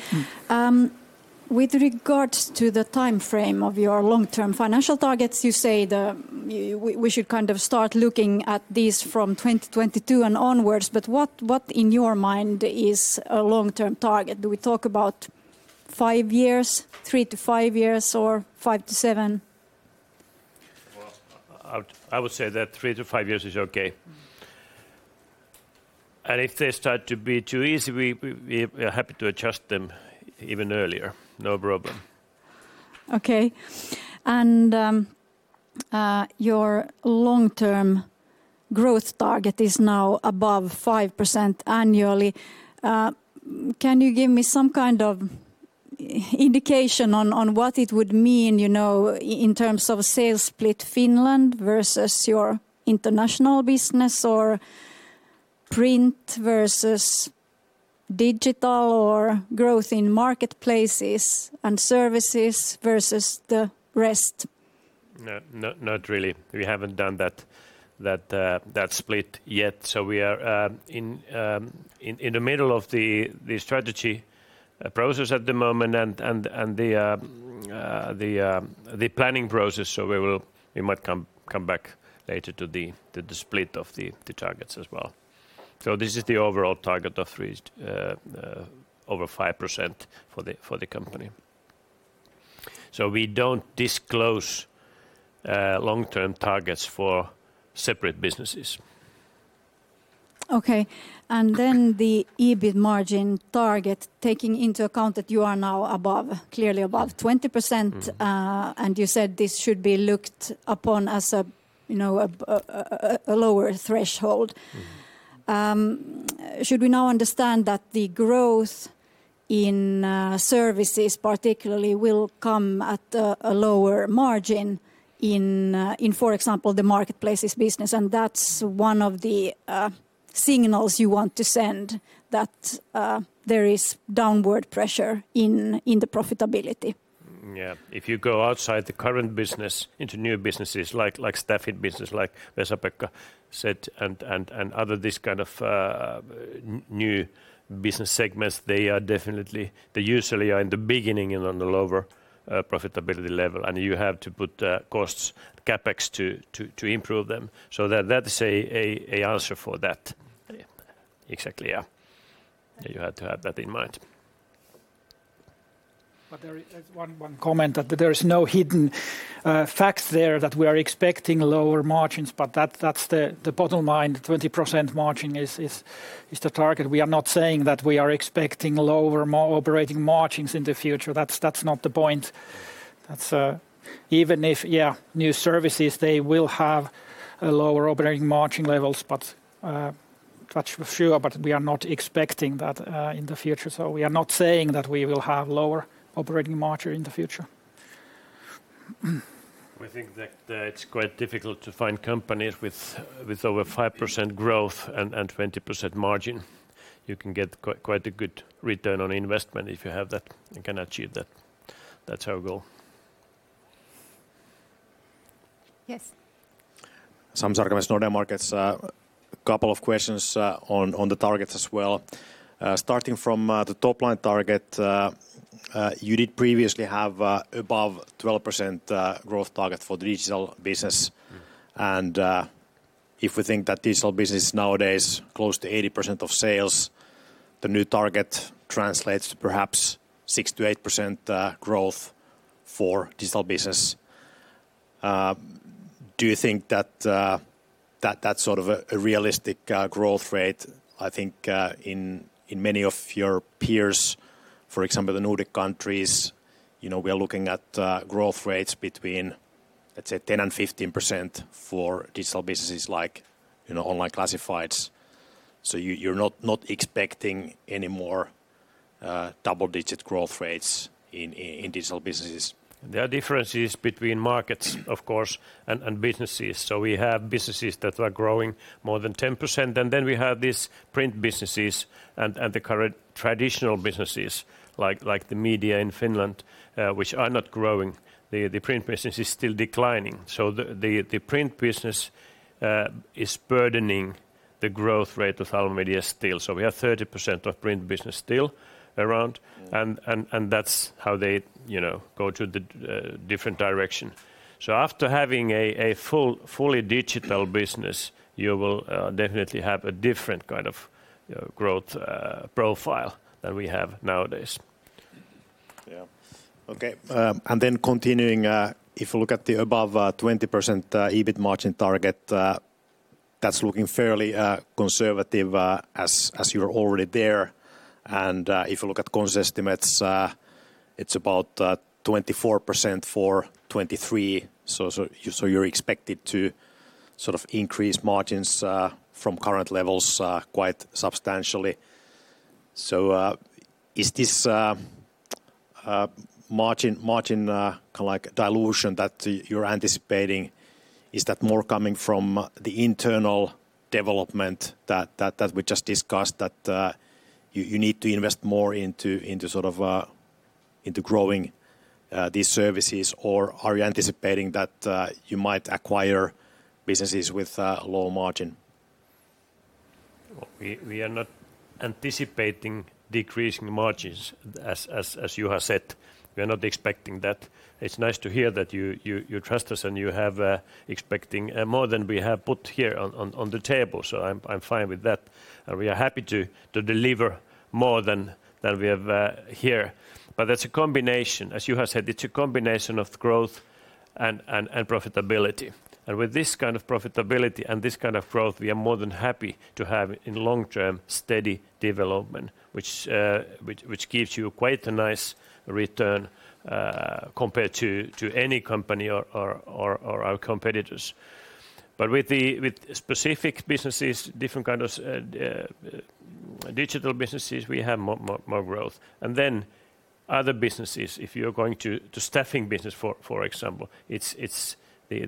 With regards to the timeframe of your long-term financial targets, you say that we should kind of start looking at these from 2022 and onwards. What in your mind is a long-term target? Do we talk about five years, three to five years, or five to seven? Well, I would say that three to five years is okay. If they start to be too easy, we are happy to adjust them even earlier. No problem. Okay. Your long-term growth target is now above 5% annually. Can you give me some kind of indication on what it would mean in terms of sales split Finland versus your international business or print versus digital or growth in marketplaces and services versus the rest? Not really. We haven't done that split yet. We are in the middle of the strategy process at the moment and the planning process. We might come back later to the split of the targets as well. This is the overall target of over 5% for the company. We don't disclose long-term targets for separate businesses. Okay. The EBIT margin target, taking into account that you are now clearly above 20%, and you said this should be looked upon as a lower threshold. Should we now understand that the growth in services particularly will come at a lower margin in, for example, the marketplaces business, and that is one of the signals you want to send that there is downward pressure in the profitability? Yeah. If you go outside the current business into new businesses like staffing business, like Vesa-Pekka said, and other kind of new business segments, they usually are in the beginning and on the lower profitability level, and you have to put costs, CapEx to improve them. That is an answer for that. Exactly, yeah. You have to have that in mind. There is one comment that there is no hidden facts there that we are expecting lower margins, but that's the bottom line. 20% margin is the target. We are not saying that we are expecting lower operating margins in the future. That's not the point. Even if, yeah, new services, they will have lower operating margin levels, touch wood, but we are not expecting that in the future. We are not saying that we will have lower operating margin in the future. We think that it's quite difficult to find companies with over 5% growth and 20% margin. You can get quite a good return on investment if you have that, you can achieve that. That's our goal. Yes. Sami Sarkamies, Nordea Markets. A couple of questions on the targets as well. Starting from the top line target, you did previously have above 12% growth target for the digital business. If we think that digital business nowadays close to 80% of sales, the new target translates to perhaps 6%-8% growth for digital business. Do you think that's sort of a realistic growth rate? I think in many of your peers. For example, the Nordic countries, we are looking at growth rates between, let's say 10%-15% for digital businesses like online classifieds. You're not expecting any more double-digit growth rates in digital businesses? There are differences between markets, of course, and businesses. We have businesses that are growing more than 10%, and then we have these print businesses and the current traditional businesses like the media in Finland, which are not growing. The print business is still declining. The print business is burdening the growth rate of Alma Media still. We have 30% of print business still around, and that's how they go to the different direction. After having a fully digital business, you will definitely have a different kind of growth profile than we have nowadays. Yeah. Okay. Continuing, if you look at the above 20% EBIT margin target, that's looking fairly conservative as you're already there. If you look at cons estimates, it's about 24% for 2023. You're expected to increase margins from current levels quite substantially. Is this margin dilution that you're anticipating, is that more coming from the internal development that we just discussed that you need to invest more into growing these services, or are you anticipating that you might acquire businesses with low margin? We are not anticipating decreasing margins,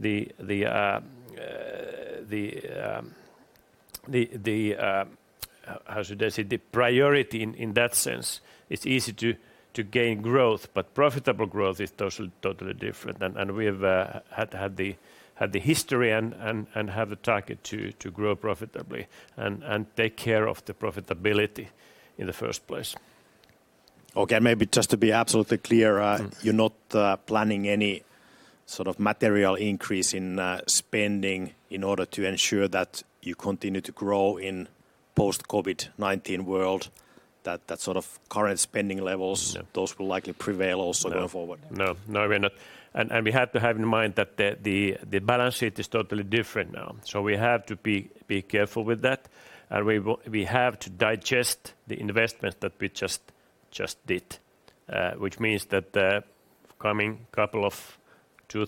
as you have said. We are not expecting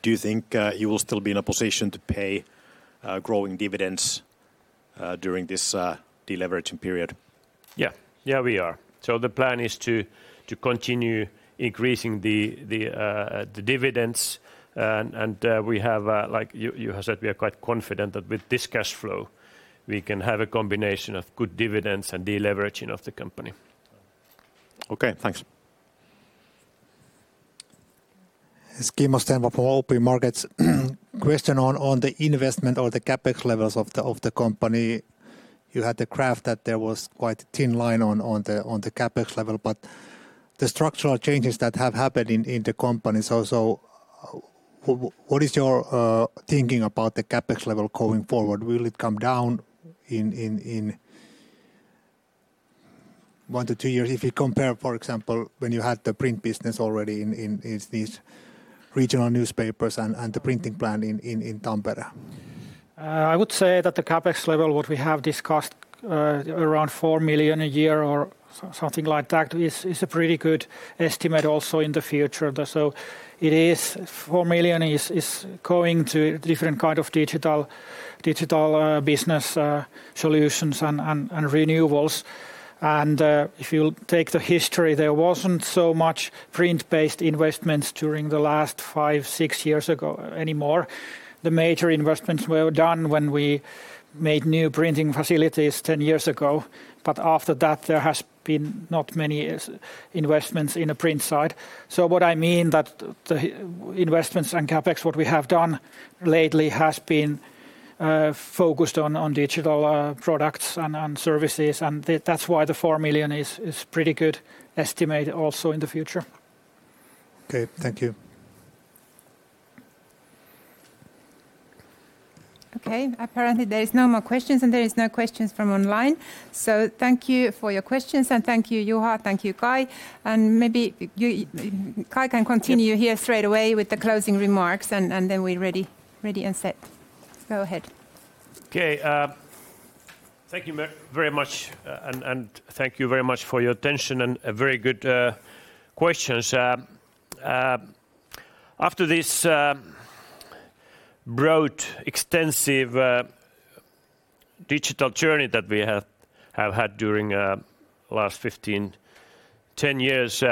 that. regional newspapers and the printing plant in Tampere? I would say that the CapEx level, what we have discussed, around 4 million a year or something like that, is a pretty good estimate also in the future. It is 4 million is going to different kind of digital business solutions and renewals. If you take the history, there wasn't so much print-based investments during the last five, six years ago anymore. The major investments were done when we made new printing facilities 10 years ago. After that, there has been not many investments in the print side. What I mean that the investments and CapEx, what we have done lately has been focused on digital products and services. That's why the 4 million is pretty good estimate also in the future. Okay. Thank you. Apparently there is no more questions, and there is no questions from online. Thank you for your questions, and thank you, Juha, thank you, Kai. Maybe Kai can continue here straight away with the closing remarks, and then we're ready and set. Go ahead. Okay. Thank you very much. Thank you very much for your attention and very good questions. After this broad, extensive digital journey that we have had during last 15, 10 years,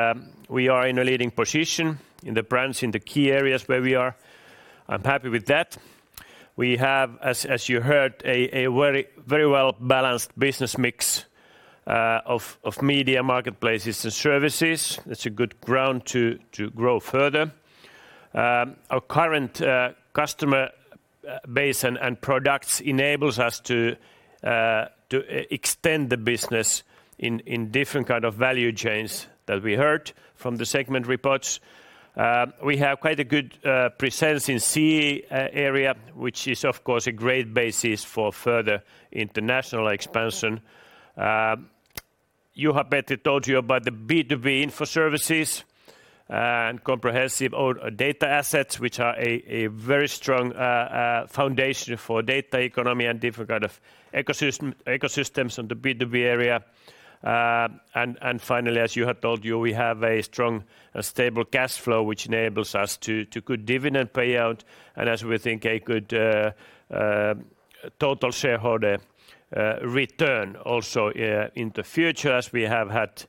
we are in a leading position in the brands, in the key areas where we are. I'm happy with that. We have, as you heard, a very well-balanced business mix of media, marketplaces, and services. That's a good ground to grow further. Our current customer base and products enables us to extend the business in different kind of value chains that we heard from the segment reports. We have quite a good presence in CEE, which is of course a great basis for further international expansion. Juha-Petri told you about the B2B info services and comprehensive data assets, which are a very strong foundation for data economy and different kind of ecosystems on the B2B area. Finally, as Juha told you, we have a strong, stable cash flow, which enables us to good dividend payout and as we think a good total shareholder return also in the future as we have had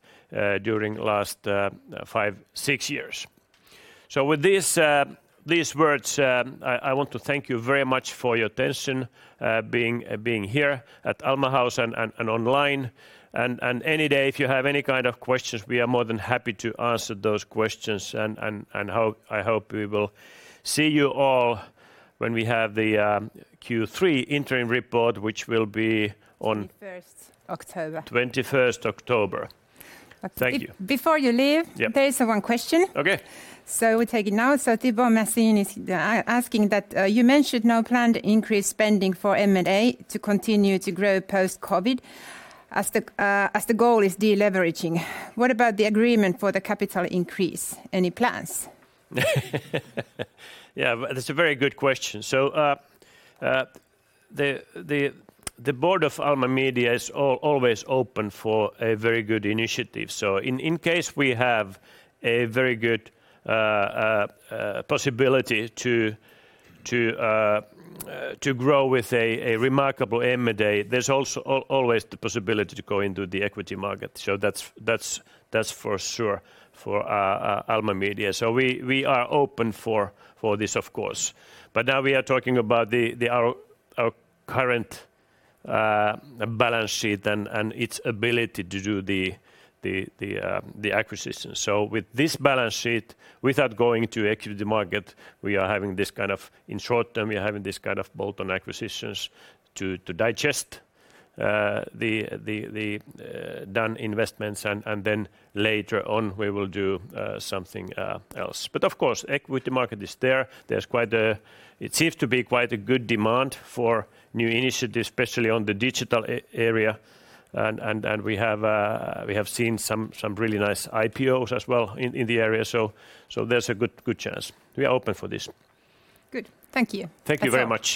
during last five, six years. With these words I want to thank you very much for your attention being here at Alma House and online. Any day, if you have any kind of questions, we are more than happy to answer those questions and I hope we will see you all when we have the Q3 interim report. 21st October. 21st October. Thank you. Before you leave- Yep. There is one question. Okay. We take it now. Thibault Masson is asking that you mentioned no planned increase spending for M&A to continue to grow post-COVID as the goal is de-leveraging. What about the agreement for the capital increase? Any plans? Yeah, that's a very good question. The board of Alma Media is always open for a very good initiative. In case we have a very good possibility to grow with a remarkable M&A, there's also always the possibility to go into the equity market. That's for sure for Alma Media. We are open for this of course. Now we are talking about our current balance sheet and its ability to do the acquisition. With this balance sheet, without going to equity market, we are having this kind of, in short term, we are having this kind of bolt-on acquisitions to digest the done investments and then later on we will do something else. Of course, equity market is there. It seems to be quite a good demand for new initiatives, especially on the digital area. We have seen some really nice IPOs as well in the area. There's a good chance. We are open for this. Good. Thank you. Thank you very much.